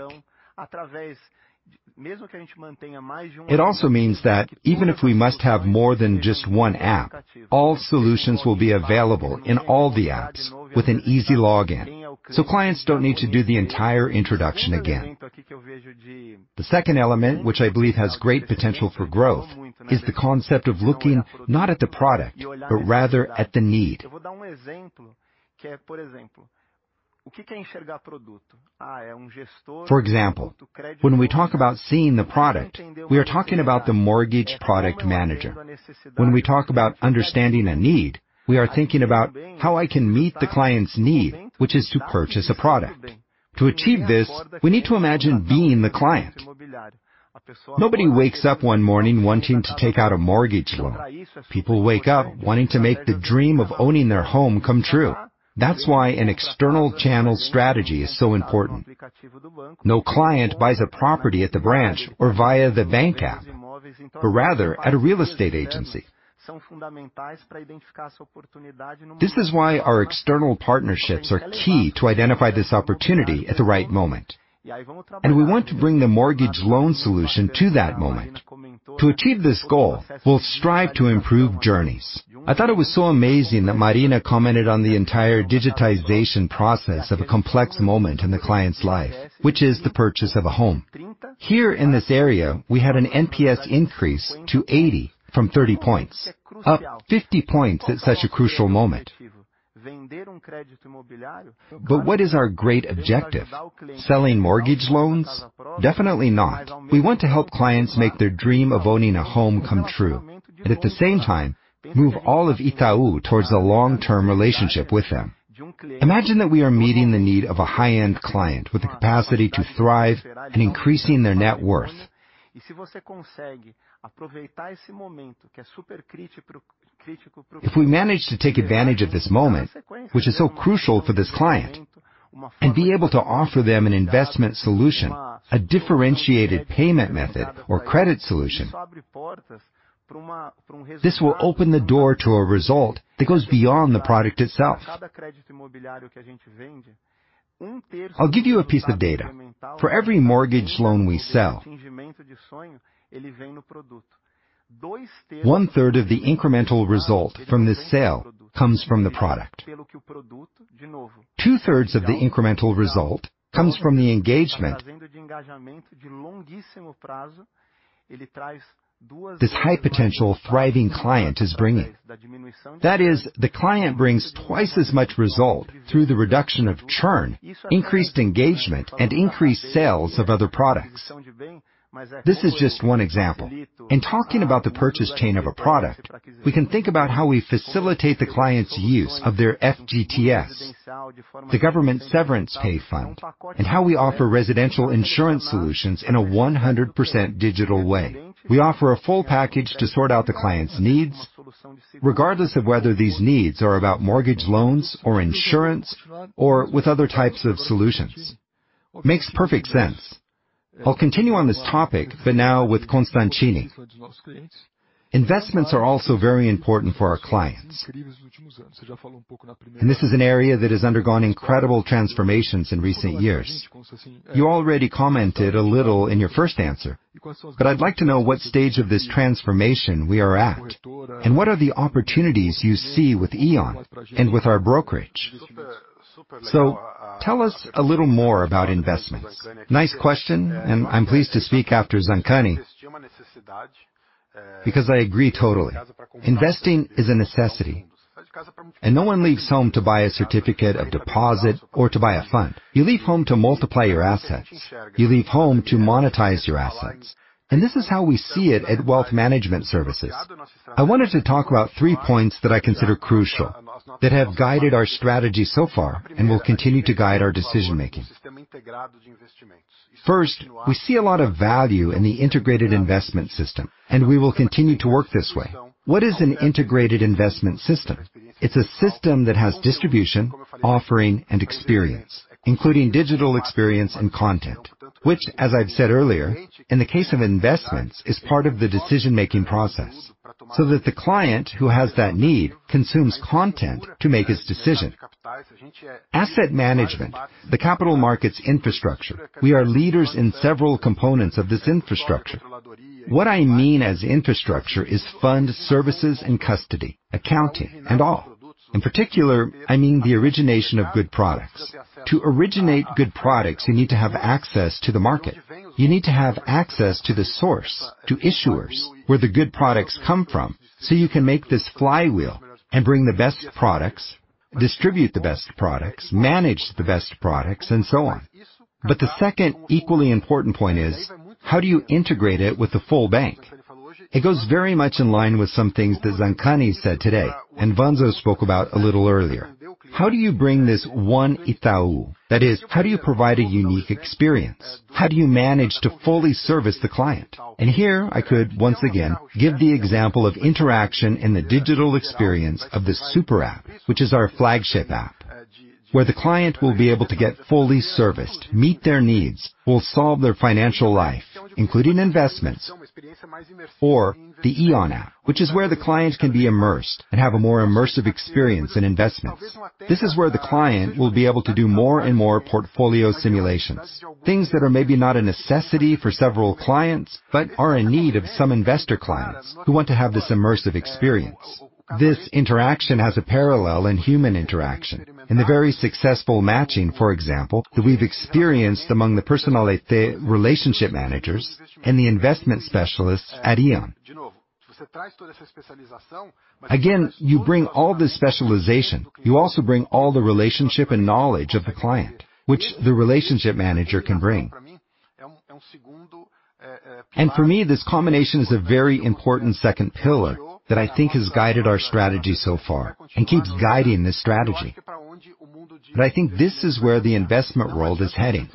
It also means that even if we must have more than just one app, all solutions will be available in all the apps with an easy login, so clients don't need to do the entire introduction again. The second element, which I believe has great potential for growth, is the concept of looking not at the product, but rather at the need. For example, when we talk about seeing the product, we are talking about the mortgage product manager. When we talk about understanding a need, we are thinking about how I can meet the client's need, which is to purchase a product. To achieve this, we need to imagine being the client. Nobody wakes up one morning wanting to take out a mortgage loan. People wake up wanting to make the dream of owning their home come true. That's why an external channel strategy is so important. No client buys a property at the branch or via the bank app, but rather at a real estate agency. This is why our external partnerships are key to identify this opportunity at the right moment, we want to bring the mortgage loan solution to that moment. To achieve this goal, we'll strive to improve journeys. I thought it was so amazing that Marina commented on the entire digitization process of a complex moment in the client's life, which is the purchase of a home. Here in this area, we had an NPS increase to 80 from 30 points, up 50 points at such a crucial moment. What is our great objective? Selling mortgage loans? Definitely not. We want to help clients make their dream of owning a home come true, but at the same time, move all of Itaú towards a long-term relationship with them. Imagine that we are meeting the need of a high-end client with the capacity to thrive in increasing their net worth. If we manage to take advantage of this moment, which is so crucial for this client, and be able to offer them an investment solution, a differentiated payment method or credit solution, this will open the door to a result that goes beyond the product itself. I'll give you a piece of data: For every mortgage loan we sell, 1/3 of the incremental result from this sale comes from the product. Two-thirds of the incremental result comes from the engagement this high-potential thriving client is bringing. That is, the client brings twice as much result through the reduction of churn, increased engagement, and increased sales of other products. This is just one example. In talking about the purchase chain of a product, we can think about how we facilitate the client's use of their FGTS, the Government Severance Pay Fund, and how we offer residential insurance solutions in a 100% digital way. We offer a full package to sort out the client's needs, regardless of whether these needs are about mortgage loans or insurance or with other types of solutions. Makes perfect sense. I'll continue on this topic, but now with Constantini. Investments are also very important for our clients, and this is an area that has undergone incredible transformations in recent years. You already commented a little in your first answer, but I'd like to know what stage of this transformation we are at, and what are the opportunities you see with íon and with our brokerage? Tell us a little more about investments. Nice question. I'm pleased to speak after Zancani, because I agree totally. Investing is a necessity. No one leaves home to buy a certificate of deposit or to buy a fund. You leave home to multiply your assets. You leave home to monetize your assets. This is how we see it at Wealth Management Services. I wanted to talk about three points that I consider crucial, that have guided our strategy so far and will continue to guide our decision-making. First, we see a lot of value in the integrated investment system. We will continue to work this way. What is an integrated investment system? It's a system that has distribution, offering, and experience, including digital experience and content, which, as I've said earlier, in the case of investments, is part of the decision-making process, so that the client who has that need consumes content to make his decision. Asset management, the capital markets infrastructure, we are leaders in several components of this infrastructure. What I mean as infrastructure is fund services and custody, accounting, and all. In particular, I mean the origination of good products. To originate good products, you need to have access to the market. You need to have access to the source, to issuers, where the good products come from, so you can make this flywheel and bring the best products, distribute the best products, manage the best products, and so on. The second equally important point is: How do you integrate it with the full bank? It goes very much in line with some things that Zancani said today and Wanzo spoke about a little earlier. How do you bring this One Itaú? That is, how do you provide a unique experience? How do you manage to fully service the client? Here I could, once again, give the example of interaction in the digital experience of the Superapp, which is our flagship app. Where the client will be able to get fully serviced, meet their needs, we'll solve their financial life, including investments or the íon app, which is where the client can be immersed and have a more immersive experience in investments. This is where the client will be able to do more and more portfolio simulations, things that are maybe not a necessity for several clients, but are in need of some investor clients who want to have this immersive experience. This interaction has a parallel in human interaction, and the very successful matching, for example, that we've experienced among the personal relationship managers and the investment specialists at íon. You bring all this specialization, you also bring all the relationship and knowledge of the client, which the relationship manager can bring. For me, this combination is a very important second pillar that I think has guided our strategy so far and keeps guiding this strategy. I think this is where the investment world is heading.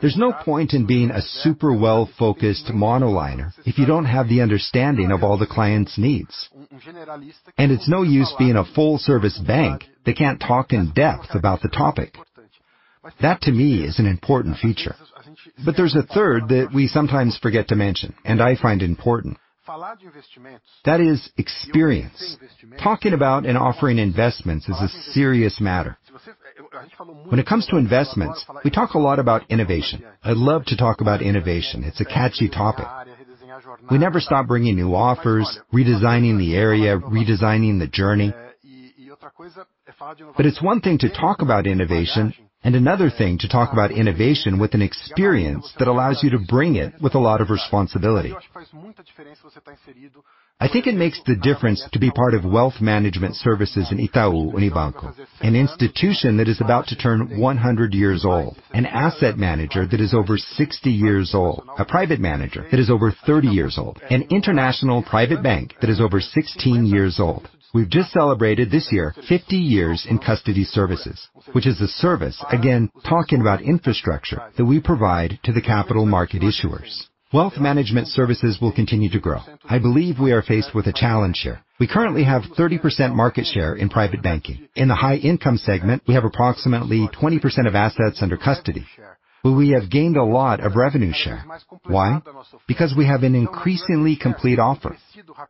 There's no point in being a super well-focused monoliner if you don't have the understanding of all the client's needs. It's no use being a full-service bank that can't talk in depth about the topic. That, to me, is an important feature. There's a third that we sometimes forget to mention, and I find important. That is experience. Talking about and offering investments is a serious matter. When it comes to investments, we talk a lot about innovation. I love to talk about innovation. It's a catchy topic. We never stop bringing new offers, redesigning the area, redesigning the journey. It's one thing to talk about innovation, and another thing to talk about innovation with an experience that allows you to bring it with a lot of responsibility. I think it makes the difference to be part of wealth management services in Itaú Unibanco, an institution that is about to turn 100 years old, an asset manager that is over 60 years old, a private manager that is over 30 years old, an international private bank that is over 16 years old. We've just celebrated, this year, 50 years in custody services, which is a service, again, talking about infrastructure that we provide to the capital market issuers. Wealth management services will continue to grow. I believe we are faced with a challenge here. We currently have 30% market share in private banking. In the high income segment, we have approximately 20% of assets under custody, but we have gained a lot of revenue share. Why? We have an increasingly complete offer,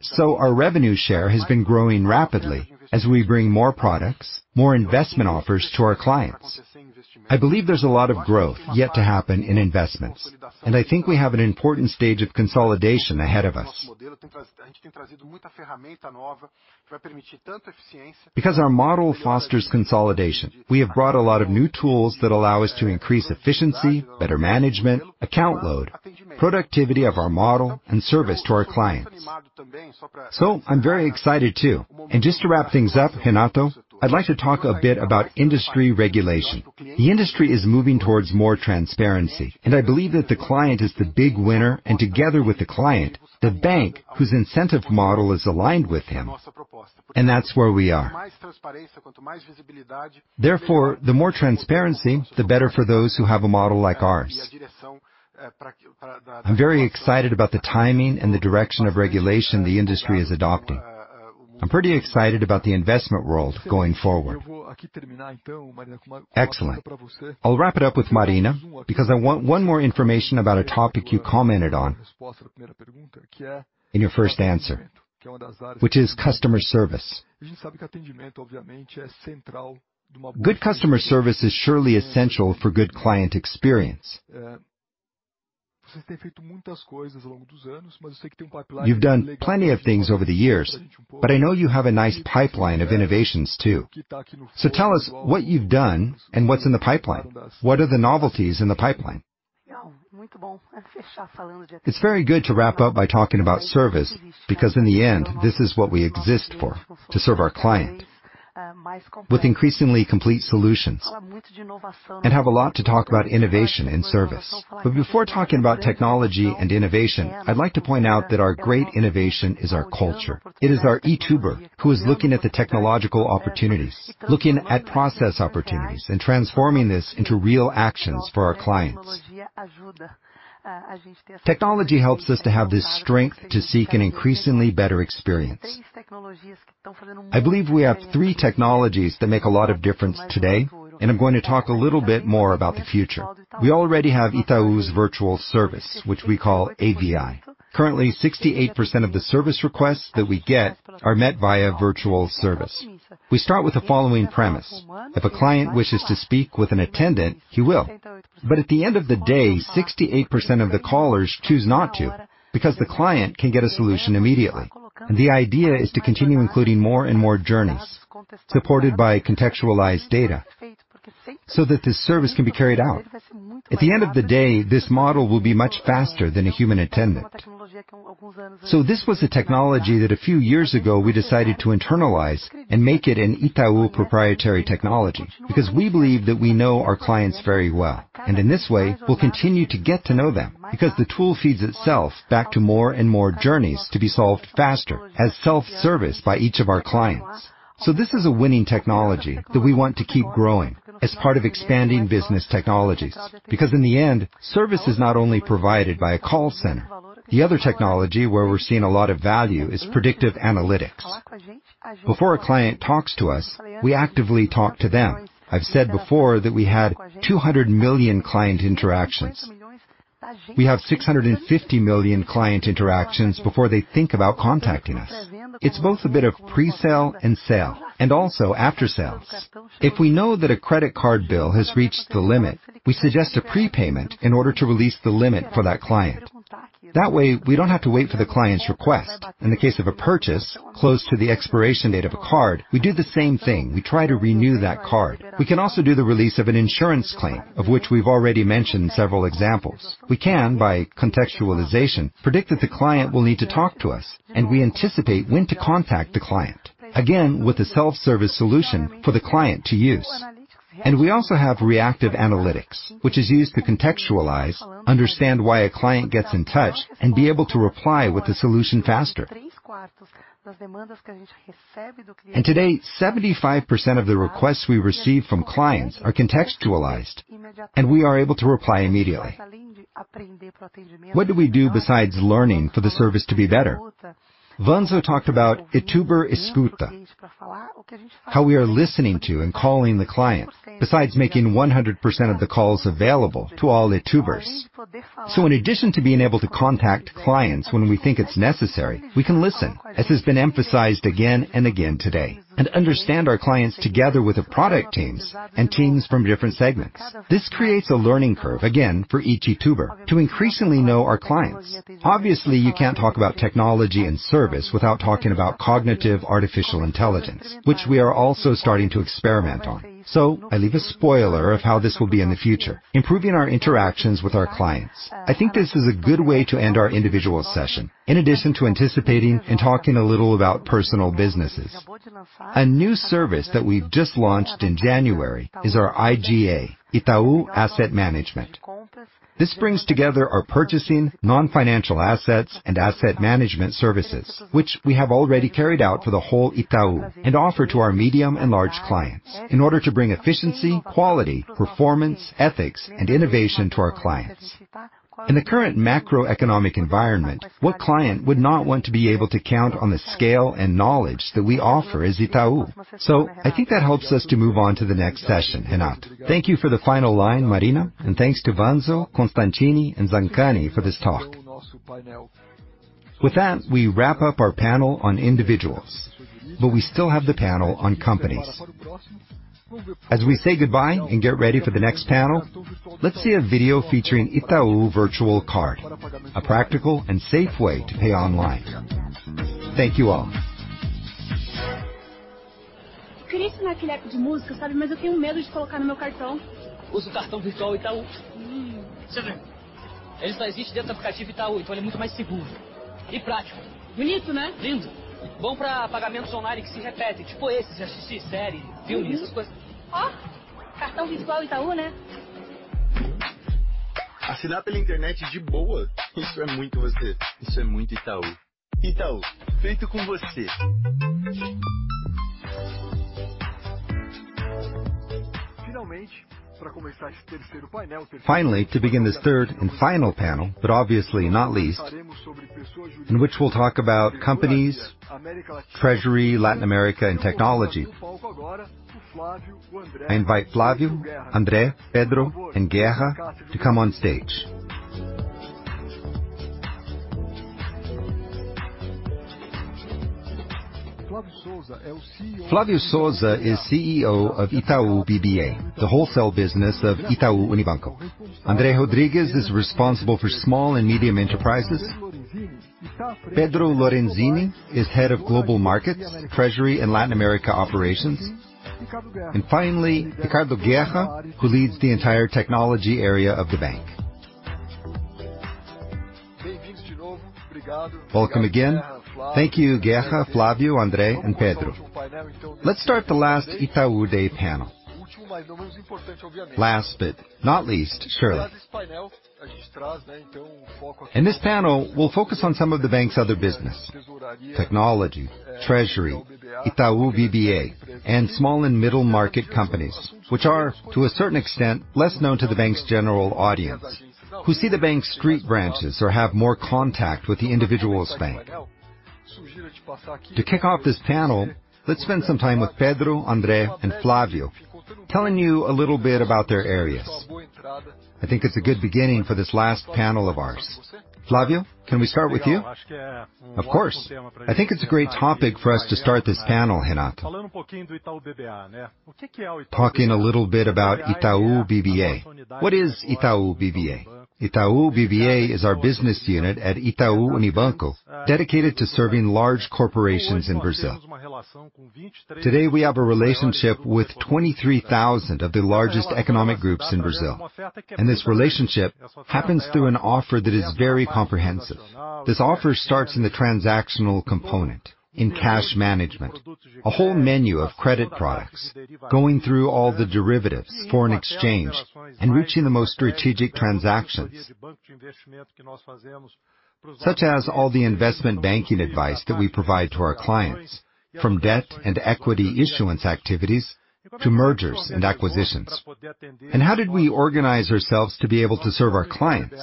so our revenue share has been growing rapidly as we bring more products, more investment offers to our clients. I believe there's a lot of growth yet to happen in investments, and I think we have an important stage of consolidation ahead of us. Because our model fosters consolidation, we have brought a lot of new tools that allow us to increase efficiency, better management, account load, productivity of our model, and service to our clients. I'm very excited, too. Just to wrap things up, Renato, I'd like to talk a bit about industry regulation. The industry is moving towards more transparency, and I believe that the client is the big winner, and together with the client, the bank, whose incentive model is aligned with him, and that's where we are. Therefore, the more transparency, the better for those who have a model like ours. I'm very excited about the timing and the direction of regulation the industry is adopting. I'm pretty excited about the investment world going forward. Excellent. I'll wrap it up with Marina, because I want one more information about a topic you commented on in your first answer, which is customer service. Good customer service is surely essential for good client experience. You've done plenty of things over the years, but I know you have a nice pipeline of innovations, too. Tell us what you've done and what's in the pipeline. What are the novelties in the pipeline? It's very good to wrap up by talking about service, because in the end, this is what we exist for, to serve our client with increasingly complete solutions and have a lot to talk about innovation and service. Before talking about technology and innovation, I'd like to point out that our great innovation is our culture. It is our Ituber, who is looking at the technological opportunities, looking at process opportunities, and transforming this into real actions for our clients. Technology helps us to have this strength to seek an increasingly better experience. I believe we have three technologies that make a lot of difference today, and I'm going to talk a little bit more about the future. We already have Itaú's virtual service, which we call AVI. Currently, 68% of the service requests that we get are met via virtual service. We start with the following premise: If a client wishes to speak with an attendant, he will. At the end of the day, 68% of the callers choose not to, because the client can get a solution immediately. The idea is to continue including more and more journeys, supported by contextualized data, so that this service can be carried out. At the end of the day, this model will be much faster than a human attendant. This was a technology that a few years ago we decided to internalize and make it an Itaú proprietary technology, because we believe that we know our clients very well, and in this way, we'll continue to get to know them, because the tool feeds itself back to more and more journeys to be solved faster as self-service by each of our clients. This is a winning technology that we want to keep growing as part of expanding business technologies, because in the end, service is not only provided by a call center. The other technology where we're seeing a lot of value is predictive analytics. Before a client talks to us, we actively talk to them. I've said before that we had 200 million client interactions. We have 650 million client interactions before they think about contacting us. It's both a bit of pre-sale and sale, and also after sales. If we know that a credit card bill has reached the limit, we suggest a prepayment in order to release the limit for that client. That way, we don't have to wait for the client's request. In the case of a purchase, close to the expiration date of a card, we do the same thing. We try to renew that card. We can also do the release of an insurance claim, of which we've already mentioned several examples. We can, by contextualization, predict that the client will need to talk to us, and we anticipate when to contact the client, again, with a self-service solution for the client to use. We also have reactive analytics, which is used to contextualize, understand why a client gets in touch, and be able to reply with a solution faster. Today, 75% of the requests we receive from clients are contextualized, and we are able to reply immediately. What do we do besides learning for the service to be better? Vanzo talked about "Ituber Escuta," how we are listening to and calling the client, besides making 100% of the calls available to all Itubers. In addition to being able to contact clients when we think it's necessary, we can listen, as has been emphasized again and again today, and understand our clients together with the product teams and teams from different segments. This creates a learning curve, again, for each Ituber to increasingly know our clients. I leave a spoiler of how this will be in the future, improving our interactions with our clients. I think this is a good way to end our individual session, in addition to anticipating and talking a little about personal businesses. A new service that we've just launched in January is our IGA, Itaú Asset Management. This brings together our purchasing, non-financial assets, and asset management services, which we have already carried out for the whole Itaú and offer to our medium and large clients in order to bring efficiency, quality, performance, ethics, and innovation to our clients. In the current macroeconomic environment, what client would not want to be able to count on the scale and knowledge that we offer as Itaú?
I think that helps us to move on to the next session, Renato. Thank you for the final line, Marina, and thanks to Vanzo, Constantini, and Zancani for this talk. With that, we wrap up our panel on individuals, but we still have the panel on companies. As we say goodbye and get ready for the next panel, let's see a video featuring Itaú Virtual Card, a practical and safe way to pay online. Thank you all. Finally, to begin this third and final panel, but obviously not least, in which we'll talk about companies, treasury, Latin America, and technology. I invite Flávio, André, Pedro, and Guerra to come on stage. Flávio Souza is CEO of Itaú BBA, the wholesale business of Itaú Unibanco. André Rodrigues is responsible for small and medium enterprises. Pedro Lorenzini is head of Global Markets, Treasury, and Latin America Operations.
Finally, Ricardo Guerra, who leads the entire technology area of the bank. Welcome again. Thank you, Guerra, Flávio, André, and Pedro. Let's start the last Itaú Day panel. Last, not least, surely. In this panel, we'll focus on some of the bank's other business: technology, treasury, Itaú BBA, and small and middle-market companies, which are, to a certain extent, less known to the bank's general audience, who see the bank's street branches or have more contact with the individuals' bank. To kick off this panel, let's spend some time with Pedro, André, and Flávio, telling you a little bit about their areas. I think it's a good beginning for this last panel of ours. Flávio, can we start with you?
Of course. I think it's a great topic for us to start this panel, Renato. Talking a little bit about Itaú BBA. What is Itaú BBA? Itaú BBA is our business unit at Itaú Unibanco, dedicated to serving large corporations in Brazil. Today, we have a relationship with 23,000 of the largest economic groups in Brazil, this relationship happens through an offer that is very comprehensive. This offer starts in the transactional component, in cash management, a whole menu of credit products, going through all the derivatives, foreign exchange, and reaching the most strategic transactions, such as all the investment banking advice that we provide to our clients. From debt and equity issuance activities to mergers and acquisitions. How did we organize ourselves to be able to serve our clients?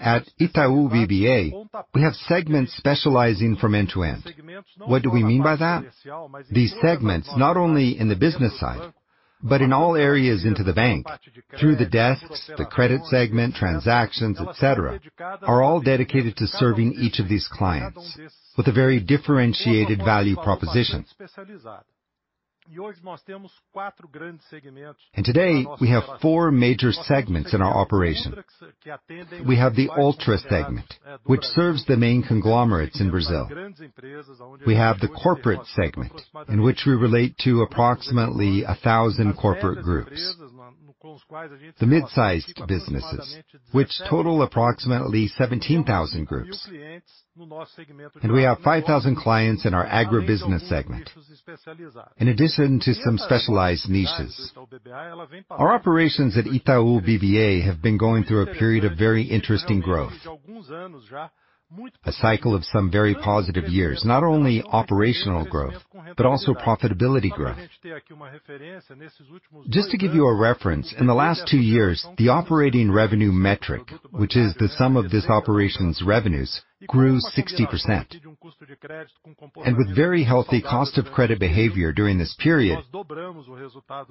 At Itaú BBA, we have segments specializing from end to end. What do we mean by that? These segments, not only in the business side, but in all areas into the bank, through the desks, the credit segment, transactions, et cetera, are all dedicated to serving each of these clients with a very differentiated value proposition. Today, we have four major segments in our operation. We have the ultra segment, which serves the main conglomerates in Brazil. We have the corporate segment, in which we relate to approximately 1,000 corporate groups. The mid-sized businesses, which total approximately 17,000 groups, and we have 5,000 clients in our agribusiness segment, in addition to some specialized niches. Our operations at Itaú BBA have been going through a period of very interesting growth, a cycle of some very positive years, not only operational growth, but also profitability growth. Just to give you a reference, in the last two years, the operating revenue metric, which is the sum of this operations revenues, grew 60%. With very healthy cost of credit behavior during this period,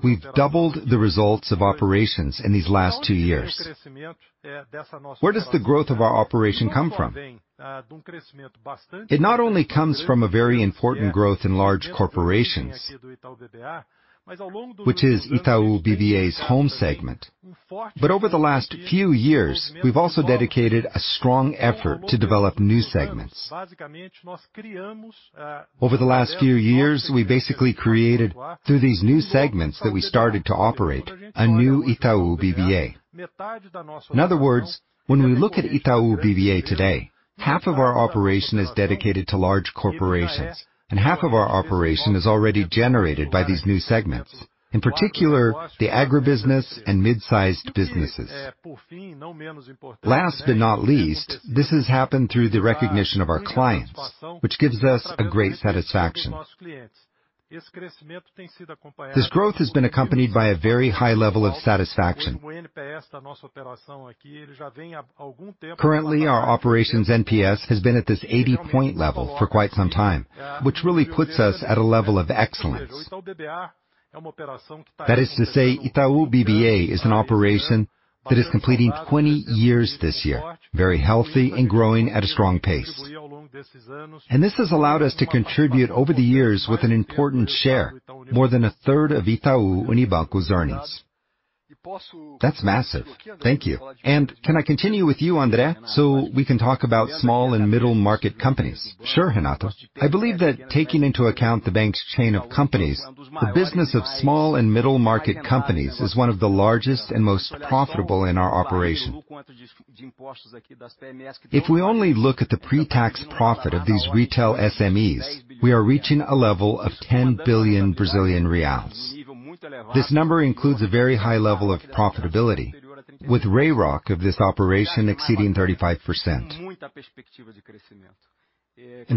we've doubled the results of operations in these last two years. Where does the growth of our operation come from? It not only comes from a very important growth in large corporations, which is Itaú BBA's home segment, but over the last few years, we've also dedicated a strong effort to develop new segments. Over the last few years, we basically created, through these new segments that we started to operate, a new Itaú BBA. In other words, when we look at Itaú BBA today, half of our operation is dedicated to large corporations, and half of our operation is already generated by these new segments, in particular, the agribusiness and mid-sized businesses. Last but not least, this has happened through the recognition of our clients, which gives us a great satisfaction. This growth has been accompanied by a very high level of satisfaction. Currently, our operations NPS has been at this 80-point level for quite some time, which really puts us at a level of excellence. That is to say, Itaú BBA is an operation that is completing 20 years this year, very healthy and growing at a strong pace. This has allowed us to contribute over the years with an important share, more than 1/3 of Itaú Unibanco's earnings. That's massive. Thank you.
Can I continue with you, Andre, so we can talk about small and middle-market companies?
Sure, Renato.
I believe that taking into account the bank's chain of companies, the business of small and middle-market companies is one of the largest and most profitable in our operation. If we only look at the pre-tax profit of these retail SMEs, we are reaching a level of 10 billion Brazilian reais. This number includes a very high level of profitability, with RAROIC of this operation exceeding 35%.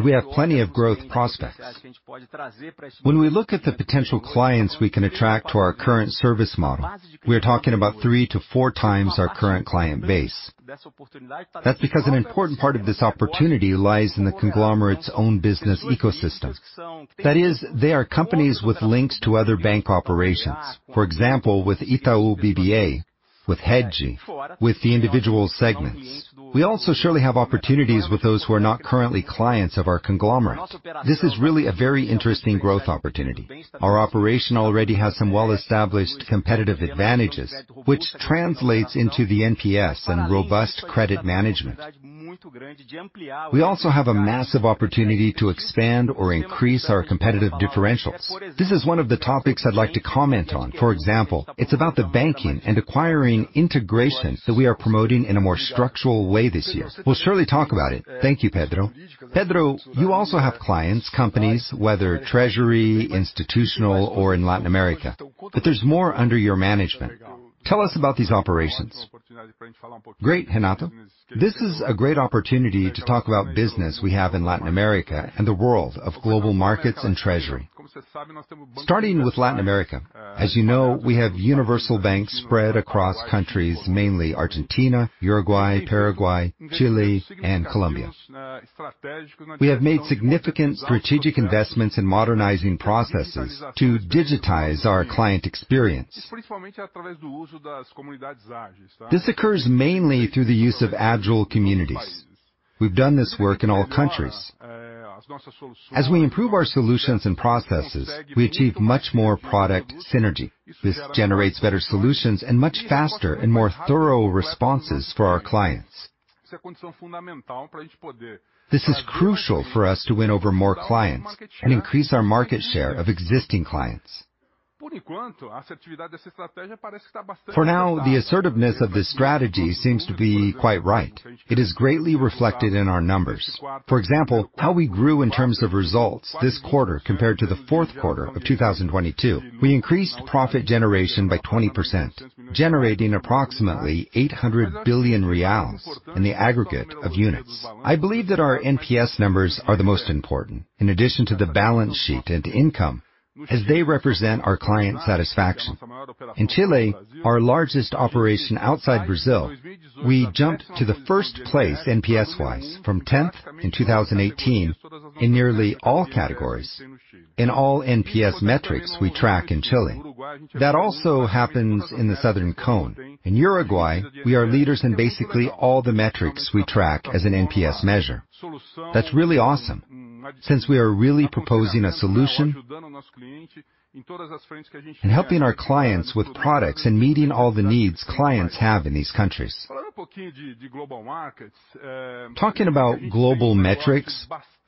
We have plenty of growth prospects. When we look at the potential clients we can attract to our current service model, we are talking about three to four times our current client base. That's because an important part of this opportunity lies in the conglomerate's own business ecosystem. That is, they are companies with links to other bank operations, for example, with Itaú BBA, with Rede, with the individual segments. We also surely have opportunities with those who are not currently clients of our conglomerate. This is really a very interesting growth opportunity. Our operation already has some well-established competitive advantages, which translates into the NPS and robust credit management. We also have a massive opportunity to expand or increase our competitive differentials. This is one of the topics I'd like to comment on. For example, it's about the banking and acquiring integration that we are promoting in a more structural way this year. We'll surely talk about it. Thank you, Pedro. Pedro, you also have clients, companies, whether treasury, institutional or in Latin America, but there's more under your management. Tell us about these operations. Great, Renato! This is a great opportunity to talk about business we have in Latin America and the world of global markets and treasury.
Starting with Latin America, as you know, we have universal banks spread across countries, mainly Argentina, Uruguay, Paraguay, Chile, and Colombia. We have made significant strategic investments in modernizing processes to digitize our client experience. This occurs mainly through the use of agile communities. We've done this work in all countries. As we improve our solutions and processes, we achieve much more product synergy. This generates better solutions and much faster and more thorough responses for our clients. This is crucial for us to win over more clients and increase our market share of existing clients. For now, the assertiveness of this strategy seems to be quite right. It is greatly reflected in our numbers. For example, how we grew in terms of results this quarter compared to the fourth quarter of 2022. We increased profit generation by 20%, generating approximately 800 billion reais in the aggregate of units. I believe that our NPS numbers are the most important, in addition to the balance sheet and income, as they represent our client satisfaction. In Chile, our largest operation outside Brazil, we jumped to the 1st place NPS-wise, from 10th in 2018, in nearly all categories, in all NPS metrics we track in Chile. That also happens in the Southern Cone. In Uruguay, we are leaders in basically all the metrics we track as an NPS measure. That's really awesome, since we are really proposing a solution and helping our clients with products and meeting all the needs clients have in these countries. Talking about global metrics,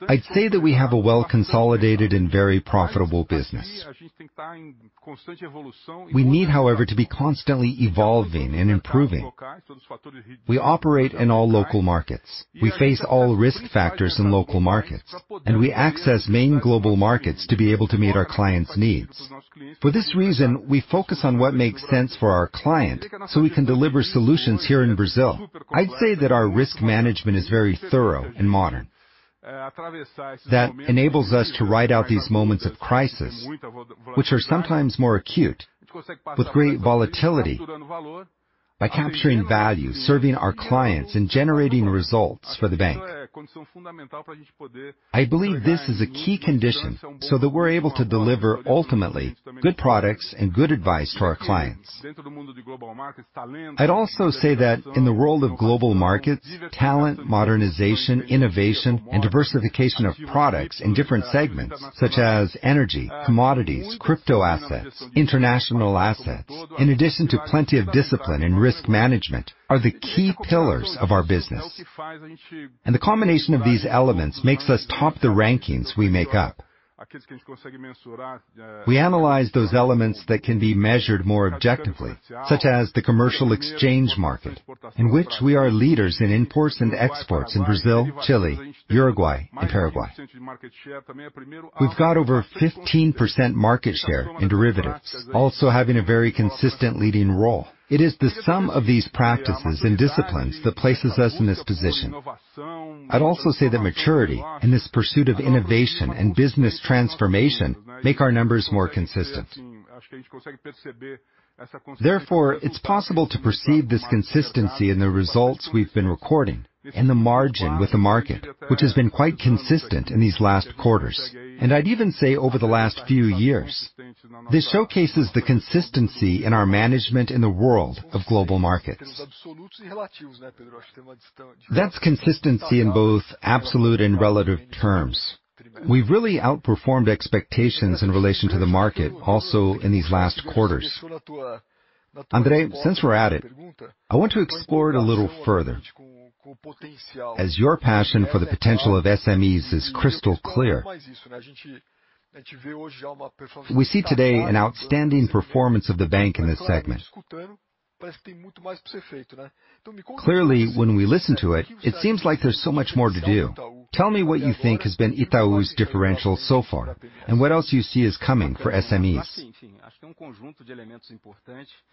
I'd say that we have a well-consolidated and very profitable business. We need, however, to be constantly evolving and improving. We operate in all local markets. We face all risk factors in local markets. We access main global markets to be able to meet our clients' needs. For this reason, we focus on what makes sense for our client. We can deliver solutions here in Brazil. I'd say that our risk management is very thorough and modern. That enables us to ride out these moments of crisis, which are sometimes more acute, with great volatility, by capturing value, serving our clients, and generating results for the bank. I believe this is a key condition. We're able to deliver ultimately good products and good advice to our clients. I'd also say that in the world of global markets, talent, modernization, innovation, and diversification of products in different segments, such as energy, commodities, crypto assets, international assets, in addition to plenty of discipline and risk management, are the key pillars of our business. The combination of these elements makes us top the rankings we make up. We analyze those elements that can be measured more objectively, such as the commercial exchange market, in which we are leaders in imports and exports in Brazil, Chile, Uruguay, and Paraguay. We've got over 15% market share in derivatives, also having a very consistent leading role. It is the sum of these practices and disciplines that places us in this position. I'd also say that maturity and this pursuit of innovation and business transformation make our numbers more consistent.
It's possible to perceive this consistency in the results we've been recording and the margin with the market, which has been quite consistent in these last quarters, and I'd even say over the last few years. This showcases the consistency in our management in the world of global markets. That's consistency in both absolute and relative terms. We've really outperformed expectations in relation to the market, also in these last quarters. Andre, since we're at it, I want to explore it a little further, as your passion for the potential of SMEs is crystal clear. We see today an outstanding performance of the bank in this segment. Clearly, when we listen to it seems like there's so much more to do. Tell me what you think has been Itaú's differential so far, and what else you see is coming for SMEs?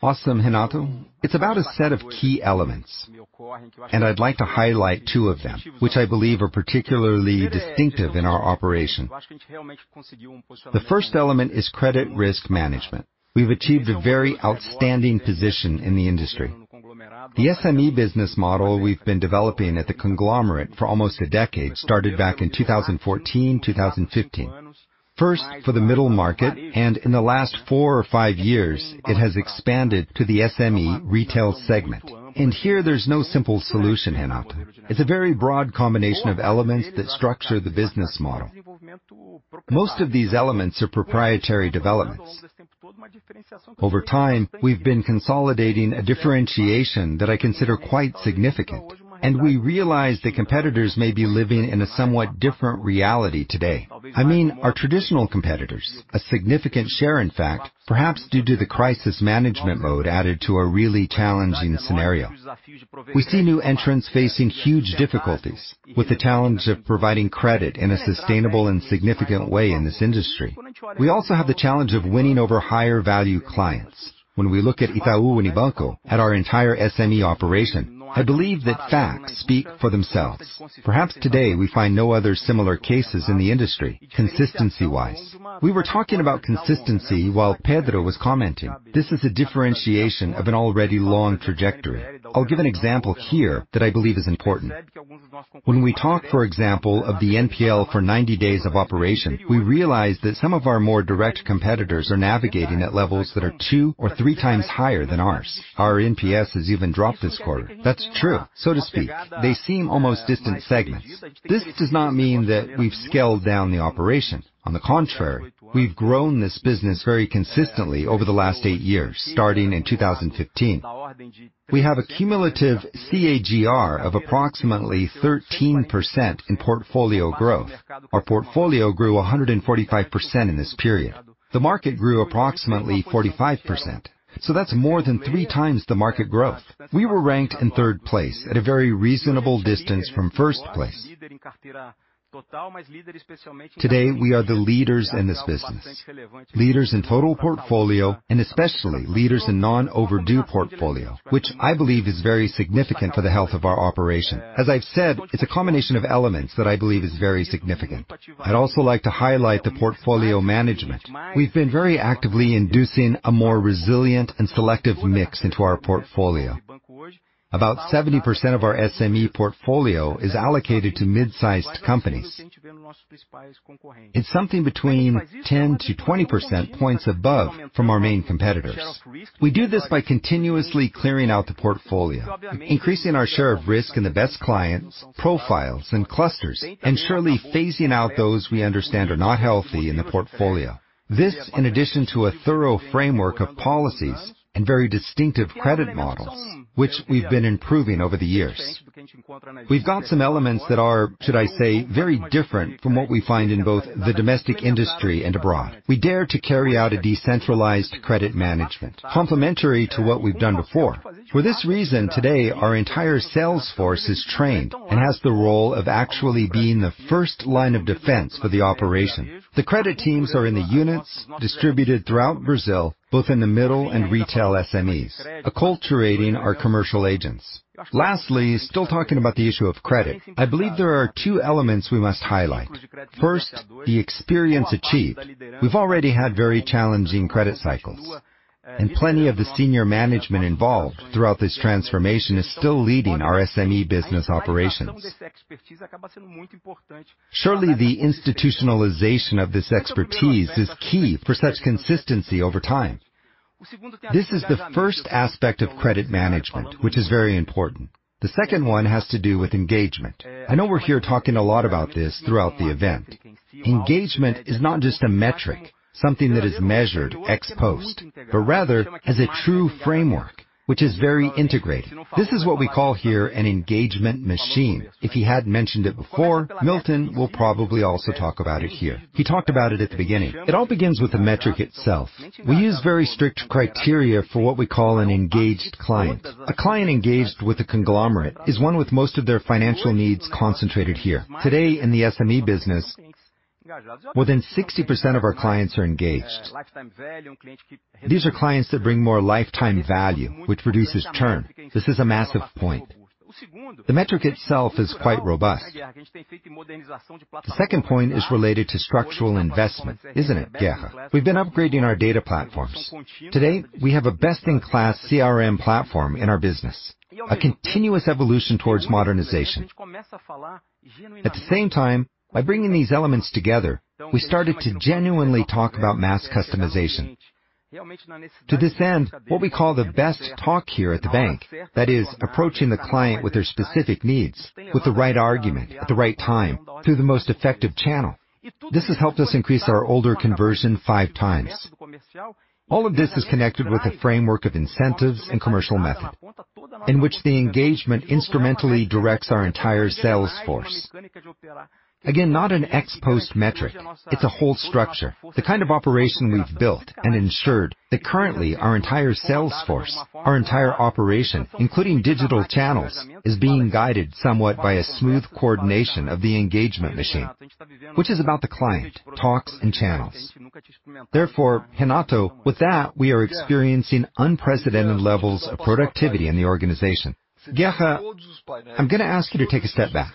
Awesome, Renato. It's about a set of key elements, and I'd like to highlight two of them, which I believe are particularly distinctive in our operation. The first element is credit risk management. We've achieved a very outstanding position in the industry. The SME business model we've been developing at the conglomerate for almost a decade, started back in 2014, 2015. First, for the middle market, and in the last 4 or 5 years, it has expanded to the SME retail segment. Here, there's no simple solution, Renato. It's a very broad combination of elements that structure the business model. Most of these elements are proprietary developments. Over time, we've been consolidating a differentiation that I consider quite significant, and we realize that competitors may be living in a somewhat different reality today. I mean, our traditional competitors, a significant share, in fact, perhaps due to the crisis management mode, added to a really challenging scenario. We see new entrants facing huge difficulties with the challenge of providing credit in a sustainable and significant way in this industry. We also have the challenge of winning over higher-value clients. When we look at Itaú Unibanco, at our entire SME operation, I believe that facts speak for themselves. Perhaps today, we find no other similar cases in the industry, consistency-wise. We were talking about consistency while Pedro was commenting. This is a differentiation of an already long trajectory. I'll give an example here that I believe is important. When we talk, for example, of the NPL for 90 days of operation, we realize that some of our more direct competitors are navigating at levels that are 2 or 3 times higher than ours. Our NPS has even dropped this quarter. That's true. So to speak, they seem almost distant segments. This does not mean that we've scaled down the operation. On the contrary, we've grown this business very consistently over the last 8 years, starting in 2015. We have a cumulative CAGR of approximately 13% in portfolio growth. Our portfolio grew 145% in this period. The market grew approximately 45%, so that's more than 3 times the market growth. We were ranked in third place at a very reasonable distance from first place. Today, we are the leaders in this business. Leaders in total portfolio, and especially leaders in non-overdue portfolio, which I believe is very significant for the health of our operation. As I've said, it's a combination of elements that I believe is very significant. I'd also like to highlight the portfolio management. We've been very actively inducing a more resilient and selective mix into our portfolio. About 70% of our SME portfolio is allocated to mid-sized companies. It's something between 10-20 percentage points above from our main competitors. We do this by continuously clearing out the portfolio, increasing our share of risk in the best clients, profiles, and clusters, and surely phasing out those we understand are not healthy in the portfolio. This, in addition to a thorough framework of policies and very distinctive credit models, which we've been improving over the years. We've got some elements that are, should I say, very different from what we find in both the domestic industry and abroad. We dare to carry out a decentralized credit management, complementary to what we've done before. For this reason, today, our entire sales force is trained and has the role of actually being the first line of defense for the operation. The credit teams are in the units distributed throughout Brazil, both in the middle and retail SMEs, acculturating our commercial agents. Lastly, still talking about the issue of credit, I believe there are two elements we must highlight. First, the experience achieved. We've already had very challenging credit cycles, and plenty of the senior management involved throughout this transformation is still leading our SME business operations. Surely, the institutionalization of this expertise is key for such consistency over time. This is the first aspect of credit management, which is very important. The second one has to do with engagement. I know we're here talking a lot about this throughout the event. Engagement is not just a metric, something that is measured ex-post, but rather, as a true framework, which is very integrated. This is what we call here an engagement machine. If he hadn't mentioned it before, Milton will probably also talk about it here. He talked about it at the beginning. It all begins with the metric itself. We use very strict criteria for what we call an engaged client. A client engaged with a conglomerate is one with most of their financial needs concentrated here. Today, in the SME business, more than 60% of our clients are engaged. These are clients that bring more lifetime value, which reduces churn. This is a massive point. The metric itself is quite robust. The second point is related to structural investment, isn't it, Guerra? We've been upgrading our data platforms. Today, we have a best-in-class CRM platform in our business, a continuous evolution towards modernization. At the same time, by bringing these elements together, we started to genuinely talk about mass customization. To this end, what we call the best talk here at the bank, that is approaching the client with their specific needs, with the right argument at the right time, through the most effective channel. This has helped us increase our older conversion 5 times. All of this is connected with a framework of incentives and commercial method, in which the engagement instrumentally directs our entire sales force. Again, not an ex-post metric, it's a whole structure, the kind of operation we've built and ensured that currently our entire sales force, our entire operation, including digital channels, is being guided somewhat by a smooth coordination of the engagement machine, which is about the client, talks, and channels. Renato, with that, we are experiencing unprecedented levels of productivity in the organization.
Guerra, I'm gonna ask you to take a step back.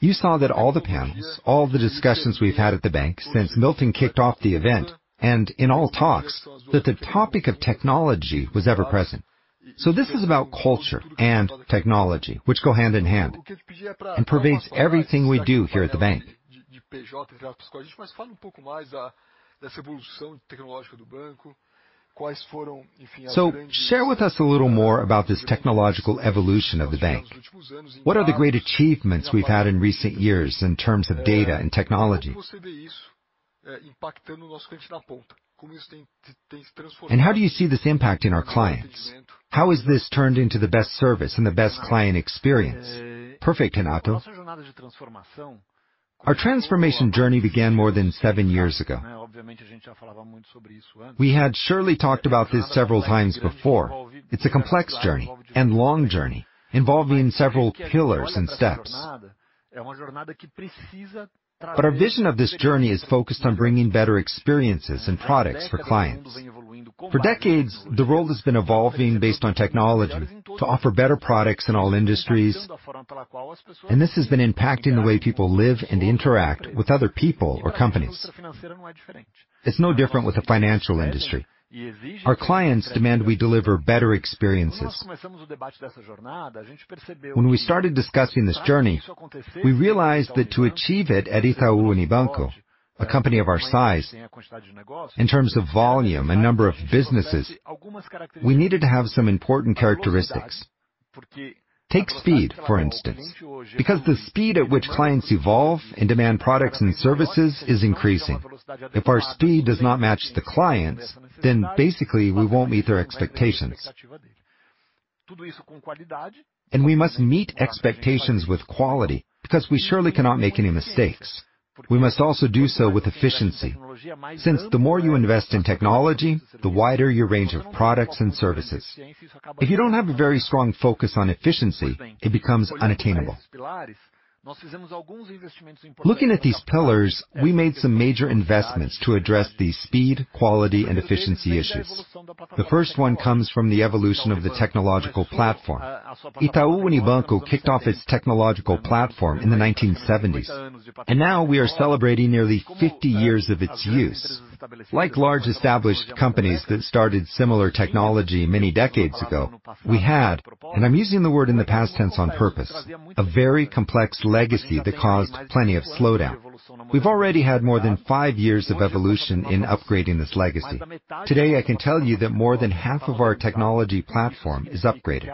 You saw that all the panels, all the discussions we've had at the bank since Milton kicked off the event and in all talks, that the topic of technology was ever present. This is about culture and technology, which go hand in hand and pervades everything we do here at the bank. Share with us a little more about this technological evolution of the bank. What are the great achievements we've had in recent years in terms of data and technology? How do you see this impacting our clients? How has this turned into the best service and the best client experience?
Perfect, Renato. Our transformation journey began more than seven years ago. We had surely talked about this several times before. It's a complex journey and long journey, involving several pillars and steps. Our vision of this journey is focused on bringing better experiences and products for clients. For decades, the world has been evolving based on technology to offer better products in all industries, and this has been impacting the way people live and interact with other people or companies. It's no different with the financial industry. Our clients demand we deliver better experiences. When we started discussing this journey, we realized that to achieve it at Itaú Unibanco, a company of our size, in terms of volume and number of businesses, we needed to have some important characteristics. Take speed, for instance, because the speed at which clients evolve and demand products and services is increasing. If our speed does not match the clients, then basically, we won't meet their expectations. We must meet expectations with quality, because we surely cannot make any mistakes. We must also do so with efficiency, since the more you invest in technology, the wider your range of products and services. If you don't have a very strong focus on efficiency, it becomes unattainable. Looking at these pillars, we made some major investments to address the speed, quality, and efficiency issues. The first one comes from the evolution of the technological platform. Itaú Unibanco kicked off its technological platform in the 1970s, and now we are celebrating nearly 50 years of its use. Like large, established companies that started similar technology many decades ago, we had, and I'm using the word in the past tense on purpose, a very complex legacy that caused plenty of slowdown. We've already had more than 5 years of evolution in upgrading this legacy. Today, I can tell you that more than half of our technology platform is upgraded.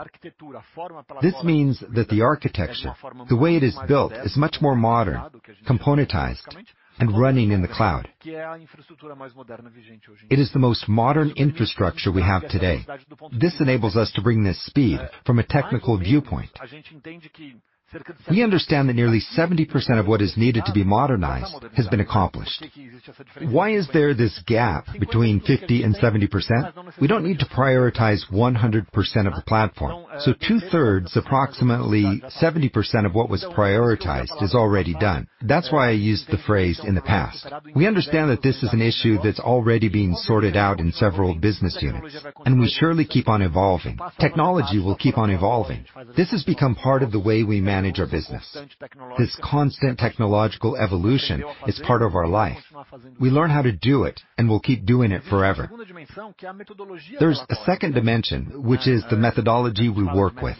This means that the architecture, the way it is built, is much more modern, componentized and running in the cloud. It is the most modern infrastructure we have today. This enables us to bring this speed from a technical viewpoint. We understand that nearly 70% of what is needed to be modernized has been accomplished. Why is there this gap between 50 and 70%? We don't need to prioritize 100% of the platform, so two-thirds, approximately 70% of what was prioritized, is already done. That's why I used the phrase "in the past." We understand that this is an issue that's already being sorted out in several business units, and we surely keep on evolving. Technology will keep on evolving. This has become part of the way we manage our business. This constant technological evolution is part of our life. We learn how to do it, and we'll keep doing it forever. There's a second dimension, which is the methodology we work with.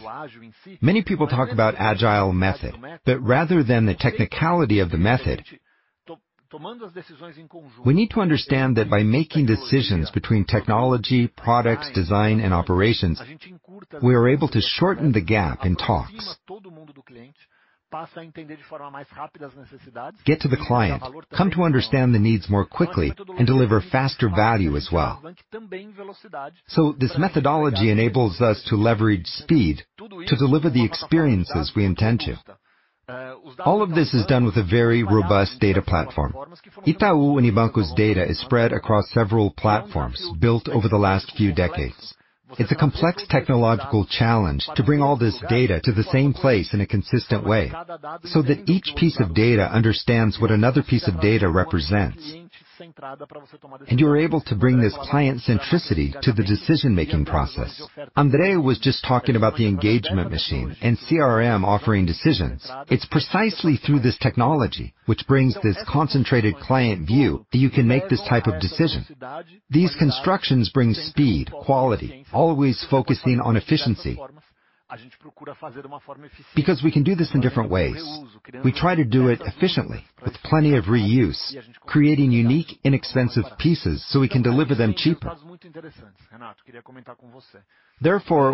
Many people talk about agile method, but rather than the technicality of the method, we need to understand that by making decisions between technology, products, design and operations, we are able to shorten the gap in talks. Get to the client, come to understand the needs more quickly and deliver faster value as well. This methodology enables us to leverage speed to deliver the experiences we intend to. All of this is done with a very robust data platform. Itaú Unibanco's data is spread across several platforms built over the last few decades. It's a complex technological challenge to bring all this data to the same place in a consistent way, so that each piece of data understands what another piece of data represents, and you are able to bring this client centricity to the decision-making process. André was just talking about the engagement machine and CRM offering decisions. It's precisely through this technology, which brings this concentrated client view, that you can make this type of decision. These constructions bring speed, quality, always focusing on efficiency, because we can do this in different ways. We try to do it efficiently with plenty of reuse, creating unique, inexpensive pieces so we can deliver them cheaper.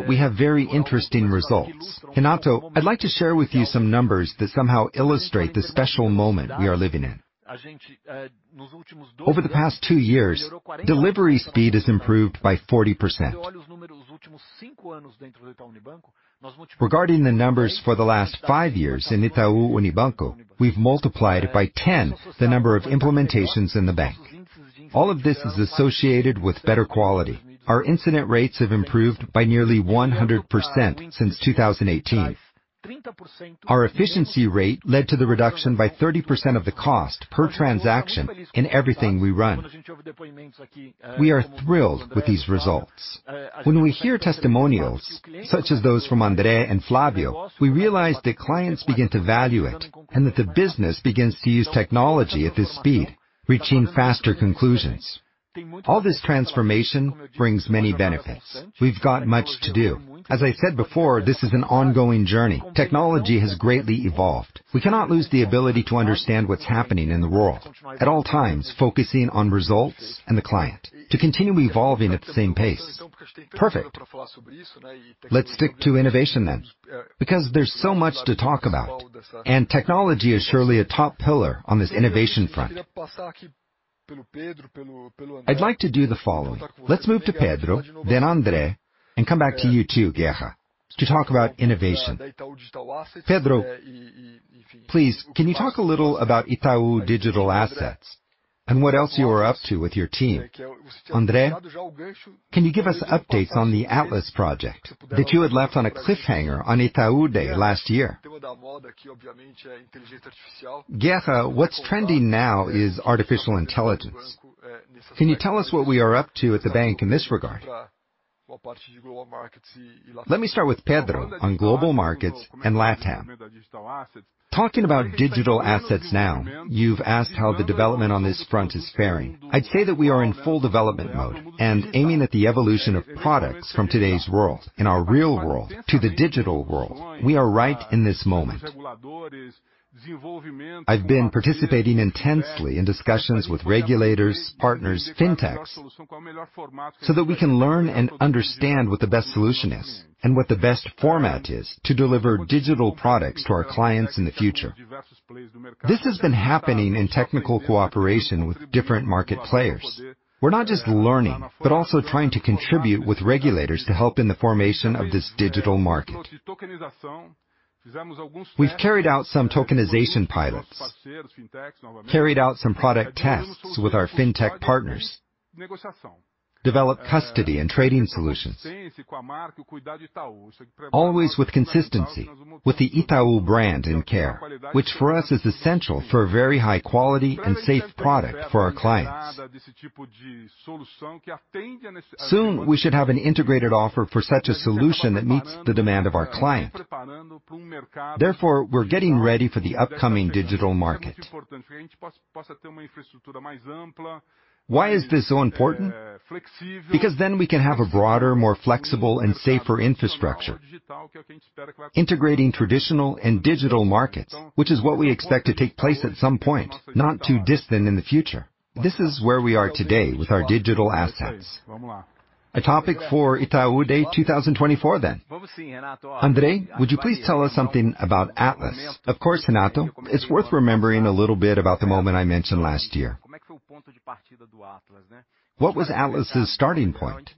We have very interesting results. Renato, I'd like to share with you some numbers that somehow illustrate the special moment we are living in. Over the past two years, delivery speed has improved by 40%. Regarding the numbers for the last five years in Itaú Unibanco, we've multiplied by 10 the number of implementations in the bank. All of this is associated with better quality. Our incident rates have improved by nearly 100% since 2018. Our efficiency rate led to the reduction by 30% of the cost per transaction in everything we run. We are thrilled with these results. When we hear testimonials such as those from André and Flávio, we realize that clients begin to value it, and that the business begins to use technology at this speed, reaching faster conclusions. All this transformation brings many benefits. We've got much to do. As I said before, this is an ongoing journey. Technology has greatly evolved. We cannot lose the ability to understand what's happening in the world, at all times, focusing on results and the client to continue evolving at the same pace. Perfect! Let's stick to innovation then, because there's so much to talk about, and technology is surely a top pillar on this innovation front. I'd like to do the following: Let's move to Pedro, then André, and come back to you, too, Guerra, to talk about innovation. Pedro, please, can you talk a little about Itaú Digital Assets and what else you are up to with your team? André, can you give us updates on the Atlas project that you had left on a cliffhanger on Itaú Day last year? Guerra, what's trending now is artificial intelligence. Can you tell us what we are up to at the bank in this regard? Let me start with Pedro on global markets and Latam. Talking about digital assets now, you've asked how the development on this front is faring. I'd say that we are in full development mode and aiming at the evolution of products from today's world, in our real world, to the digital world. We are right in this moment. I've been participating intensely in discussions with regulators, partners, fintechs, so that we can learn and understand what the best solution is and what the best format is to deliver digital products to our clients in the future. This has been happening in technical cooperation with different market players. We're not just learning, but also trying to contribute with regulators to help in the formation of this digital market. We've carried out some tokenization pilots, carried out some product tests with our fintech partners, developed custody and trading solutions, always with consistency with the Itaú brand and care, which for us is essential for a very high quality and safe product for our clients. Soon, we should have an integrated offer for such a solution that meets the demand of our clients. We're getting ready for the upcoming digital market. Why is this so important? Then we can have a broader, more flexible, and safer infrastructure, integrating traditional and digital markets, which is what we expect to take place at some point, not too distant in the future. This is where we are today with our digital assets. A topic for Itaú Day 2024. André, would you please tell us something about Atlas? Of course, Renato. It's worth remembering a little bit about the moment I mentioned last year. What was Atlas's starting point?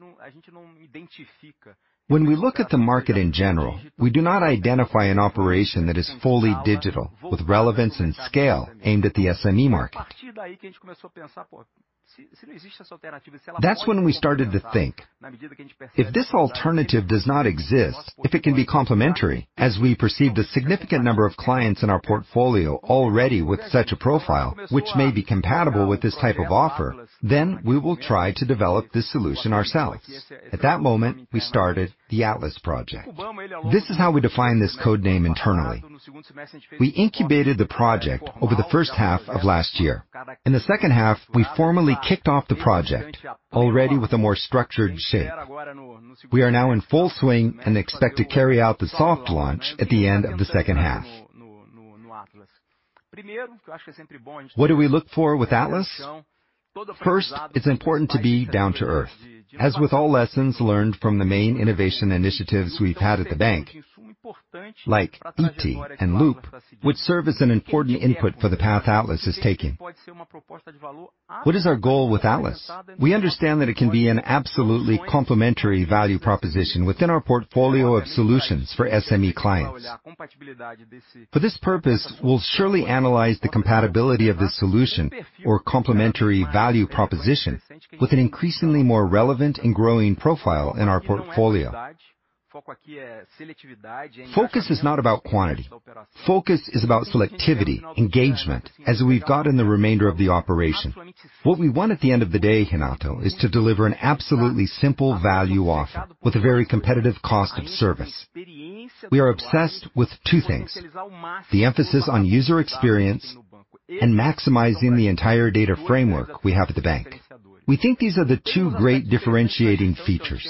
When we look at the market in general, we do not identify an operation that is fully digital, with relevance and scale aimed at the SME market. That's when we started to think, "If this alternative does not exist, if it can be complementary," as we perceived a significant number of clients in our portfolio already with such a profile, which may be compatible with this type of offer, "then we will try to develop this solution ourselves." At that moment, we started the Atlas project. This is how we define this code name internally. We incubated the project over the first half of last year. In the second half, we formally kicked off the project, already with a more structured shape. We are now in full swing and expect to carry out the soft launch at the end of the second half. What do we look for with Atlas? First, it's important to be down-to-earth. As with all lessons learned from the main innovation initiatives we've had at the bank, like iti and Loop, which serve as an important input for the path Atlas is taking. What is our goal with Atlas? We understand that it can be an absolutely complementary value proposition within our portfolio of solutions for SME clients. For this purpose, we'll surely analyze the compatibility of this solution or complementary value proposition with an increasingly more relevant and growing profile in our portfolio. Focus is not about quantity. Focus is about selectivity, engagement, as we've got in the remainder of the operation. What we want at the end of the day, Renato, is to deliver an absolutely simple value offer with a very competitive cost of service. We are obsessed with two things: the emphasis on user experience and maximizing the entire data framework we have at the bank. We think these are the two great differentiating features.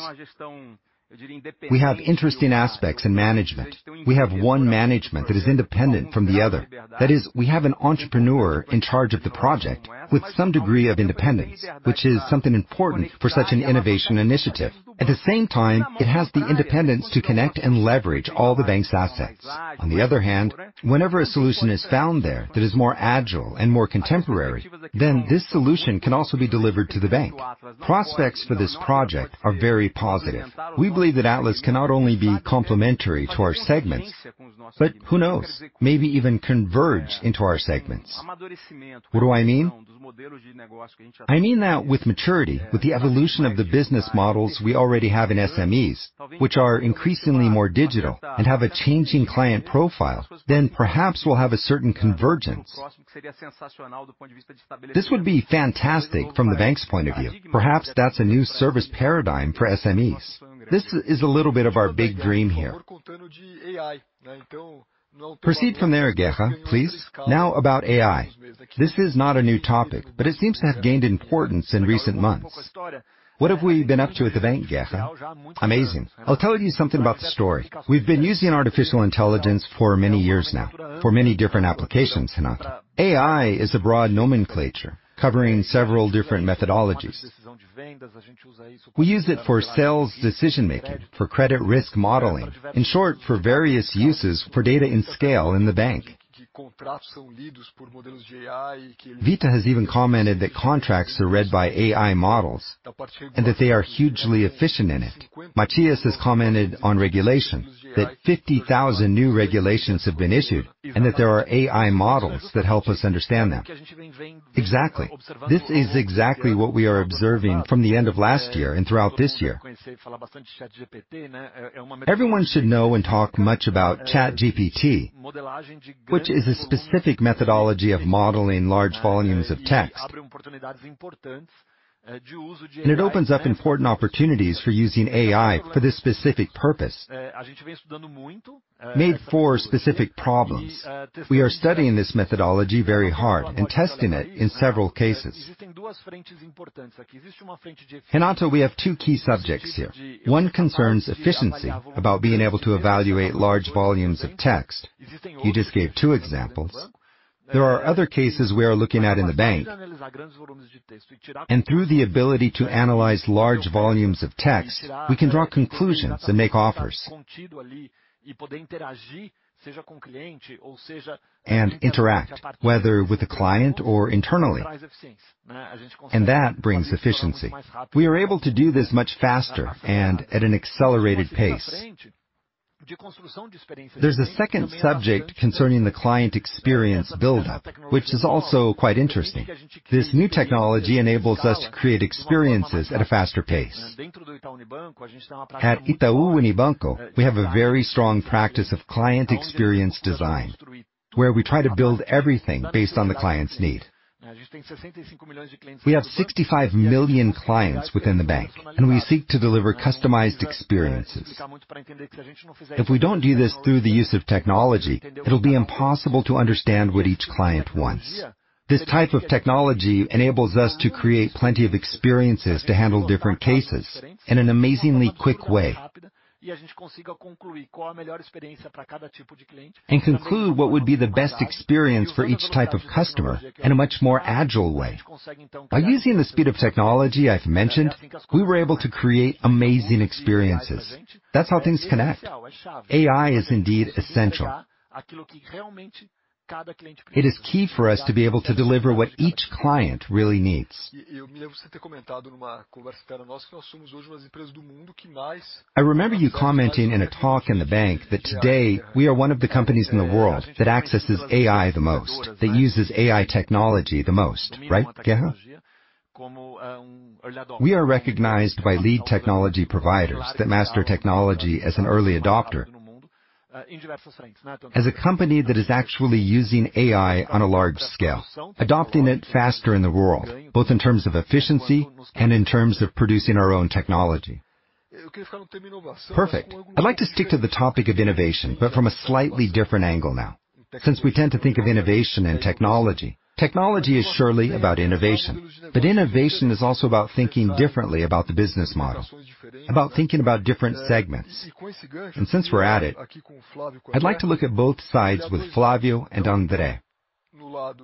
We have interesting aspects in management. We have one management that is independent from the other. That is, we have an entrepreneur in charge of the project, with some degree of independence, which is something important for such an innovation initiative. At the same time, it has the independence to connect and leverage all the bank's assets. On the other hand, whenever a solution is found there that is more agile and more contemporary, then this solution can also be delivered to the bank. Prospects for this project are very positive. We believe that Atlas cannot only be complementary to our segments, but who knows, maybe even converge into our segments. What do I mean? I mean that with maturity, with the evolution of the business models we already have in SMEs, which are increasingly more digital and have a changing client profile, perhaps we'll have a certain convergence. This would be fantastic from the bank's point of view. Perhaps that's a new service paradigm for SMEs. This is a little bit of our big dream here. Proceed from there, Guerra, please. About AI. This is not a new topic, it seems to have gained importance in recent months. What have we been up to at the bank, Guerra? Amazing. I'll tell you something about the story. We've been using artificial intelligence for many years now, for many different applications, Renato.
AI is a broad nomenclature covering several different methodologies. We use it for sales decision making, for credit risk modeling. In short, for various uses for data and scale in the bank. Rita has even commented that contracts are read by AI models, and that they are hugely efficient in it. Matthias has commented on regulation, that 50,000 new regulations have been issued, and that there are AI models that help us understand them. Exactly. This is exactly what we are observing from the end of last year and throughout this year. Everyone should know and talk much about ChatGPT, which is a specific methodology of modeling large volumes of text. It opens up important opportunities for using AI for this specific purpose, made for specific problems. We are studying this methodology very hard and testing it in several cases. Renato, we have two key subjects here. One concerns efficiency, about being able to evaluate large volumes of text. You just gave two examples. There are other cases we are looking at in the bank. Through the ability to analyze large volumes of text, we can draw conclusions and make offers. Interact, whether with the client or internally, and that brings efficiency. We are able to do this much faster and at an accelerated pace. There's a second subject concerning the client experience buildup, which is also quite interesting. This new technology enables us to create experiences at a faster pace. At Itaú Unibanco, we have a very strong practice of client experience design, where we try to build everything based on the client's need. We have 65 million clients within the bank, and we seek to deliver customized experiences. If we don't do this through the use of technology, it'll be impossible to understand what each client wants. This type of technology enables us to create plenty of experiences to handle different cases in an amazingly quick way. Conclude what would be the best experience for each type of customer in a much more agile way. By using the speed of technology I've mentioned, we were able to create amazing experiences. That's how things connect. AI is indeed essential. It is key for us to be able to deliver what each client really needs. I remember you commenting in a talk in the bank, that today, we are one of the companies in the world that accesses AI the most, that uses AI technology the most. Right, Guerra? We are recognized by lead technology providers that master technology as an early adopter. As a company that is actually using AI on a large scale, adopting it faster in the world, both in terms of efficiency and in terms of producing our own technology. Perfect. I'd like to stick to the topic of innovation, from a slightly different angle now. We tend to think of innovation and technology is surely about innovation. Innovation is also about thinking differently about the business model, about thinking about different segments. We're at it, I'd like to look at both sides with Flávio and André. On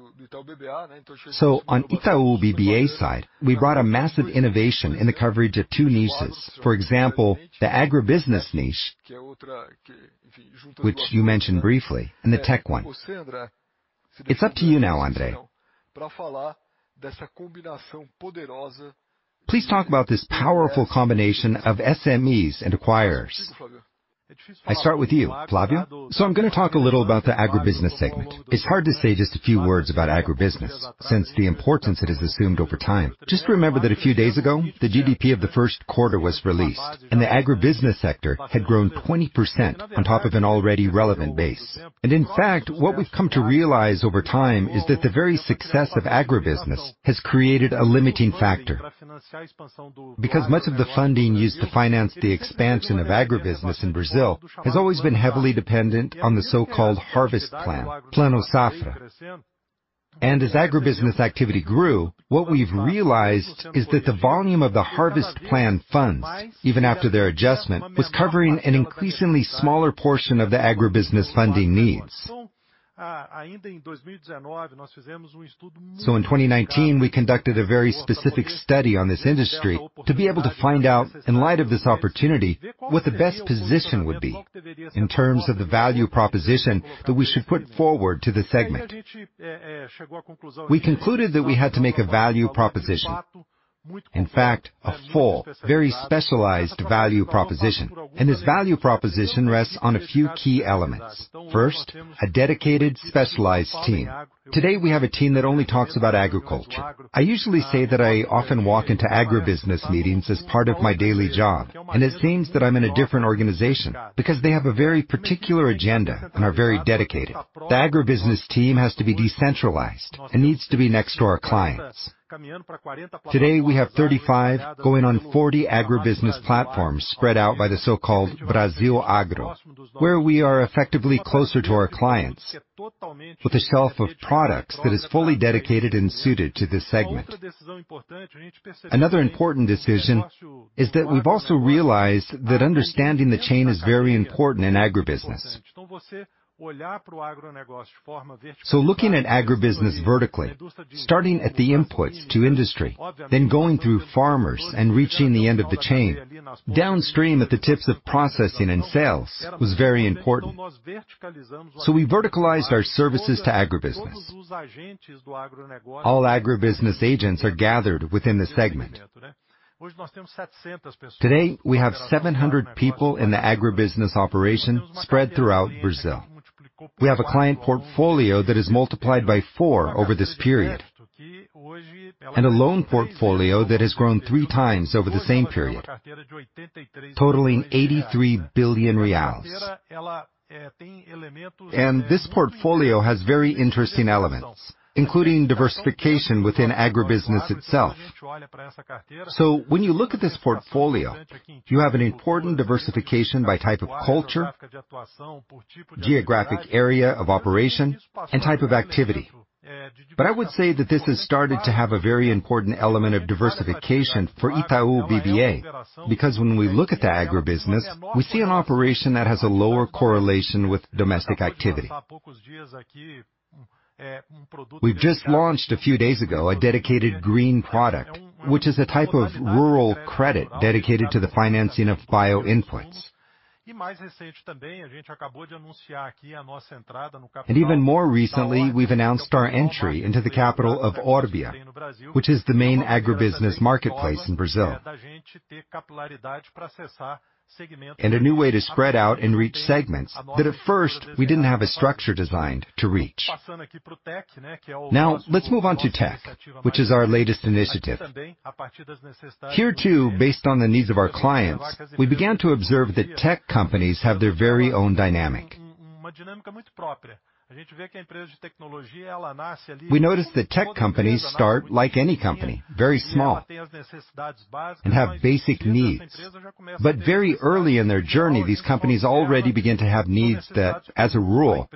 Itaú BBA side, we brought a massive innovation in the coverage of two niches. For example, the agribusiness niche, which you mentioned briefly, and the tech one. It's up to you now, André. Please talk about this powerful combination of SMEs and acquirers. I start with you, Flávio.
I'm gonna talk a little about the agribusiness segment. It's hard to say just a few words about agribusiness, since the importance it has assumed over time. Just remember that a few days ago, the GDP of the first quarter was released, the agribusiness sector had grown 20% on top of an already relevant base. In fact, what we've come to realize over time, is that the very success of agribusiness has created a limiting factor. Much of the funding used to finance the expansion of agribusiness in Brazil, has always been heavily dependent on the so-called Harvest Plan, Plano Safra. As agribusiness activity grew, what we've realized is that the volume of the Harvest Plan funds, even after their adjustment, was covering an increasingly smaller portion of the agribusiness funding needs. In 2019, we conducted a very specific study on this industry to be able to find out, in light of this opportunity, what the best position would be in terms of the value proposition that we should put forward to the segment. We concluded that we had to make a value proposition, in fact, a full, very specialized value proposition, and this value proposition rests on a few key elements. First, a dedicated, specialized team. Today, we have a team that only talks about agriculture. I usually say that I often walk into agribusiness meetings as part of my daily job, and it seems that I'm in a different organization because they have a very particular agenda and are very dedicated. The agribusiness team has to be decentralized and needs to be next to our clients. Today, we have 35, going on 40 agribusiness platforms spread out by the so-called BrasilAgro, where we are effectively closer to our clients with a shelf of products that is fully dedicated and suited to this segment. Another important decision is that we've also realized that understanding the chain is very important in agribusiness. Looking at agribusiness vertically, starting at the inputs to industry, then going through farmers and reaching the end of the chain, downstream at the tips of processing and sales, was very important. We verticalized our services to agribusiness. All agribusiness agents are gathered within the segment. Today, we have 700 people in the agribusiness operation spread throughout Brazil. We have a client portfolio that is multiplied by 4 over this period, and a loan portfolio that has grown 3 times over the same period, totaling 83 billion reais. This portfolio has very interesting elements, including diversification within agribusiness itself. When you look at this portfolio, you have an important diversification by type of culture, geographic area of operation, and type of activity. I would say that this has started to have a very important element of diversification for Itaú BBA, because when we look at the agribusiness, we see an operation that has a lower correlation with domestic activity. We've just launched a few days ago, a dedicated green product, which is a type of rural credit dedicated to the financing of bio inputs. Even more recently, we've announced our entry into the capital of Orbia, which is the main agribusiness marketplace in Brazil. A new way to spread out and reach segments that at first, we didn't have a structure designed to reach. Let's move on to tech, which is our latest initiative. Here, too, based on the needs of our clients, we began to observe that tech companies have their very own dynamic. We notice that tech companies start like any company, very small, and have basic needs. Very early in their journey, these companies already begin to have needs that, as a rule,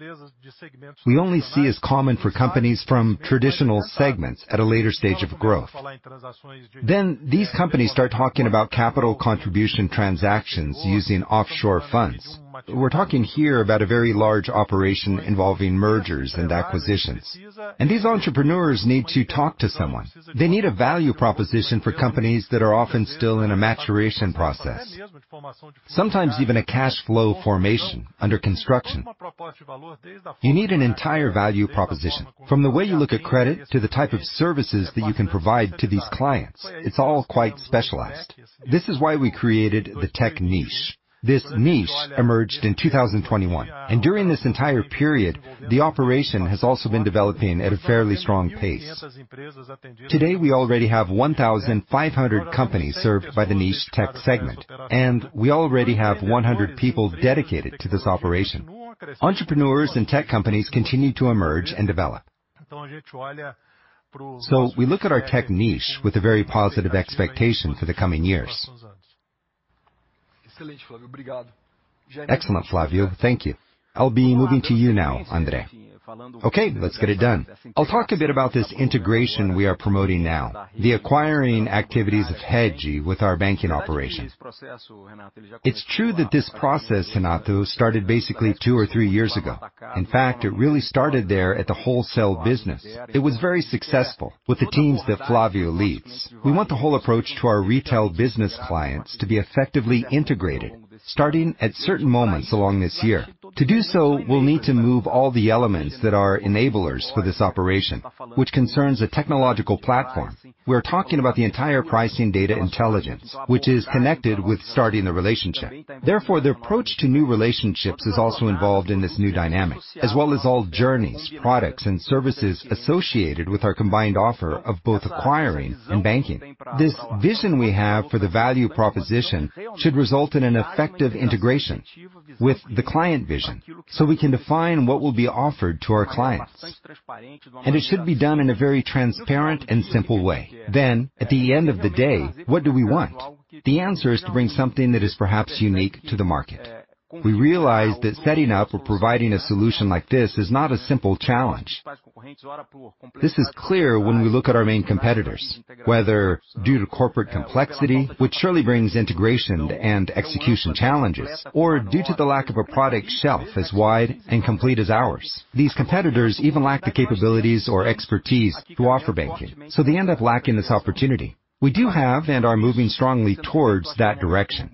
we only see as common for companies from traditional segments at a later stage of growth. These companies start talking about capital contribution transactions using offshore funds. We're talking here about a very large operation involving mergers and acquisitions, and these entrepreneurs need to talk to someone. They need a value proposition for companies that are often still in a maturation process, sometimes even a cash flow formation under construction. You need an entire value proposition, from the way you look at credit to the type of services that you can provide to these clients. It's all quite specialized. This is why we created the tech niche. This niche emerged in 2021, and during this entire period, the operation has also been developing at a fairly strong pace. Today, we already have 1,500 companies served by the niche tech segment, and we already have 100 people dedicated to this operation. Entrepreneurs and tech companies continue to emerge and develop. We look at our tech niche with a very positive expectation for the coming years.
Excellent, Flávio. Thank you. I'll be moving to you now, André. Okay, let's get it done. I'll talk a bit about this integration we are promoting now, the acquiring activities of Rede with our banking operation.
It's true that this process, Renato, started basically 2 or 3 years ago. In fact, it really started there at the wholesale business. It was very successful with the teams that Flávio leads. We want the whole approach to our retail business clients to be effectively integrated, starting at certain moments along this year. To do so, we'll need to move all the elements that are enablers for this operation, which concerns a technological platform. We're talking about the entire pricing data intelligence, which is connected with starting the relationship. Therefore, the approach to new relationships is also involved in this new dynamic, as well as all journeys, products, and services associated with our combined offer of both acquiring and banking. This vision we have for the value proposition should result in an effective integration with the client vision, so we can define what will be offered to our clients, and it should be done in a very transparent and simple way. At the end of the day, what do we want? The answer is to bring something that is perhaps unique to the market. We realize that setting up or providing a solution like this is not a simple challenge. This is clear when we look at our main competitors, whether due to corporate complexity, which surely brings integration and execution challenges, or due to the lack of a product shelf as wide and complete as ours. These competitors even lack the capabilities or expertise to offer banking, so they end up lacking this opportunity. We do have and are moving strongly towards that direction.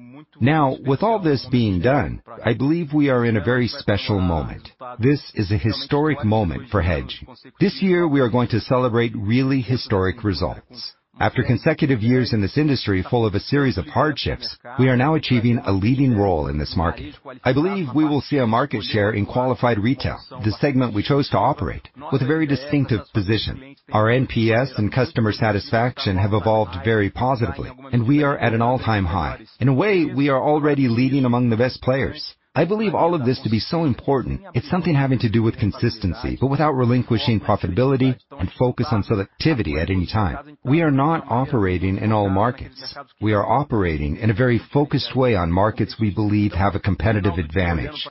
With all this being done, I believe we are in a very special moment. This is a historic moment for Itaú. This year, we are going to celebrate really historic results. After consecutive years in this industry, full of a series of hardships, we are now achieving a leading role in this market. I believe we will see a market share in qualified retail, the segment we chose to operate, with a very distinctive position. Our NPS and customer satisfaction have evolved very positively, and we are at an all-time high. In a way, we are already leading among the best players. I believe all of this to be so important. It's something having to do with consistency, but without relinquishing profitability and focus on selectivity at any time. We are not operating in all markets. We are operating in a very focused way on markets we believe have a competitive advantage.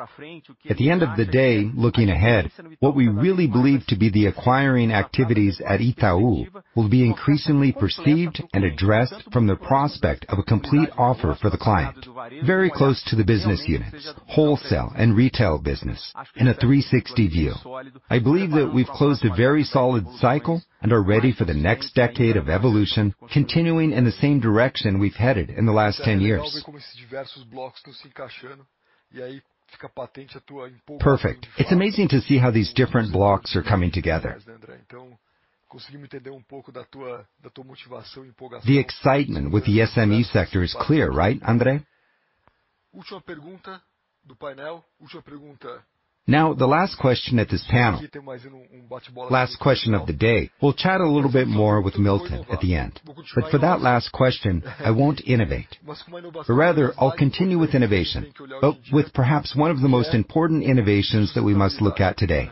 At the end of the day, looking ahead, what we really believe to be the acquiring activities at Itaú will be increasingly perceived and addressed from the prospect of a complete offer for the client, very close to the business units, wholesale and retail business, in a 360 view. I believe that we've closed a very solid cycle and are ready for the next decade of evolution, continuing in the same direction we've headed in the last 10 years. Perfect. It's amazing to see how these different blocks are coming together. The excitement with the SME sector is clear, right, André? The last question at this panel, last question of the day. We'll chat a little bit more with Milton at the end, for that last question, I won't innovate, but rather I'll continue with innovation. With perhaps one of the most important innovations that we must look at today,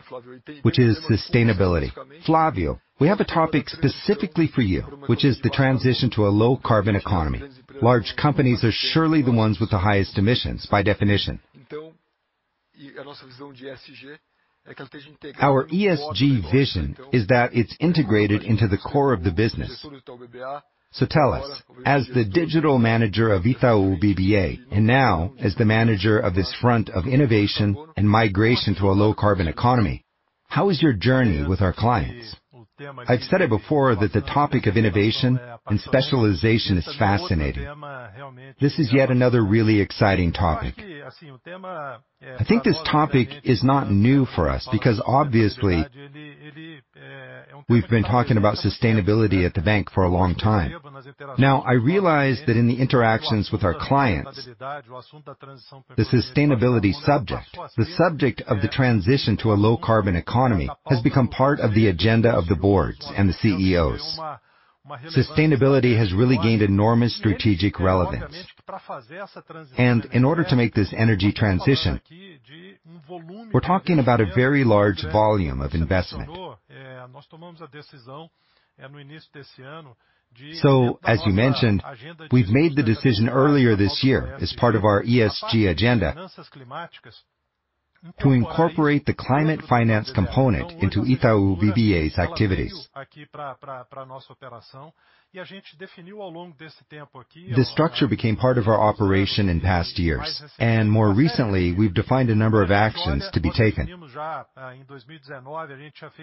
which is sustainability. Flávio, we have a topic specifically for you, which is the transition to a low carbon economy. Large companies are surely the ones with the highest emissions, by definition. Our ESG vision is that it's integrated into the core of the business. Tell us, as the digital manager of Itaú BBA, and now as the manager of this front of innovation and migration to a low carbon economy, how is your journey with our clients? I've said it before that the topic of innovation and specialization is fascinating. This is yet another really exciting topic. I think this topic is not new for us because, obviously, we've been talking about sustainability at the bank for a long time. Now, I realize that in the interactions with our clients, the sustainability subject, the subject of the transition to a low carbon economy, has become part of the agenda of the boards and the CEOs. Sustainability has really gained enormous strategic relevance. In order to make this energy transition, we're talking about a very large volume of investment. As you mentioned, we've made the decision earlier this year as part of our ESG agenda, to incorporate the climate finance component into Itaú BBA's activities. This structure became part of our operation in past years, and more recently, we've defined a number of actions to be taken.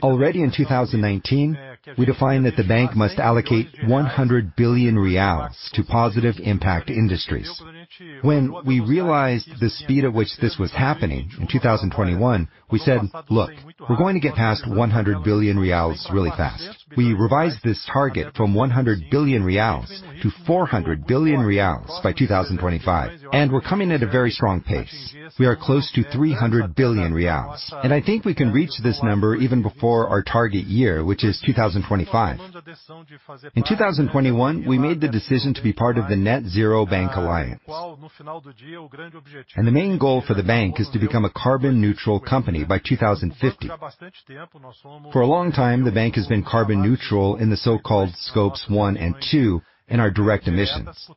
Already in 2019, we defined that the bank must allocate 100 billion reais to positive impact industries. When we realized the speed at which this was happening, in 2021, we said: "Look, we're going to get past 100 billion reais really fast." We revised this target from 100 billion reais to 400 billion reais by 2025, and we're coming at a very strong pace. We are close to 300 billion reais, and I think we can reach this number even before our target year, which is 2025. In 2021, we made the decision to be part of the Net-Zero Banking Alliance. The main goal for the bank is to become a carbon neutral company by 2050. For a long time, the bank has been carbon neutral in the so-called scopes 1 and 2 in our direct emissions.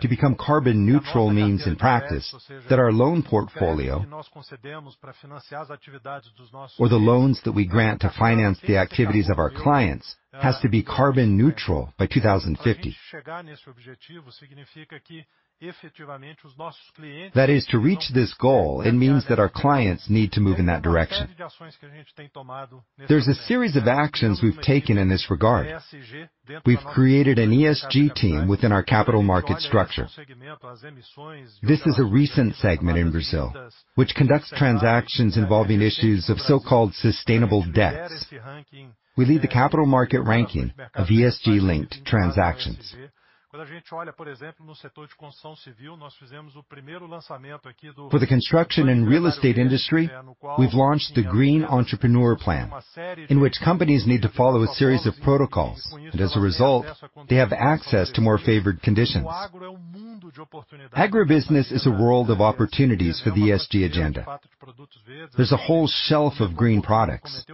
To become carbon neutral means, in practice, that our loan portfolio, or the loans that we grant to finance the activities of our clients, has to be carbon neutral by 2050. To reach this goal, it means that our clients need to move in that direction. There's a series of actions we've taken in this regard. We've created an ESG team within our capital market structure. This is a recent segment in Brazil, which conducts transactions involving issues of so-called sustainable debts. We lead the capital market ranking of ESG-linked transactions. For the construction and real estate industry, we've launched the Green Entrepreneur Plan, in which companies need to follow a series of protocols, and as a result, they have access to more favored conditions. Agribusiness is a world of opportunities for the ESG agenda. There's a whole shelf of green products.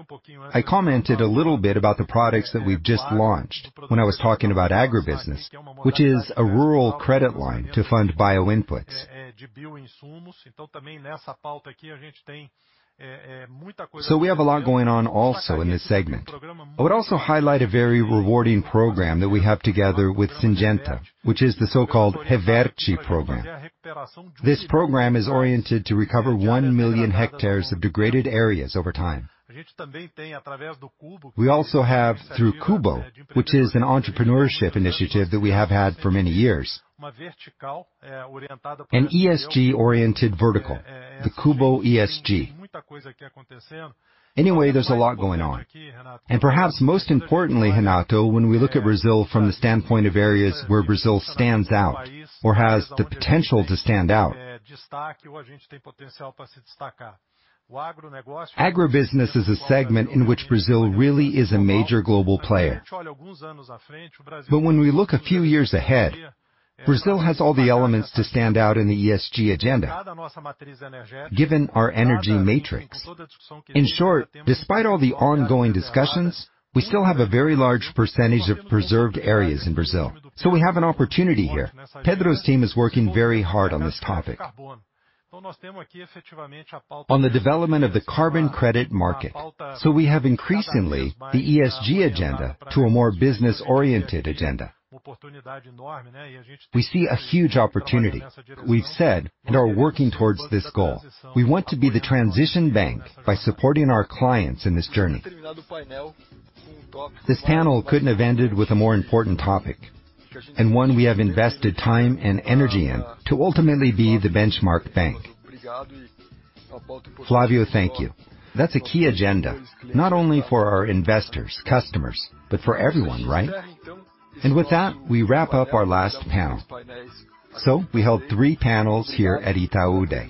I commented a little bit about the products that we've just launched when I was talking about agribusiness, which is a rural credit line to fund bio inputs. We have a lot going on also in this segment. I would also highlight a very rewarding program that we have together with Syngenta, which is the so-called Reverte program. This program is oriented to recover 1 million hectares of degraded areas over time. We also have, through Cubo, which is an entrepreneurship initiative that we have had for many years, an ESG-oriented vertical, the Cubo ESG. There's a lot going on. Perhaps most importantly, Renato, when we look at Brazil from the standpoint of areas where Brazil stands out or has the potential to stand out, agribusiness is a segment in which Brazil really is a major global player. When we look a few years ahead, Brazil has all the elements to stand out in the ESG agenda, given our energy matrix. Despite all the ongoing discussions, we still have a very large percentage of preserved areas in Brazil. We have an opportunity here. Pedro's team is working very hard on this topic, on the development of the carbon credit market. We have increasingly the ESG agenda to a more business-oriented agenda. We see a huge opportunity. We've said and are working towards this goal. We want to be the transition bank by supporting our clients in this journey.
This panel couldn't have ended with a more important topic, and one we have invested time and energy in to ultimately be the benchmark bank. Flávio, thank you. That's a key agenda, not only for our investors, customers, but for everyone, right? With that, we wrap up our last panel. We held three panels here at Itaú Day.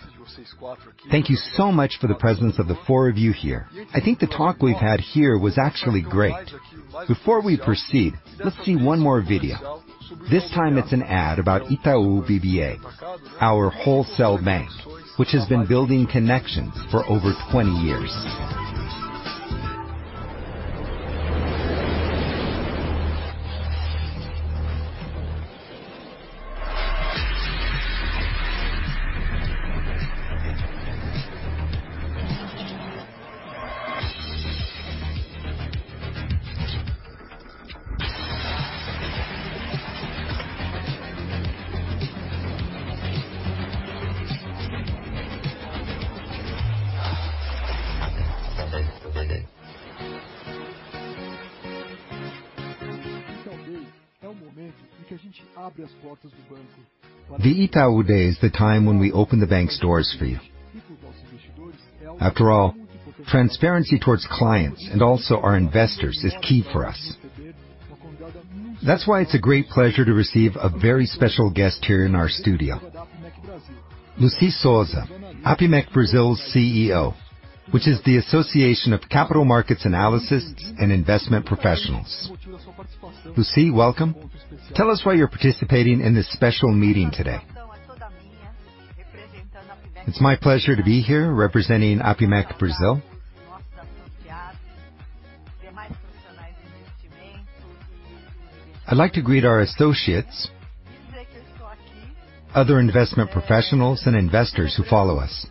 Thank you so much for the presence of the four of you here. I think the talk we've had here was actually great. Before we proceed, let's see one more video. This time, it's an ad about Itaú BBA, our wholesale bank, which has been building connections for over 20 years. The Itaú Day is the time when we open the bank's doors for you. After all, transparency towards clients and also our investors is key for us. That's why it's a great pleasure to receive a very special guest here in our studio. Lucy Souza, Apimec Brasil's CEO, which is the Association of Capital Markets Analysts and Investment Professionals. Lucy, welcome. Tell us why you're participating in this special meeting today.
It's my pleasure to be here representing Apimec Brasil. I'd like to greet our associates, other investment professionals, and investors who follow us.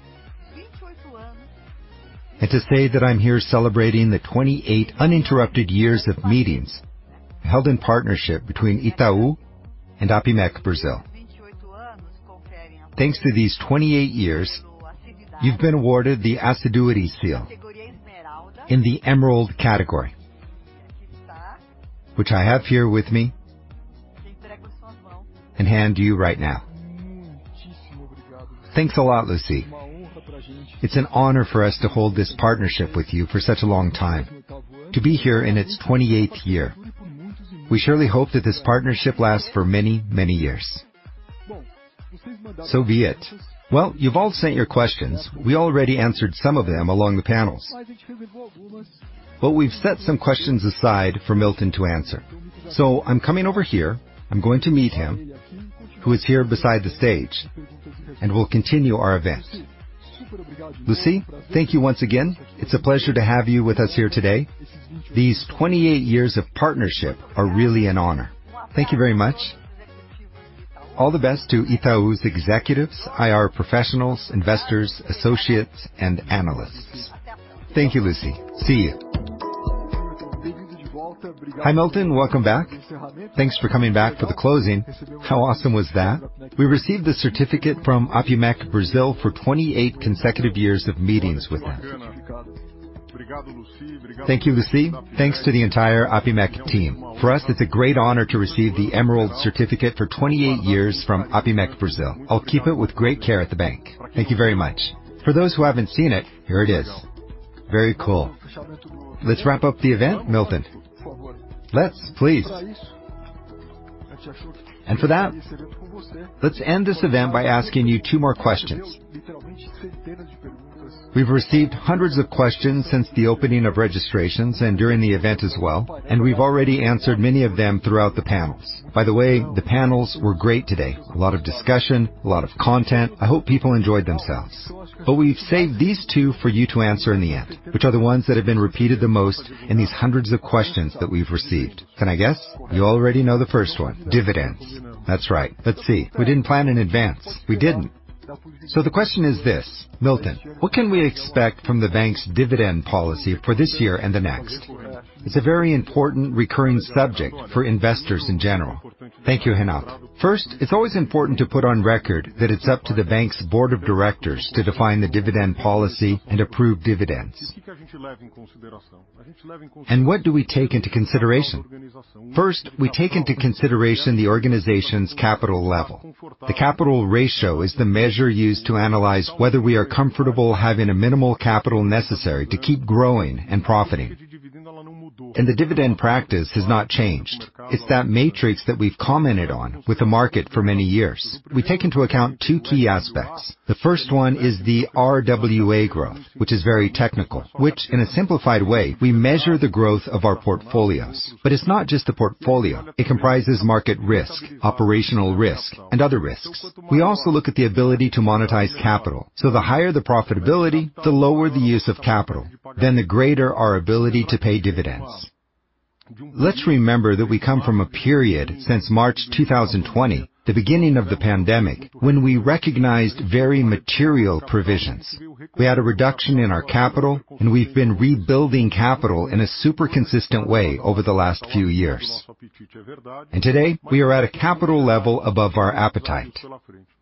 To say that I'm here celebrating the 28 uninterrupted years of meetings, held in partnership between Itaú and Apimec Brasil. Thanks to these 28 years, you've been awarded the Assiduity Seal in the Emerald category, which I have here with me, and hand to you right now. Thanks a lot, Lucy. It's an honor for us to hold this partnership with you for such a long time, to be here in its 28th year.
We surely hope that this partnership lasts for many, many years. Be it. You've all sent your questions. We already answered some of them along the panels, but we've set some questions aside for Milton to answer. I'm coming over here, I'm going to meet him, who is here beside the stage, and we'll continue our event. Lucy, thank you once again. It's a pleasure to have you with us here today. These 28 years of partnership are really an honor. Thank you very much. All the best to Itaú's executives, IR professionals, investors, associates, and analysts.fThank you, Lucy. See you! Hi, Milton. Welcome back. Thanks for coming back for the closing. How awesome was that? We received a certificate from Apimec Brazil for 28 consecutive years of meetings with us. Thank you, Lucy. Thanks to the entire Apimec team.
For us, it's a great honor to receive the Emerald Certificate for 28 years from Apimec Brasil. I'll keep it with great care at the bank. Thank you very much. For those who haven't seen it, here it is. Very cool. Let's wrap up the event, Milton? Let's, please. For that, let's end this event by asking you 2 more questions. We've received hundreds of questions since the opening of registrations and during the event as well, and we've already answered many of them throughout the panels. By the way, the panels were great today. A lot of discussion, a lot of content. I hope people enjoyed themselves. We've saved these 2 for you to answer in the end, which are the ones that have been repeated the most in these hundreds of questions that we've received. Can I guess? You already know the first one. Dividends. That's right. Let's see. We didn't plan in advance. We didn't. The question is this, Milton: What can we expect from the bank's dividend policy for this year and the next? It's a very important recurring subject for investors in general. Thank you, Renato Lulia. First, it's always important to put on record that it's up to the bank's board of directors to define the dividend policy and approve dividends. What do we take into consideration? First, we take into consideration the organization's capital level. The capital ratio is the measure used to analyze whether we are comfortable having a minimal capital necessary to keep growing and profiting. The dividend practice has not changed. It's that matrix that we've commented on with the market for many years. We take into account two key aspects. The first one is the RWA growth, which is very technical, which in a simplified way, we measure the growth of our portfolios. It's not just the portfolio, it comprises market risk, operational risk, and other risks. We also look at the ability to monetize capital, so the higher the profitability, the lower the use of capital, then the greater our ability to pay dividends. Let's remember that we come from a period since March 2020, the beginning of the pandemic, when we recognized very material provisions. We had a reduction in our capital, and we've been rebuilding capital in a super consistent way over the last few years. Today, we are at a capital level above our appetite,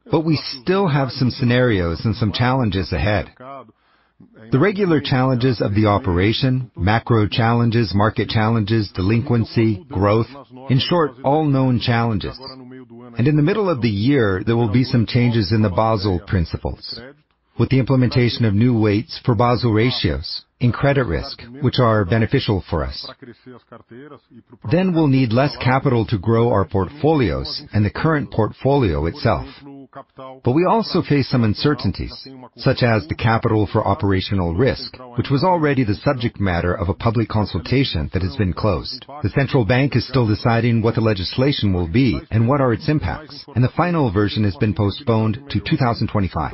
but we still have some scenarios and some challenges ahead. The regular challenges of the operation, macro challenges, market challenges, delinquency, growth, in short, all known challenges. In the middle of the year, there will be some changes in the Basel principles, with the implementation of new weights for Basel ratios in credit risk, which are beneficial for us. We'll need less capital to grow our portfolios and the current portfolio itself. We also face some uncertainties, such as the capital for operational risk, which was already the subject matter of a public consultation that has been closed. The Central Bank is still deciding what the legislation will be and what are its impacts, and the final version has been postponed to 2025.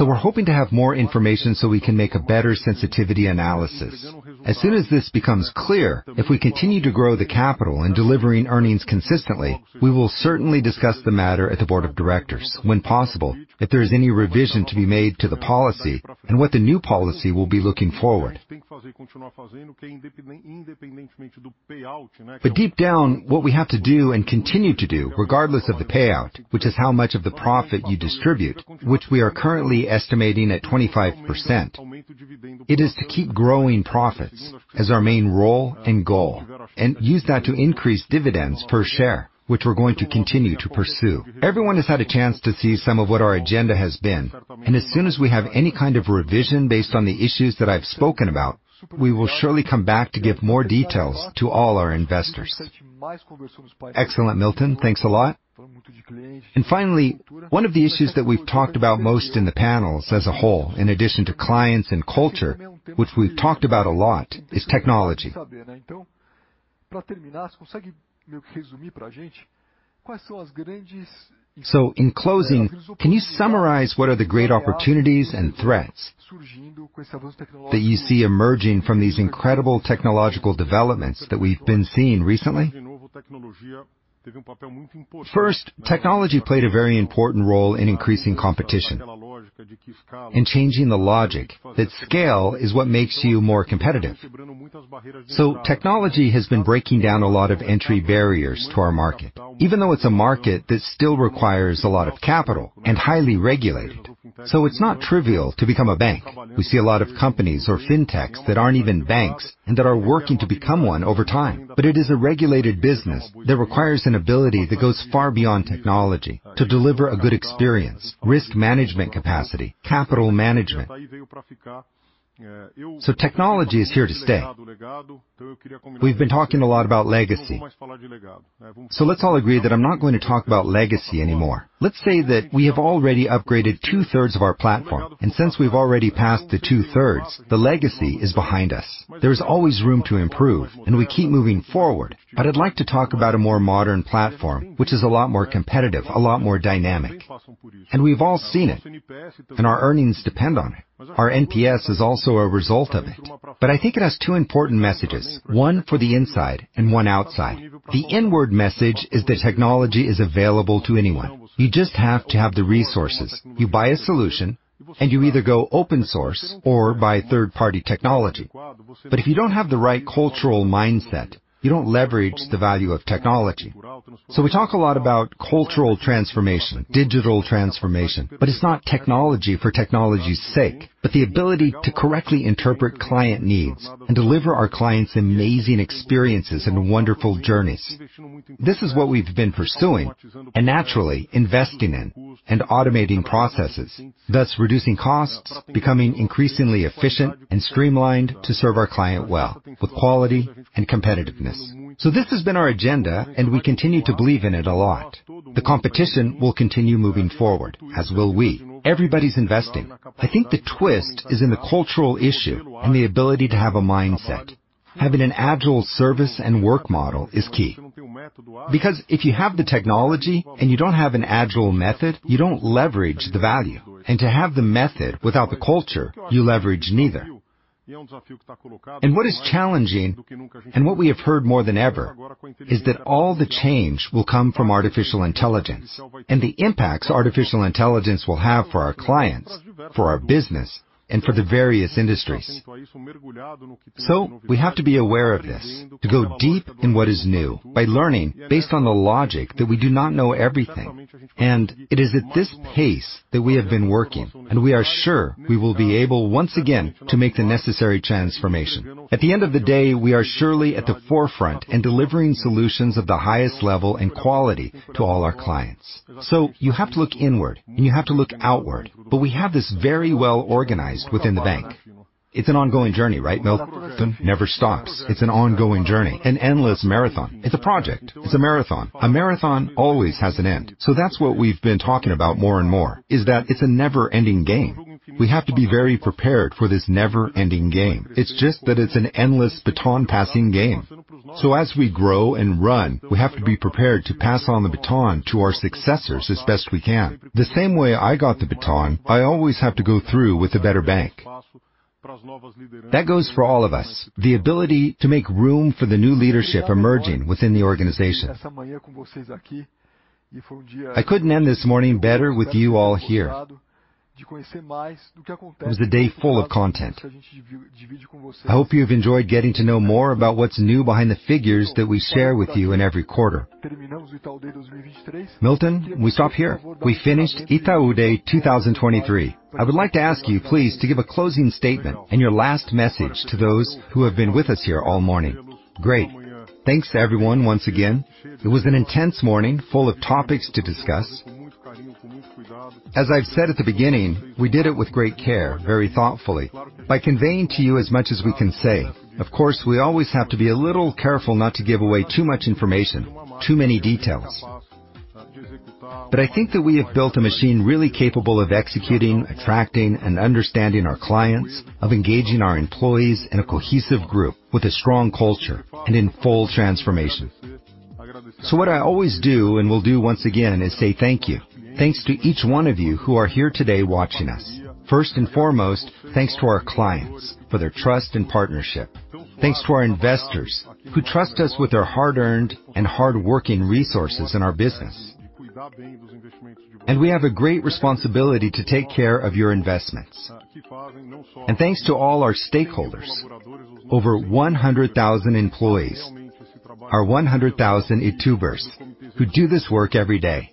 We're hoping to have more information so we can make a better sensitivity analysis. As soon as this becomes clear, if we continue to grow the capital and delivering earnings consistently, we will certainly discuss the matter at the board of directors when possible, if there is any revision to be made to the policy and what the new policy will be looking forward. Deep down, what we have to do and continue to do, regardless of the payout, which is how much of the profit you distribute, which we are currently estimating at 25%, it is to keep growing profits as our main role and goal, and use that to increase dividends per share, which we're going to continue to pursue. Everyone has had a chance to see some of what our agenda has been, and as soon as we have any kind of revision based on the issues that I've spoken about, we will surely come back to give more details to all our investors. Excellent, Milton. Thanks a lot. Finally, one of the issues that we've talked about most in the panels as a whole, in addition to clients and culture, which we've talked about a lot, is technology. In closing, can you summarize what are the great opportunities and threats that you see emerging from these incredible technological developments that we've been seeing recently? First, technology played a very important role in increasing competition and changing the logic that scale is what makes you more competitive. Technology has been breaking down a lot of entry barriers to our market, even though it's a market that still requires a lot of capital and highly regulated, so it's not trivial to become a bank. We see a lot of companies or fintechs that aren't even banks and that are working to become one over time. It is a regulated business that requires an ability that goes far beyond technology to deliver a good experience, risk management capacity, capital management. Technology is here to stay. We've been talking a lot about legacy, so let's all agree that I'm not going to talk about legacy anymore. Let's say that we have already upgraded two-thirds of our platform, and since we've already passed the two-thirds, the legacy is behind us. There is always room to improve, and we keep moving forward. I'd like to talk about a more modern platform, which is a lot more competitive, a lot more dynamic, and we've all seen it, and our earnings depend on it. Our NPS is also a result of it, but I think it has two important messages, one for the inside and one outside. The inward message is that technology is available to anyone. You just have to have the resources. You buy a solution, and you either go open source or buy third-party technology. If you don't have the right cultural mindset, you don't leverage the value of technology. We talk a lot about cultural transformation, digital transformation, but it's not technology for technology's sake, but the ability to correctly interpret client needs and deliver our clients amazing experiences and wonderful journeys. This is what we've been pursuing and naturally investing in and automating processes, thus reducing costs, becoming increasingly efficient and streamlined to serve our client well with quality and competitiveness. This has been our agenda, and we continue to believe in it a lot. The competition will continue moving forward, as will we. Everybody's investing. I think the twist is in the cultural issue and the ability to have a mindset. Having an agile service and work model is key, because if you have the technology and you don't have an agile method, you don't leverage the value. To have the method without the culture, you leverage neither. What is challenging and what we have heard more than ever is that all the change will come from artificial intelligence and the impacts artificial intelligence will have for our clients, for our business, and for the various industries. We have to be aware of this, to go deep in what is new, by learning based on the logic that we do not know everything. It is at this pace that we have been working, and we are sure we will be able, once again, to make the necessary transformation. At the end of the day, we are surely at the forefront in delivering solutions of the highest level and quality to all our clients. You have to look inward, and you have to look outward. We have this very well organized within the bank. It's an ongoing journey, right, Milton? Never stops. It's an ongoing journey, an endless marathon. It's a project. It's a marathon. A marathon always has an end. That's what we've been talking about more and more, is that it's a never-ending game. We have to be very prepared for this never-ending game. It's just that it's an endless baton-passing game. As we grow and run, we have to be prepared to pass on the baton to our successors as best we can. The same way I got the baton, I always have to go through with a better bank. That goes for all of us. The ability to make room for the new leadership emerging within the organization. I couldn't end this morning better with you all here. It was a day full of content. I hope you've enjoyed getting to know more about what's new behind the figures that we share with you in every quarter. Milton, we stop here. We finished Itaú Day 2023. I would like to ask you, please, to give a closing statement and your last message to those who have been with us here all morning. Great! Thanks to everyone once again. It was an intense morning, full of topics to discuss. As I've said at the beginning, we did it with great care, very thoughtfully, by conveying to you as much as we can say. Of course, we always have to be a little careful not to give away too much information, too many details. I think that we have built a machine really capable of executing, attracting, and understanding our clients, of engaging our employees in a cohesive group with a strong culture and in full transformation. What I always do and will do once again is say thank you. Thanks to each one of you who are here today watching us. First and foremost, thanks to our clients for their trust and partnership. Thanks to our investors, who trust us with their hard-earned and hardworking resources in our business. We have a great responsibility to take care of your investments. Thanks to all our stakeholders, over 100,000 employees, our 100,000 Itubers, who do this work every day.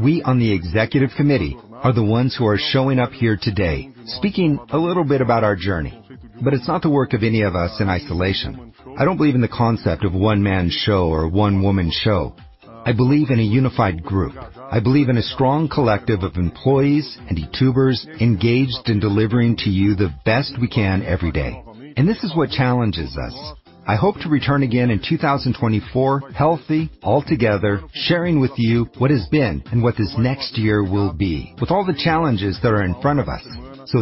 We, on the executive committee, are the ones who are showing up here today, speaking a little bit about our journey, but it's not the work of any of us in isolation. I don't believe in the concept of one-man show or one-woman show. I believe in a unified group. I believe in a strong collective of employees and Itubers engaged in delivering to you the best we can every day. This is what challenges us. I hope to return again in 2024, healthy, all together, sharing with you what has been and what this next year will be, with all the challenges that are in front of us.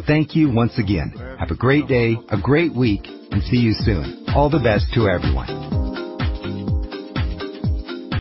Thank you once again. Have a great day, a great week, and see you soon. All the best to everyone.